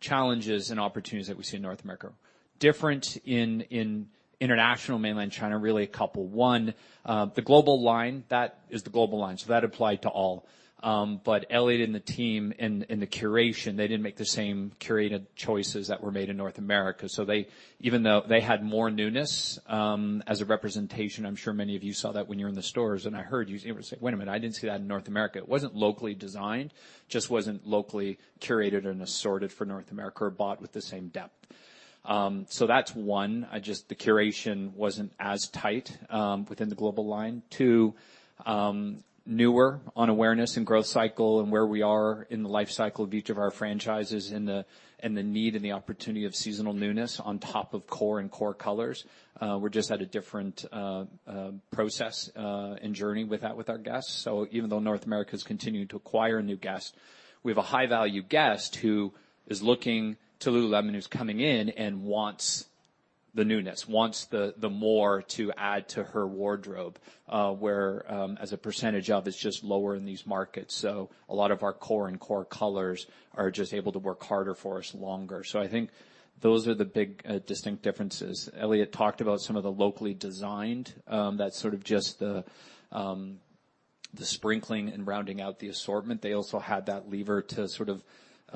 challenges and opportunities that we see in North America. Different in international, Mainland China, really a couple. One, the global line, that is the global line, so that applied to all. But Elliot and the team and the curation, they didn't make the same curated choices that were made in North America. So they... Even though they had more newness, as a representation, I'm sure many of you saw that when you're in the stores, and I heard you say, "Wait a minute, I didn't see that in North America." It wasn't locally designed, just wasn't locally curated and assorted for North America or bought with the same depth. So that's one. The curation wasn't as tight within the global line. Two, newer on awareness and growth cycle and where we are in the life cycle of each of our franchises and the need and the opportunity of seasonal newness on top of core and core colors. We're just at a different process and journey with that with our guests. So even though North America's continuing to acquire new guests, we have a high-value guest who is looking to lululemon, who's coming in and wants the newness, wants the more to add to her wardrobe, where, as a percentage of, it's just lower in these markets. So a lot of our core and core colors are just able to work harder for us longer. So I think those are the big distinct differences. Elliot talked about some of the locally designed, that's sort of just the sprinkling and rounding out the assortment. They also had that lever to sort of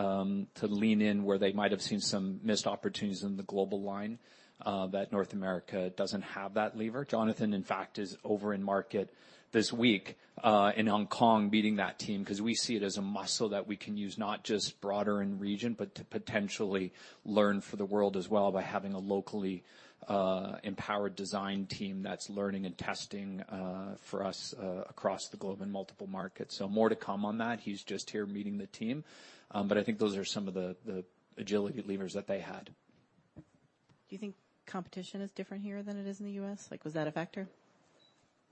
to lean in where they might have seen some missed opportunities in the global line, that North America doesn't have that lever. Jonathan, in fact, is over in market this week, in Hong Kong, meeting that team, because we see it as a muscle that we can use, not just broader in region, but to potentially learn for the world as well by having a locally, empowered design team that's learning and testing, for us, across the globe in multiple markets. So more to come on that. He's just here meeting the team, but I think those are some of the agility levers that they had. Do you think competition is different here than it is in the U.S.? Like, was that a factor?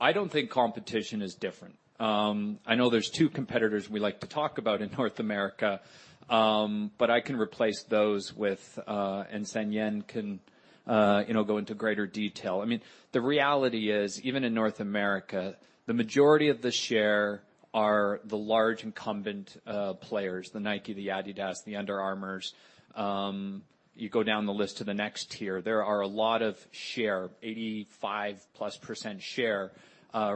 I don't think competition is different. I know there's two competitors we like to talk about in North America, but I can replace those with, and San Yan can, you know, go into greater detail. I mean, the reality is, even in North America, the majority of the share are the large incumbent, players, the Nike, the Adidas, the Under Armour. You go down the list to the next tier, there are a lot of share, 85% share,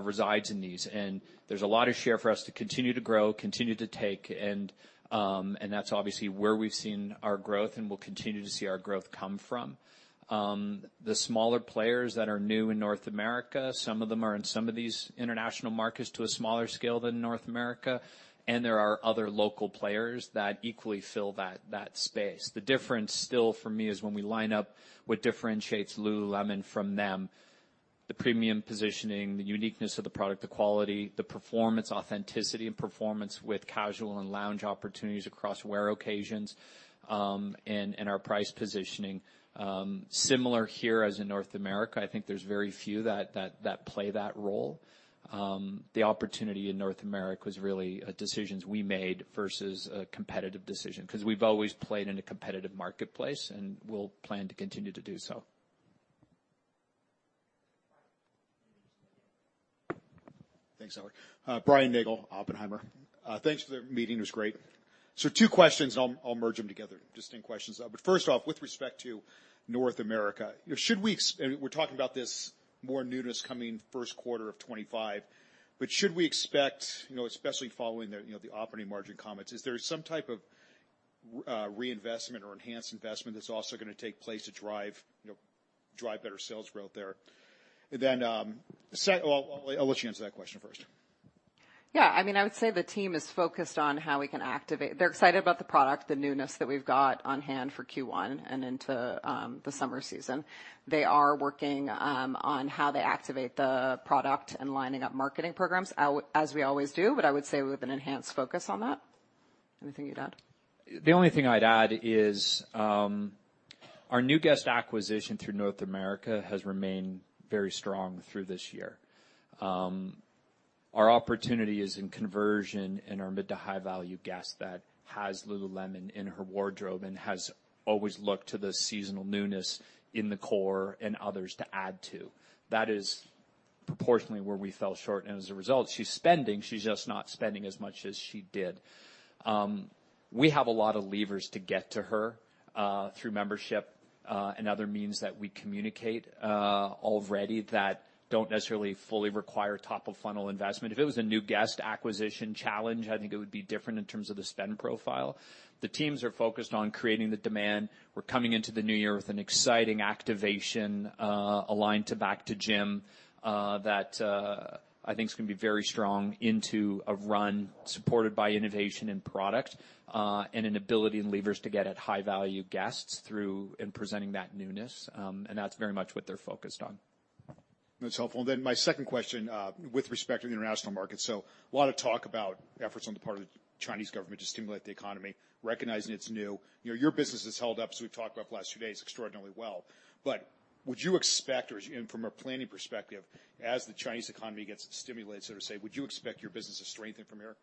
resides in these. And there's a lot of share for us to continue to grow, continue to take, and, and that's obviously where we've seen our growth and will continue to see our growth come from. The smaller players that are new in North America, some of them are in some of these international markets to a smaller scale than North America, and there are other local players that equally fill that space. The difference still, for me, is when we line up what differentiates lululemon from them, the premium positioning, the uniqueness of the product, the quality, the performance, authenticity, and performance with casual and lounge opportunities across wear occasions, and our price positioning. Similar here as in North America, I think there's very few that play that role. The opportunity in North America was really decisions we made versus a competitive decision, because we've always played in a competitive marketplace, and we'll plan to continue to do so. Thanks, Howard. Brian Nagel, Oppenheimer. Thanks for the meeting, it was great. So two questions, I'll merge them together, distinct questions. But first off, with respect to North America, should we expect, and we're talking about this more newness coming first quarter of 2025. But should we expect, you know, especially following the, you know, the operating margin comments, is there some type of reinvestment or enhanced investment that's also gonna take place to drive, you know, drive better sales growth there? And then, well, I'll let you answer that question first. Yeah, I mean, I would say the team is focused on how we can activate... They're excited about the product, the newness that we've got on hand for Q1 and into, the summer season. They are working, on how they activate the product and lining up marketing programs, out- as we always do, but I would say with an enhanced focus on that. Anything you'd add? The only thing I'd add is, our new guest acquisition through North America has remained very strong through this year. Our opportunity is in conversion in our mid to high-value guest that has lululemon in her wardrobe and has always looked to the seasonal newness in the core and others to add to. That is proportionately where we fell short, and as a result, she's spending, she's just not spending as much as she did. We have a lot of levers to get to her through membership and other means that we communicate already that don't necessarily fully require top-of-funnel investment. If it was a new guest acquisition challenge, I think it would be different in terms of the spend profile. The teams are focused on creating the demand. We're coming into the new year with an exciting activation, aligned to Back to Gym, that I think is gonna be very strong into a run, supported by innovation and product, and an ability and levers to get at high-value guests through, and presenting that newness, and that's very much what they're focused on. That's helpful. Then my second question, with respect to the international market. So a lot of talk about efforts on the part of the Chinese government to stimulate the economy, recognizing it's new. You know, your business has held up, as we've talked about the last few days, extraordinarily well. But would you expect, or from a planning perspective, as the Chinese economy gets stimulated, so to say, would you expect your business to strengthen from here?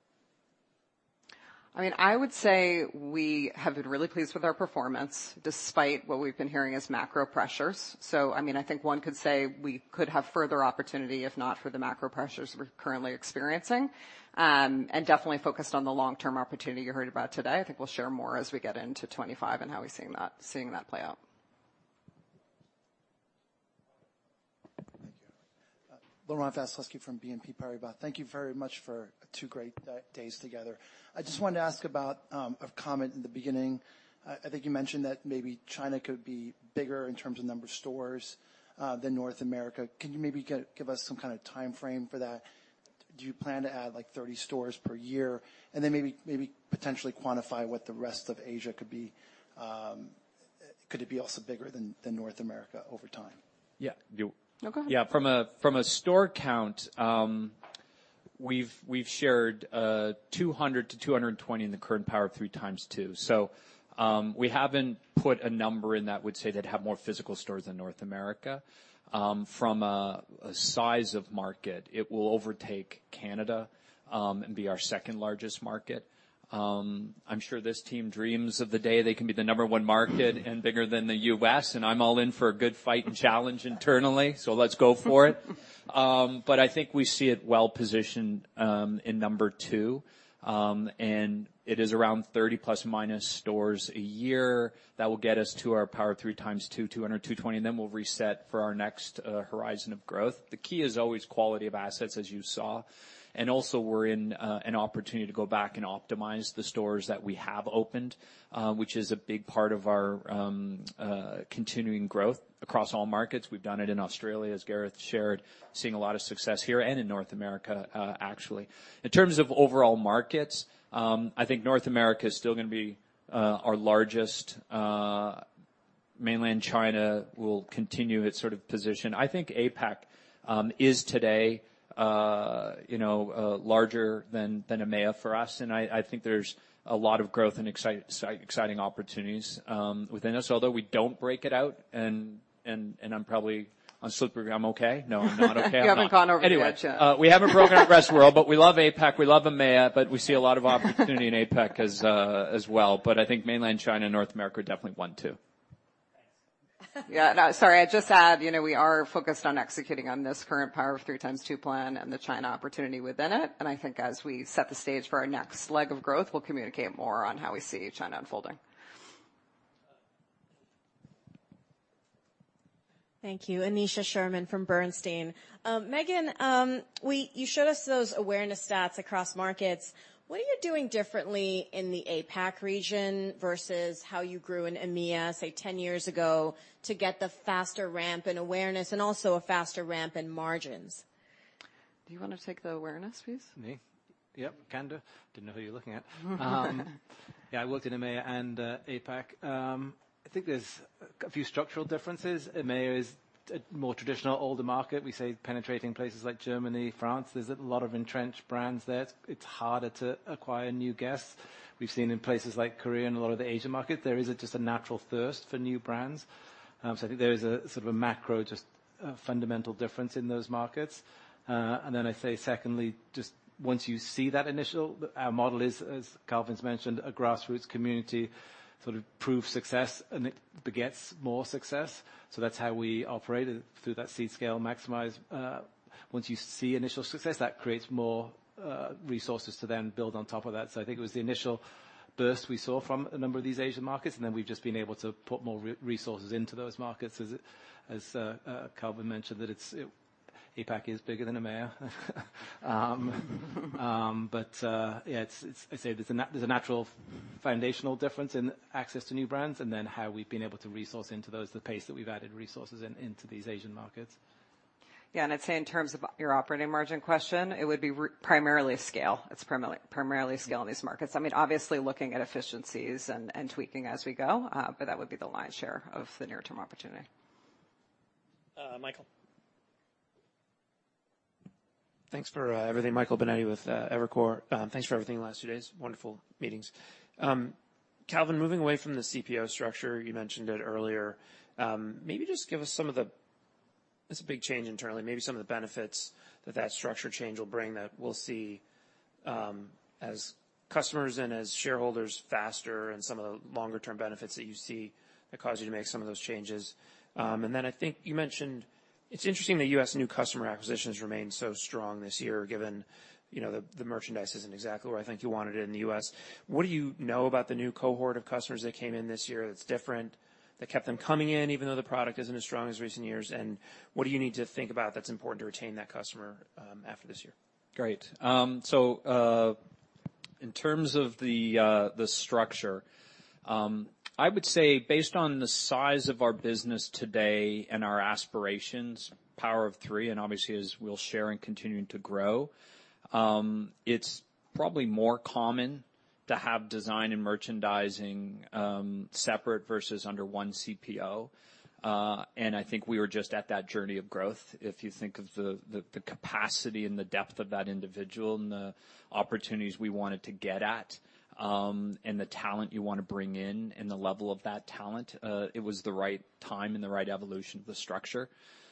I mean, I would say we have been really pleased with our performance, despite what we've been hearing as macro pressures. So, I mean, I think one could say we could have further opportunity, if not for the macro pressures we're currently experiencing, and definitely focused on the long-term opportunity you heard about today. I think we'll share more as we get into 2025 and how we're seeing that play out. Thank you. Laurent Vasilescu from BNP Paribas. Thank you very much for two great days together. I just wanted to ask about a comment in the beginning. I think you mentioned that maybe China could be bigger in terms of number of stores than North America. Can you maybe give us some kind of timeframe for that? Do you plan to add, like, 30 stores per year? And then maybe potentially quantify what the rest of Asia could be. Could it be also bigger than North America over time? Yeah. Do you- No, go ahead. Yeah. From a store count, we've shared 200-220 in the current Power of Three x2. So, we haven't put a number in that would say they'd have more physical stores than North America. From a size of market, it will overtake Canada, and be our second largest market. I'm sure this team dreams of the day they can be the number one market and bigger than the U.S., and I'm all in for a good fight and challenge internally, so let's go for it, but I think we see it well positioned in number two, and it is around 30, plus or minus, stores a year. That will get us to our Power of Three x2, 200-220, and then we'll reset for our next horizon of growth. The key is always quality of assets, as you saw, and also we're in an opportunity to go back and optimize the stores that we have opened, which is a big part of our continuing growth across all markets. We've done it in Australia, as Gareth shared, seeing a lot of success here and in North America, actually. In terms of overall markets, I think North America is still gonna be our largest. Mainland China will continue its sort of position. I think APAC is today, you know, larger than EMEA for us, and I think there's a lot of growth and exciting opportunities within us, although we don't break it out, and I'm probably on slippery ground. I'm okay? No, I'm not okay. You haven't gone over yet. Anyway, we haven't broken out rest of world, but we love APAC, we love EMEA, but we see a lot of opportunity in APAC as well. But I think Mainland China and North America are definitely one, too. Thanks. Yeah. No, sorry. I'd just add, you know, we are focused on executing on this current Power of Three x2 plan and the China opportunity within it, and I think as we set the stage for our next leg of growth, we'll communicate more on how we see China unfolding. Thank you. Anisha Sherman from Bernstein. Meghan, you showed us those awareness stats across markets. What are you doing differently in the APAC region versus how you grew in EMEA, say, ten years ago, to get the faster ramp in awareness and also a faster ramp in margins? Do you want to take the awareness, please? Me? Yep, can do. Didn't know who you were looking at. Yeah, I worked in EMEA and APAC. I think there's a few structural differences. EMEA is a more traditional, older market. We're penetrating places like Germany and France. There's a lot of entrenched brands there. It's harder to acquire new guests. We've seen in places like Korea and a lot of the Asian markets. There is just a natural thirst for new brands, so I think there is sort of a macro, just, fundamental difference in those markets, and then I'd say secondly, just once you see that initial, our model is, as Calvin's mentioned, a grassroots community, sort of proven success, and it begets more success, so that's how we operate, through that Seed, Scale, Maximize. Once you see initial success, that creates more resources to then build on top of that. So I think it was the initial burst we saw from a number of these Asian markets, and then we've just been able to put more resources into those markets. As Calvin mentioned, it's APAC is bigger than EMEA. But yeah, it's. I'd say there's a natural foundational difference in access to new brands, and then how we've been able to resource into those, the pace that we've added resources in, into these Asian markets. Yeah, and I'd say in terms of your operating margin question, it would be primarily scale. It's primarily scale in these markets. I mean, obviously, looking at efficiencies and tweaking as we go, but that would be the lion's share of the near-term opportunity. Uh, Michael? Thanks for everything. Michael Binetti with Evercore. Thanks for everything the last few days. Wonderful meetings. Calvin, moving away from the CPO structure, you mentioned it earlier, maybe just give us some of the benefits that that structure change will bring, that we'll see as customers and as shareholders faster and some of the longer-term benefits that you see that cause you to make some of those changes. And then I think you mentioned, it's interesting that US new customer acquisitions remained so strong this year, given, you know, the merchandise isn't exactly where I think you wanted it in the US. What do you know about the new cohort of customers that came in this year that's different, that kept them coming in, even though the product isn't as strong as recent years? And what do you need to think about that's important to retain that customer after this year? Great. So, in terms of the structure, I would say based on the size of our business today and our aspirations, Power of Three, and obviously as we'll share in continuing to grow, it's probably more common to have design and merchandising separate versus under one CPO, and I think we were just at that journey of growth. If you think of the capacity and the depth of that individual and the opportunities we wanted to get at, and the talent you want to bring in and the level of that talent, it was the right time and the right evolution of the structure.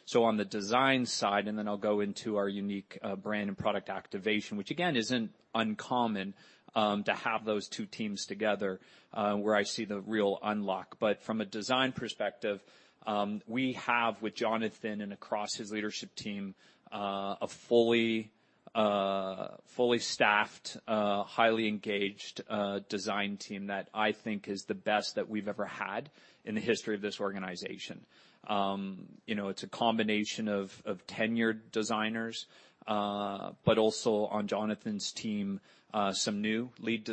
So on the design side, and then I'll go into our unique, brand and product activation, which, again, isn't uncommon, to have those two teams together, where I see the real unlock. But from a design perspective, we have with Jonathan and across his leadership team, a fully staffed, highly engaged, design team that I think is the best that we've ever had in the history of this organization. You know, it's a combination of tenured designers, but also on Jonathan's team, some new lead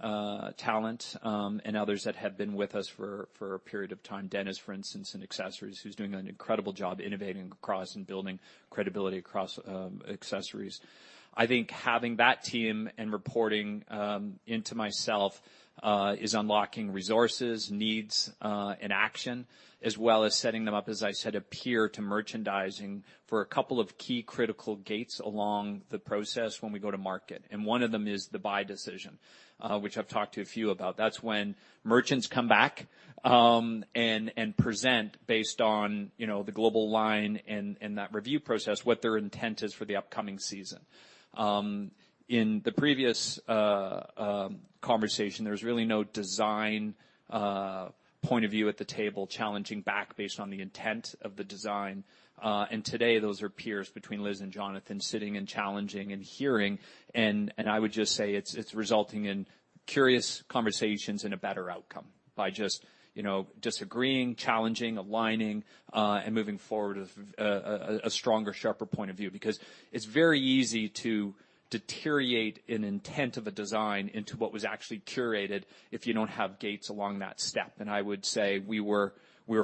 design talent, and others that have been with us for a period of time. Dennis, for instance, in accessories, who's doing an incredible job innovating across and building credibility across, accessories. I think having that team and reporting into myself is unlocking resources, needs, and action, as well as setting them up, as I said, a peer to merchandising for a couple of key critical gates along the process when we go to market. One of them is the buy decision, which I've talked to a few about. That's when merchants come back and present based on, you know, the global line and that review process, what their intent is for the upcoming season. In the previous conversation, there was really no design point of view at the table challenging back based on the intent of the design. Today, those are peers between Liz and Jonathan sitting and challenging and hearing. I would just say it's resulting in curious conversations and a better outcome by just, you know, disagreeing, challenging, aligning, and moving forward with a stronger, sharper point of view. Because it's very easy to deteriorate an intent of a design into what was actually curated if you don't have gates along that step. I would say we're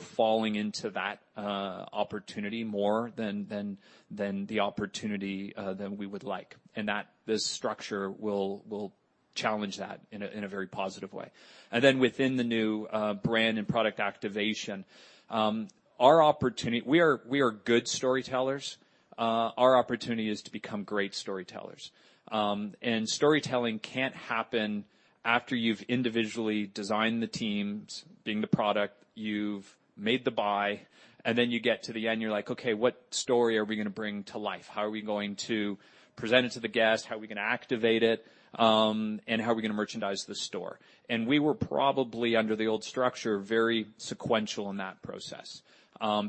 falling into that opportunity more than we would like, and that this structure will challenge that in a very positive way. Then within the new brand and product activation, our opportunity. We are good storytellers. Our opportunity is to become great storytellers. And storytelling can't happen after you've individually designed the teams, being the product, you've made the buy, and then you get to the end, you're like: Okay, what story are we gonna bring to life? How are we going to present it to the guest? How are we gonna activate it? And how are we gonna merchandise the store? And we were probably, under the old structure, very sequential in that process,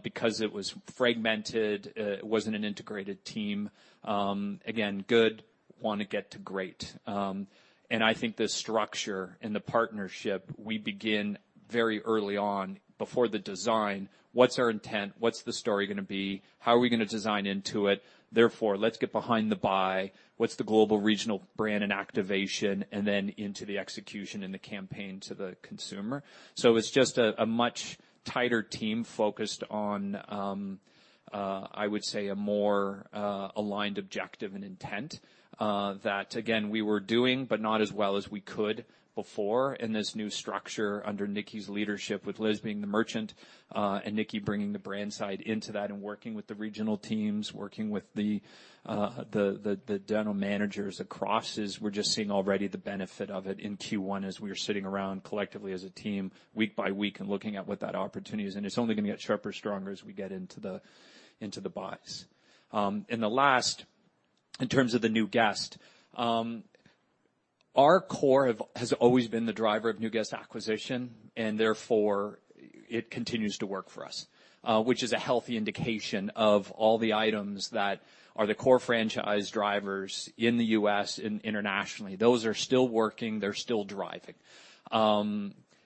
because it was fragmented. It wasn't an integrated team. Again, good, want to get to great. And I think the structure and the partnership, we begin very early on before the design. What's our intent? What's the story gonna be? How are we gonna design into it? Therefore, let's get behind the buy. What's the global, regional brand and activation? And then into the execution and the campaign to the consumer. So it's just a much tighter team focused on, I would say, a more aligned objective and intent, that again, we were doing, but not as well as we could before. In this new structure, under Nikki's leadership, with Liz being the merchant, and Nikki bringing the brand side into that and working with the regional teams, working with the general managers across, we're just seeing already the benefit of it in Q1 as we are sitting around collectively as a team, week by week, and looking at what that opportunity is. And it's only gonna get sharper, stronger as we get into the buys. And the last, in terms of the new guest, our core has always been the driver of new guest acquisition, and therefore, it continues to work for us, which is a healthy indication of all the items that are the core franchise drivers in the U.S. and internationally. Those are still working; they're still driving.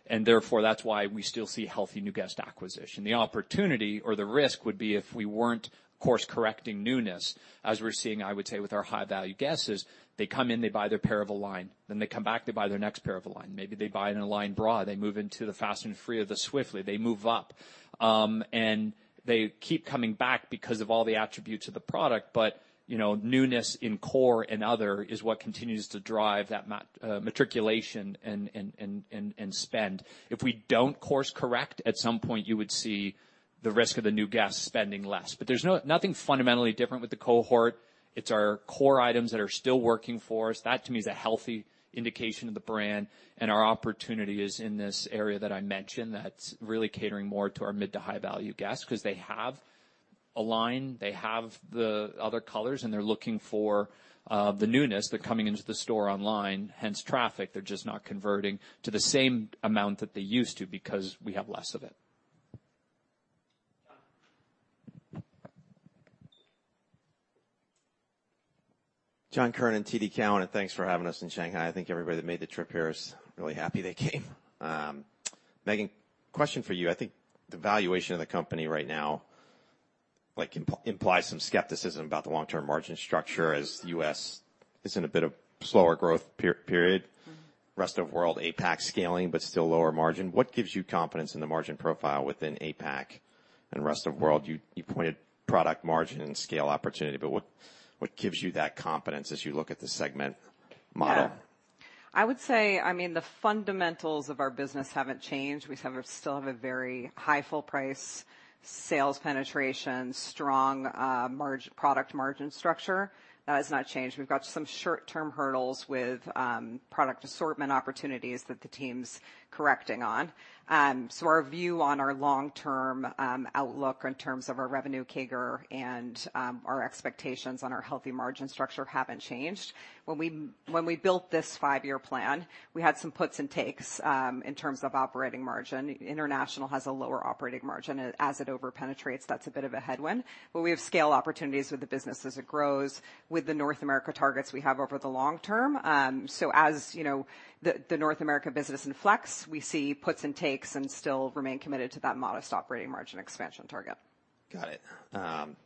And therefore, that's why we still see healthy new guest acquisition. The opportunity or the risk would be if we weren't course-correcting newness, as we're seeing, I would say, with our high-value guests: they come in, they buy their pair of Align, then they come back, they buy their next pair of Align. Maybe they buy an Align bra, they move into the Fast and Free or the Swiftly. They move up, and they keep coming back because of all the attributes of the product. But, you know, newness in core and other is what continues to drive that matriculation and spend. If we don't course correct, at some point, you would see the risk of the new guest spending less. But there's nothing fundamentally different with the cohort. It's our core items that are still working for us. That, to me, is a healthy indication of the brand, and our opportunity is in this area that I mentioned, that's really catering more to our mid to high-value guests because they have Align. They have the other colors, and they're looking for the newness. They're coming into the store online, hence traffic. They're just not converting to the same amount that they used to because we have less of it. John? John Kernan, TD Cowen, and thanks for having us in Shanghai. I think everybody that made the trip here is really happy they came. Meghan, question for you. I think the valuation of the company right now, like, implies some skepticism about the long-term margin structure, as US is in a bit of slower growth period. Mm-hmm. Rest of World, APAC scaling, but still lower margin. What gives you confidence in the margin profile within APAC and Rest of World? You pointed product margin and scale opportunity, but what gives you that confidence as you look at the segment model? Yeah. I would say, I mean, the fundamentals of our business haven't changed. We have still have a very high full-price sales penetration, strong product margin structure. That has not changed. We've got some short-term hurdles with product assortment opportunities that the team's correcting on. So our view on our long-term outlook in terms of our revenue CAGR and our expectations on our healthy margin structure haven't changed. When we built this five-year plan, we had some puts and takes in terms of operating margin. International has a lower operating margin, and as it over-penetrates, that's a bit of a headwind. But we have scale opportunities with the business as it grows with the North America targets we have over the long term. So as you know, the North America business in flux, we see puts and takes and still remain committed to that modest operating margin expansion target. Got it.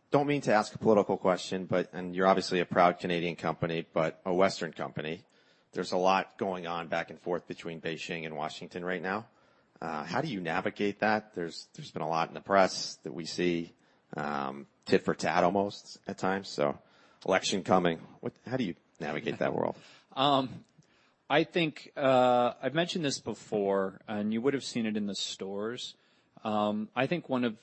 Don't mean to ask a political question, but... And you're obviously a proud Canadian company, but a Western company. There's a lot going on back and forth between Beijing and Washington right now. How do you navigate that? There's been a lot in the press that we see, tit for tat almost at times, so election coming. How do you navigate that world? I think I've mentioned this before, and you would have seen it in the stores. I think one of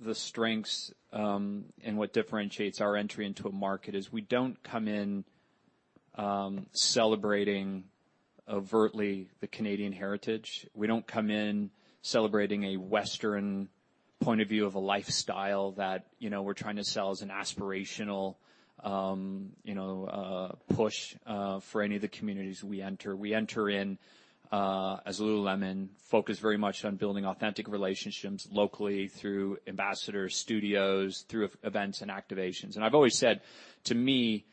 the strengths and what differentiates our entry into a market is we don't come in celebrating overtly the Canadian heritage. We don't come in celebrating a Western point of view of a lifestyle that, you know, we're trying to sell as an aspirational, you know, push for any of the communities we enter. We enter in as lululemon, focused very much on building authentic relationships locally through ambassador studios, through events and activations. And I've always said, to me,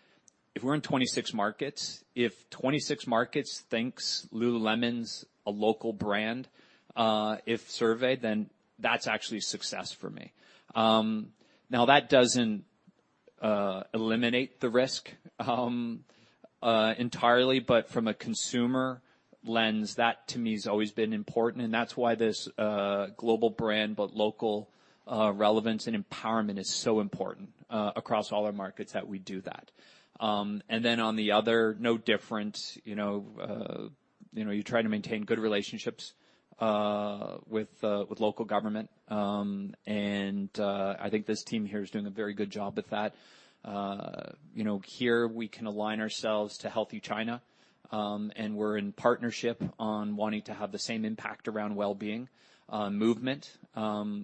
if we're in twenty-six markets, if twenty-six markets thinks lululemon's a local brand, if surveyed, then that's actually success for me. Now, that doesn't eliminate the risk entirely, but from a consumer lens, that to me, has always been important, and that's why this global brand, but local relevance and empowerment is so important across all our markets that we do that. And then on the other, no different, you know, you know, you try to maintain good relationships with local government. And, I think this team here is doing a very good job with that. You know, here we can align ourselves to Healthy China, and we're in partnership on wanting to have the same impact around well-being, movement,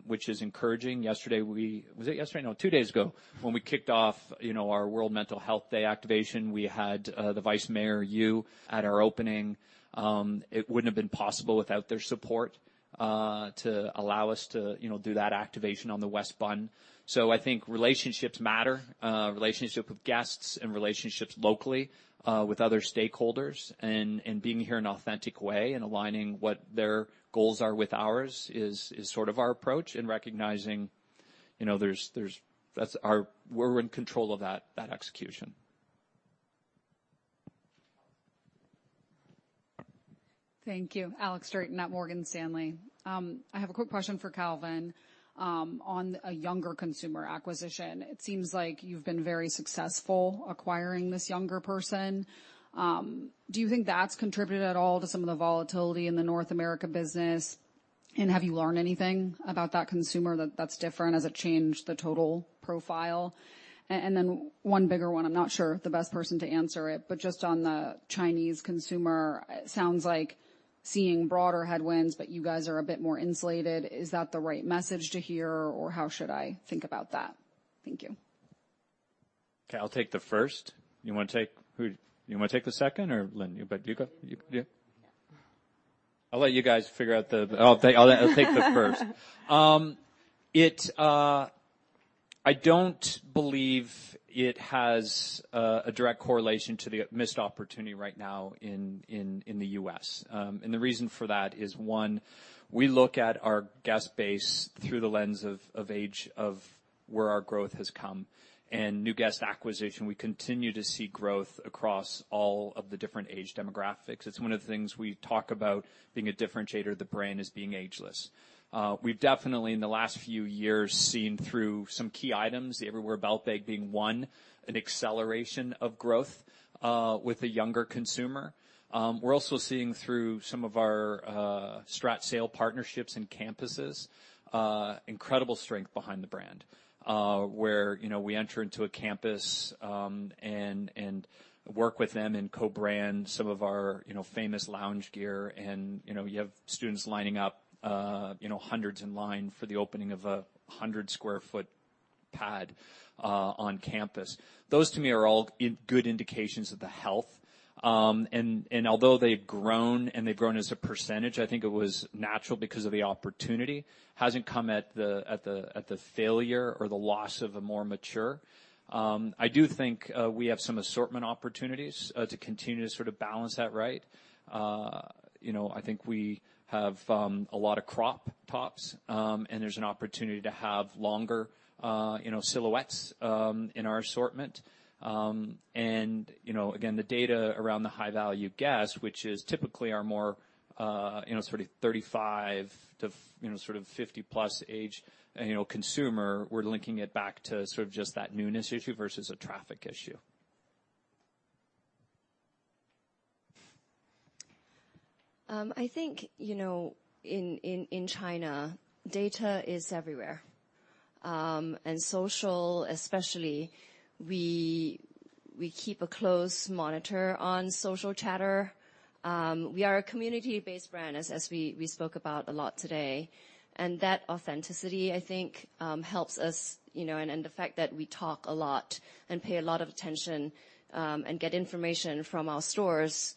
which is encouraging. Yesterday, we... Was it yesterday? No, two days ago, when we kicked off, you know, our World Mental Health Day activation, we had the Vice Mayor, Yu, at our opening. It wouldn't have been possible without their support to allow us to, you know, do that activation on the West Bund. So I think relationships matter, relationship with guests and relationships locally with other stakeholders and, and being here in an authentic way and aligning what their goals are with ours is sort of our approach, and recognizing, you know, there's that-- that's our-- we're in control of that execution. Thank you. Alex Straton at Morgan Stanley. I have a quick question for Calvin on a younger consumer acquisition. It seems like you've been very successful acquiring this younger person. Do you think that's contributed at all to some of the volatility in the North America business, and have you learned anything about that consumer that that's different? Has it changed the total profile? And then one bigger one, I'm not sure the best person to answer it, but just on the Chinese consumer, it sounds like seeing broader headwinds, but you guys are a bit more insulated. Is that the right message to hear, or how should I think about that? Thank you. Okay, I'll take the first. You wanna take... Who. You wanna take the second, or Lynn? But you go. You, yeah. Yeah. I'll let you guys figure out. I'll take the first. I don't believe it has a direct correlation to the missed opportunity right now in the U.S. And the reason for that is, one, we look at our guest base through the lens of age, of where our growth has come, and new guest acquisition, we continue to see growth across all of the different age demographics. It's one of the things we talk about being a differentiator of the brand is being ageless. We've definitely, in the last few years, seen through some key items, the Everywhere Belt Bag being one, an acceleration of growth with the younger consumer. We're also seeing through some of our strategic sales partnerships and campuses incredible strength behind the brand. Where, you know, we enter into a campus, and work with them and co-brand some of our, you know, famous lounge gear, and, you know, you have students lining up, you know, hundreds in line for the opening of a 100 sq ft pad on campus. Those to me are all good indications of the health. And although they've grown, and they've grown as a percentage, I think it was natural because of the opportunity, hasn't come at the failure or the loss of a more mature. I do think we have some assortment opportunities to continue to sort of balance that right. You know, I think we have a lot of crop tops, and there's an opportunity to have longer, you know, silhouettes in our assortment. You know, again, the data around the high-value guest, which is typically our more, you know, sort of 35 to 50-plus age, you know, consumer, we're linking it back to sort of just that newness issue versus a traffic issue. I think, you know, in China, data is everywhere. And social especially, we keep a close monitor on social chatter. We are a community-based brand, as we spoke about a lot today. And that authenticity, I think, helps us, you know, and the fact that we talk a lot and pay a lot of attention, and get information from our stores,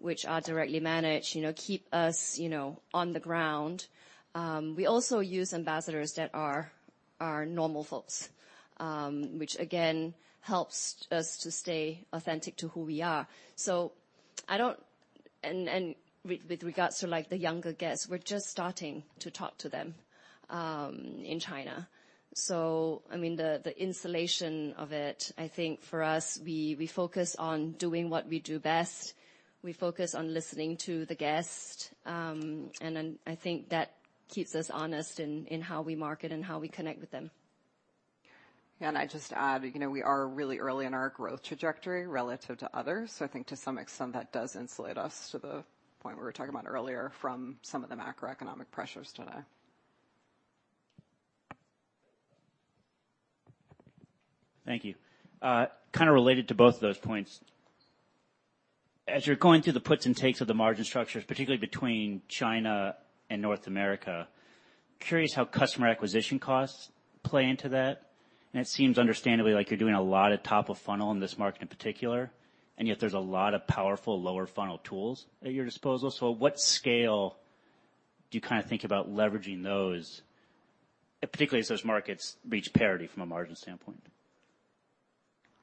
which are directly managed, you know, keep us, you know, on the ground. We also use ambassadors that are normal folks, which again, helps us to stay authentic to who we are. So, with regards to, like, the younger guests, we're just starting to talk to them in China. So, I mean, the insulation of it, I think for us, we focus on doing what we do best. We focus on listening to the guest, and then I think that keeps us honest in how we market and how we connect with them. I'd just add, you know, we are really early in our growth trajectory relative to others. So I think to some extent, that does insulate us to the point we were talking about earlier, from some of the macroeconomic pressures today. Thank you. Kind of related to both of those points, as you're going through the puts and takes of the margin structures, particularly between China and North America, curious how customer acquisition costs play into that? And it seems understandably like you're doing a lot of top-of-funnel in this market in particular, and yet there's a lot of powerful lower funnel tools at your disposal. So what scale do you kind of think about leveraging those, particularly as those markets reach parity from a margin standpoint?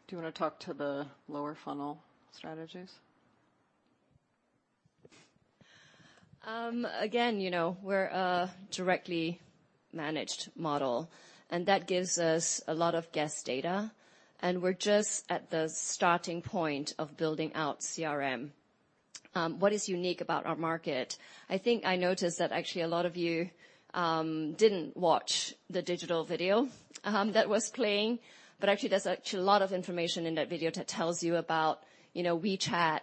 Do you wanna talk to the lower funnel strategies? Again, you know, we're a directly managed model, and that gives us a lot of guest data, and we're just at the starting point of building out CRM. What is unique about our market? I think I noticed that actually a lot of you didn't watch the digital video that was playing, but actually, there's actually a lot of information in that video that tells you about, you know, WeChat,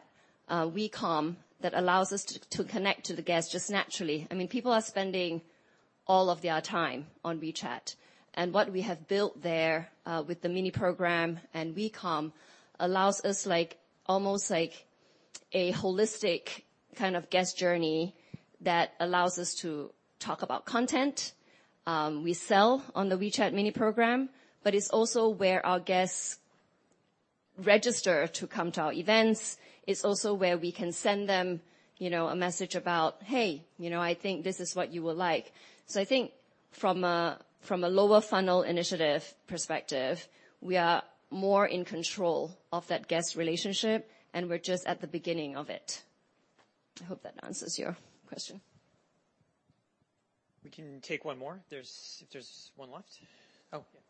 WeCom, that allows us to connect to the guest just naturally. I mean, people are spending all of their time on WeChat, and what we have built there with the mini program and WeCom, allows us like, almost like a holistic kind of guest journey that allows us to talk about content. We sell on the WeChat mini program, but it's also where our guests register to come to our events. It's also where we can send them, you know, a message about, "Hey, you know, I think this is what you will like." So I think from a lower funnel initiative perspective, we are more in control of that guest relationship, and we're just at the beginning of it. I hope that answers your question. We can take one more. There's if there's one left. Oh, yes.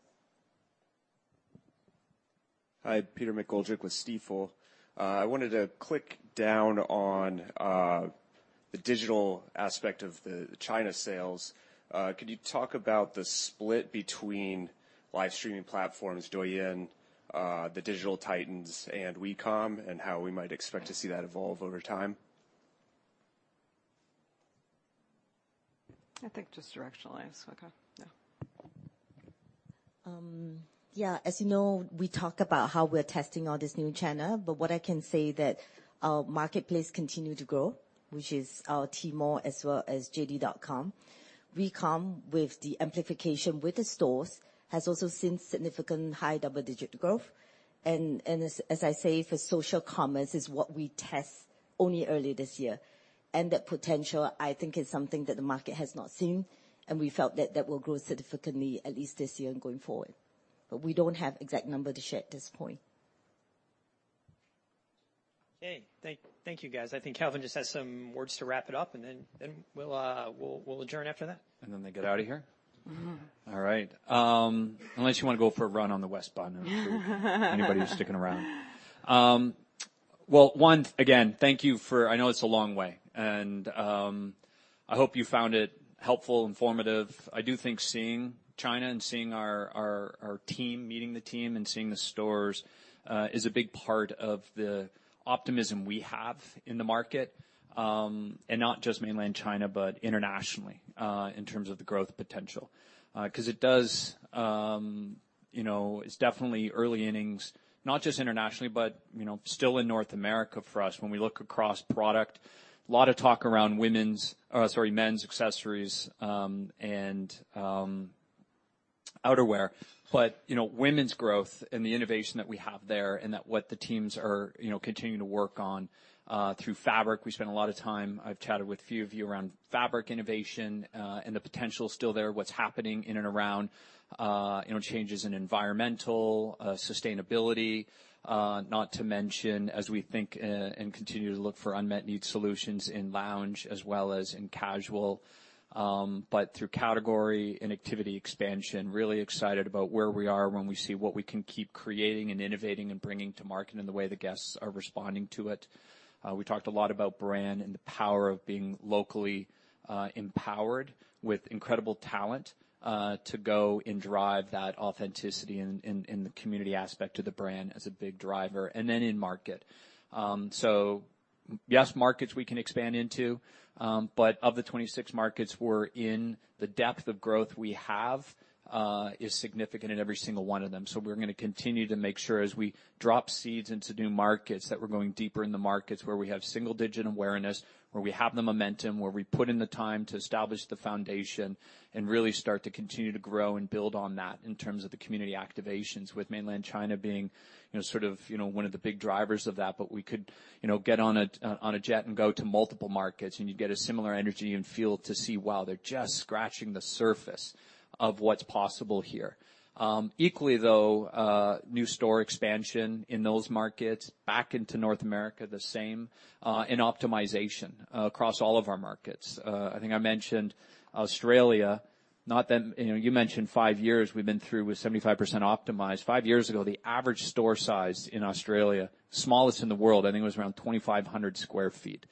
Hi, Peter McGoldrick with Stifel. I wanted to click down on the digital aspect of the China sales. Could you talk about the split between live streaming platforms, Douyin, the digital titans and WeCom, and how we might expect to see that evolve over time? I think just directionally, it's okay. Yeah. Yeah, as you know, we talked about how we're testing all this new channel, but what I can say that our marketplace continue to grow, which is our Tmall as well as JD.com. WeCom, with the amplification with the stores, has also seen significant high double-digit growth. And as I say, for social commerce, is what we test only early this year. And that potential, I think, is something that the market has not seen, and we felt that that will grow significantly, at least this year and going forward. But we don't have exact number to share at this point. Okay. Thank you, guys. I think Calvin just has some words to wrap it up, and then we'll adjourn after that. And then they get out of here? Mm-hmm. All right. Unless you wanna go for a run on the West Bund – anybody who's sticking around. Well, one, again, thank you for... I know it's a long way, and I hope you found it helpful, informative. I do think seeing China and seeing our team, meeting the team and seeing the stores, is a big part of the optimism we have in the market. And not just mainland China, but internationally, in terms of the growth potential. 'Cause it does, you know, it's definitely early innings, not just internationally, but you know, still in North America for us. When we look across product, a lot of talk around women's, sorry, men's accessories, and outerwear. But, you know, women's growth and the innovation that we have there, and that what the teams are, you know, continuing to work on, through fabric. We spent a lot of time. I've chatted with a few of you around fabric innovation, and the potential is still there, what's happening in and around, you know, changes in environmental, sustainability, not to mention, as we think, and continue to look for unmet need solutions in lounge as well as in casual. But through category and activity expansion, really excited about where we are when we see what we can keep creating and innovating and bringing to market and the way the guests are responding to it. We talked a lot about brand and the power of being locally empowered with incredible talent to go and drive that authenticity in the community aspect of the brand as a big driver, and then in market. So yes, markets we can expand into, but of the twenty-six markets we're in, the depth of growth we have is significant in every single one of them. So we're gonna continue to make sure as we drop seeds into new markets, that we're going deeper in the markets where we have single-digit awareness, where we have the momentum, where we put in the time to establish the foundation and really start to continue to grow and build on that in terms of the community activations, with Mainland China being, you know, sort of, you know, one of the big drivers of that. But we could, you know, get on a, on a jet and go to multiple markets, and you'd get a similar energy and feel to see, wow, they're just scratching the surface of what's possible here. Equally, though, new store expansion in those markets, back into North America, the same, and optimization across all of our markets. I think I mentioned Australia, not that... You know, you mentioned five years we've been through with 75% optimized. Five years ago, the average store size in Australia, smallest in the world, I think it was around 2,500 sq ft.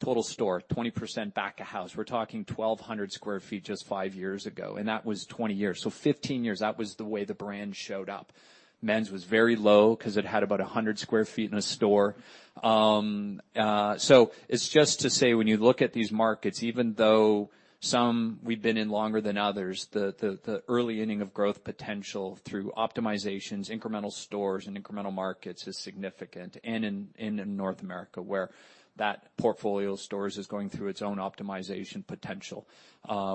Total store, 20% back of house. We're talking 1,200 sq ft just five years ago, and that was 20 years. So fifteen years, that was the way the brand showed up. Men's was very low because it had about 100 sq ft in a store. So it's just to say, when you look at these markets, even though some we've been in longer than others, the early inning of growth potential through optimizations, incremental stores, and incremental markets is significant. And in North America, where that portfolio of stores is going through its own optimization potential,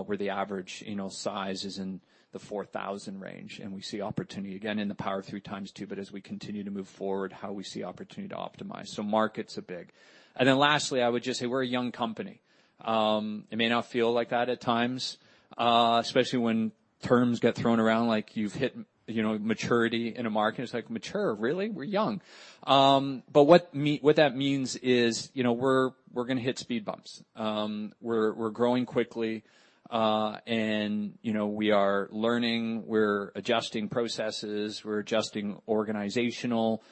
where the average, you know, size is in the 4,000 range, and we see opportunity again in the Power of Three x2. But as we continue to move forward, how we see opportunity to optimize. So markets are big. And then lastly, I would just say we're a young company. It may not feel like that at times, especially when terms get thrown around, like you've hit, you know, maturity in a market. It's like, mature, really? We're young, but what that means is, you know, we're gonna hit speed bumps. We're growing quickly, and, you know, we are learning, we're adjusting processes, we're adjusting organizational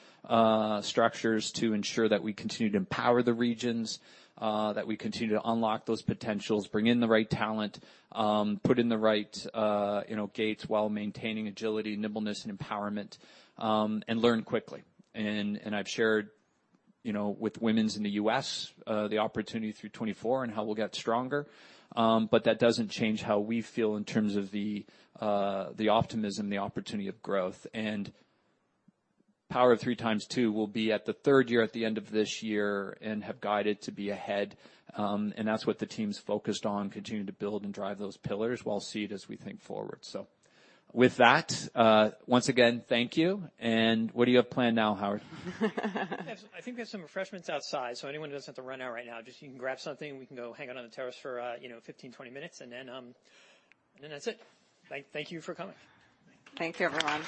structures to ensure that we continue to empower the regions, that we continue to unlock those potentials, bring in the right talent, put in the right, you know, gates while maintaining agility, nimbleness, and empowerment, and learn quickly. I've shared, you know, with women's in the U.S., the opportunity through 2024 and how we'll get stronger. But that doesn't change how we feel in terms of the optimism, the opportunity of growth. Power of three times two will be at the third year, at the end of this year, and have guided to be ahead. And that's what the team's focused on, continuing to build and drive those pillars while seed as we think forward. So with that, once again, thank you. And what do you have planned now, Howard? I think we have some refreshments outside, so anyone doesn't have to run out right now. Just you can grab something, and we can go hang out on the terrace for, you know, fifteen, twenty minutes, and then, and then that's it. Thank you for coming. Thank you, everyone.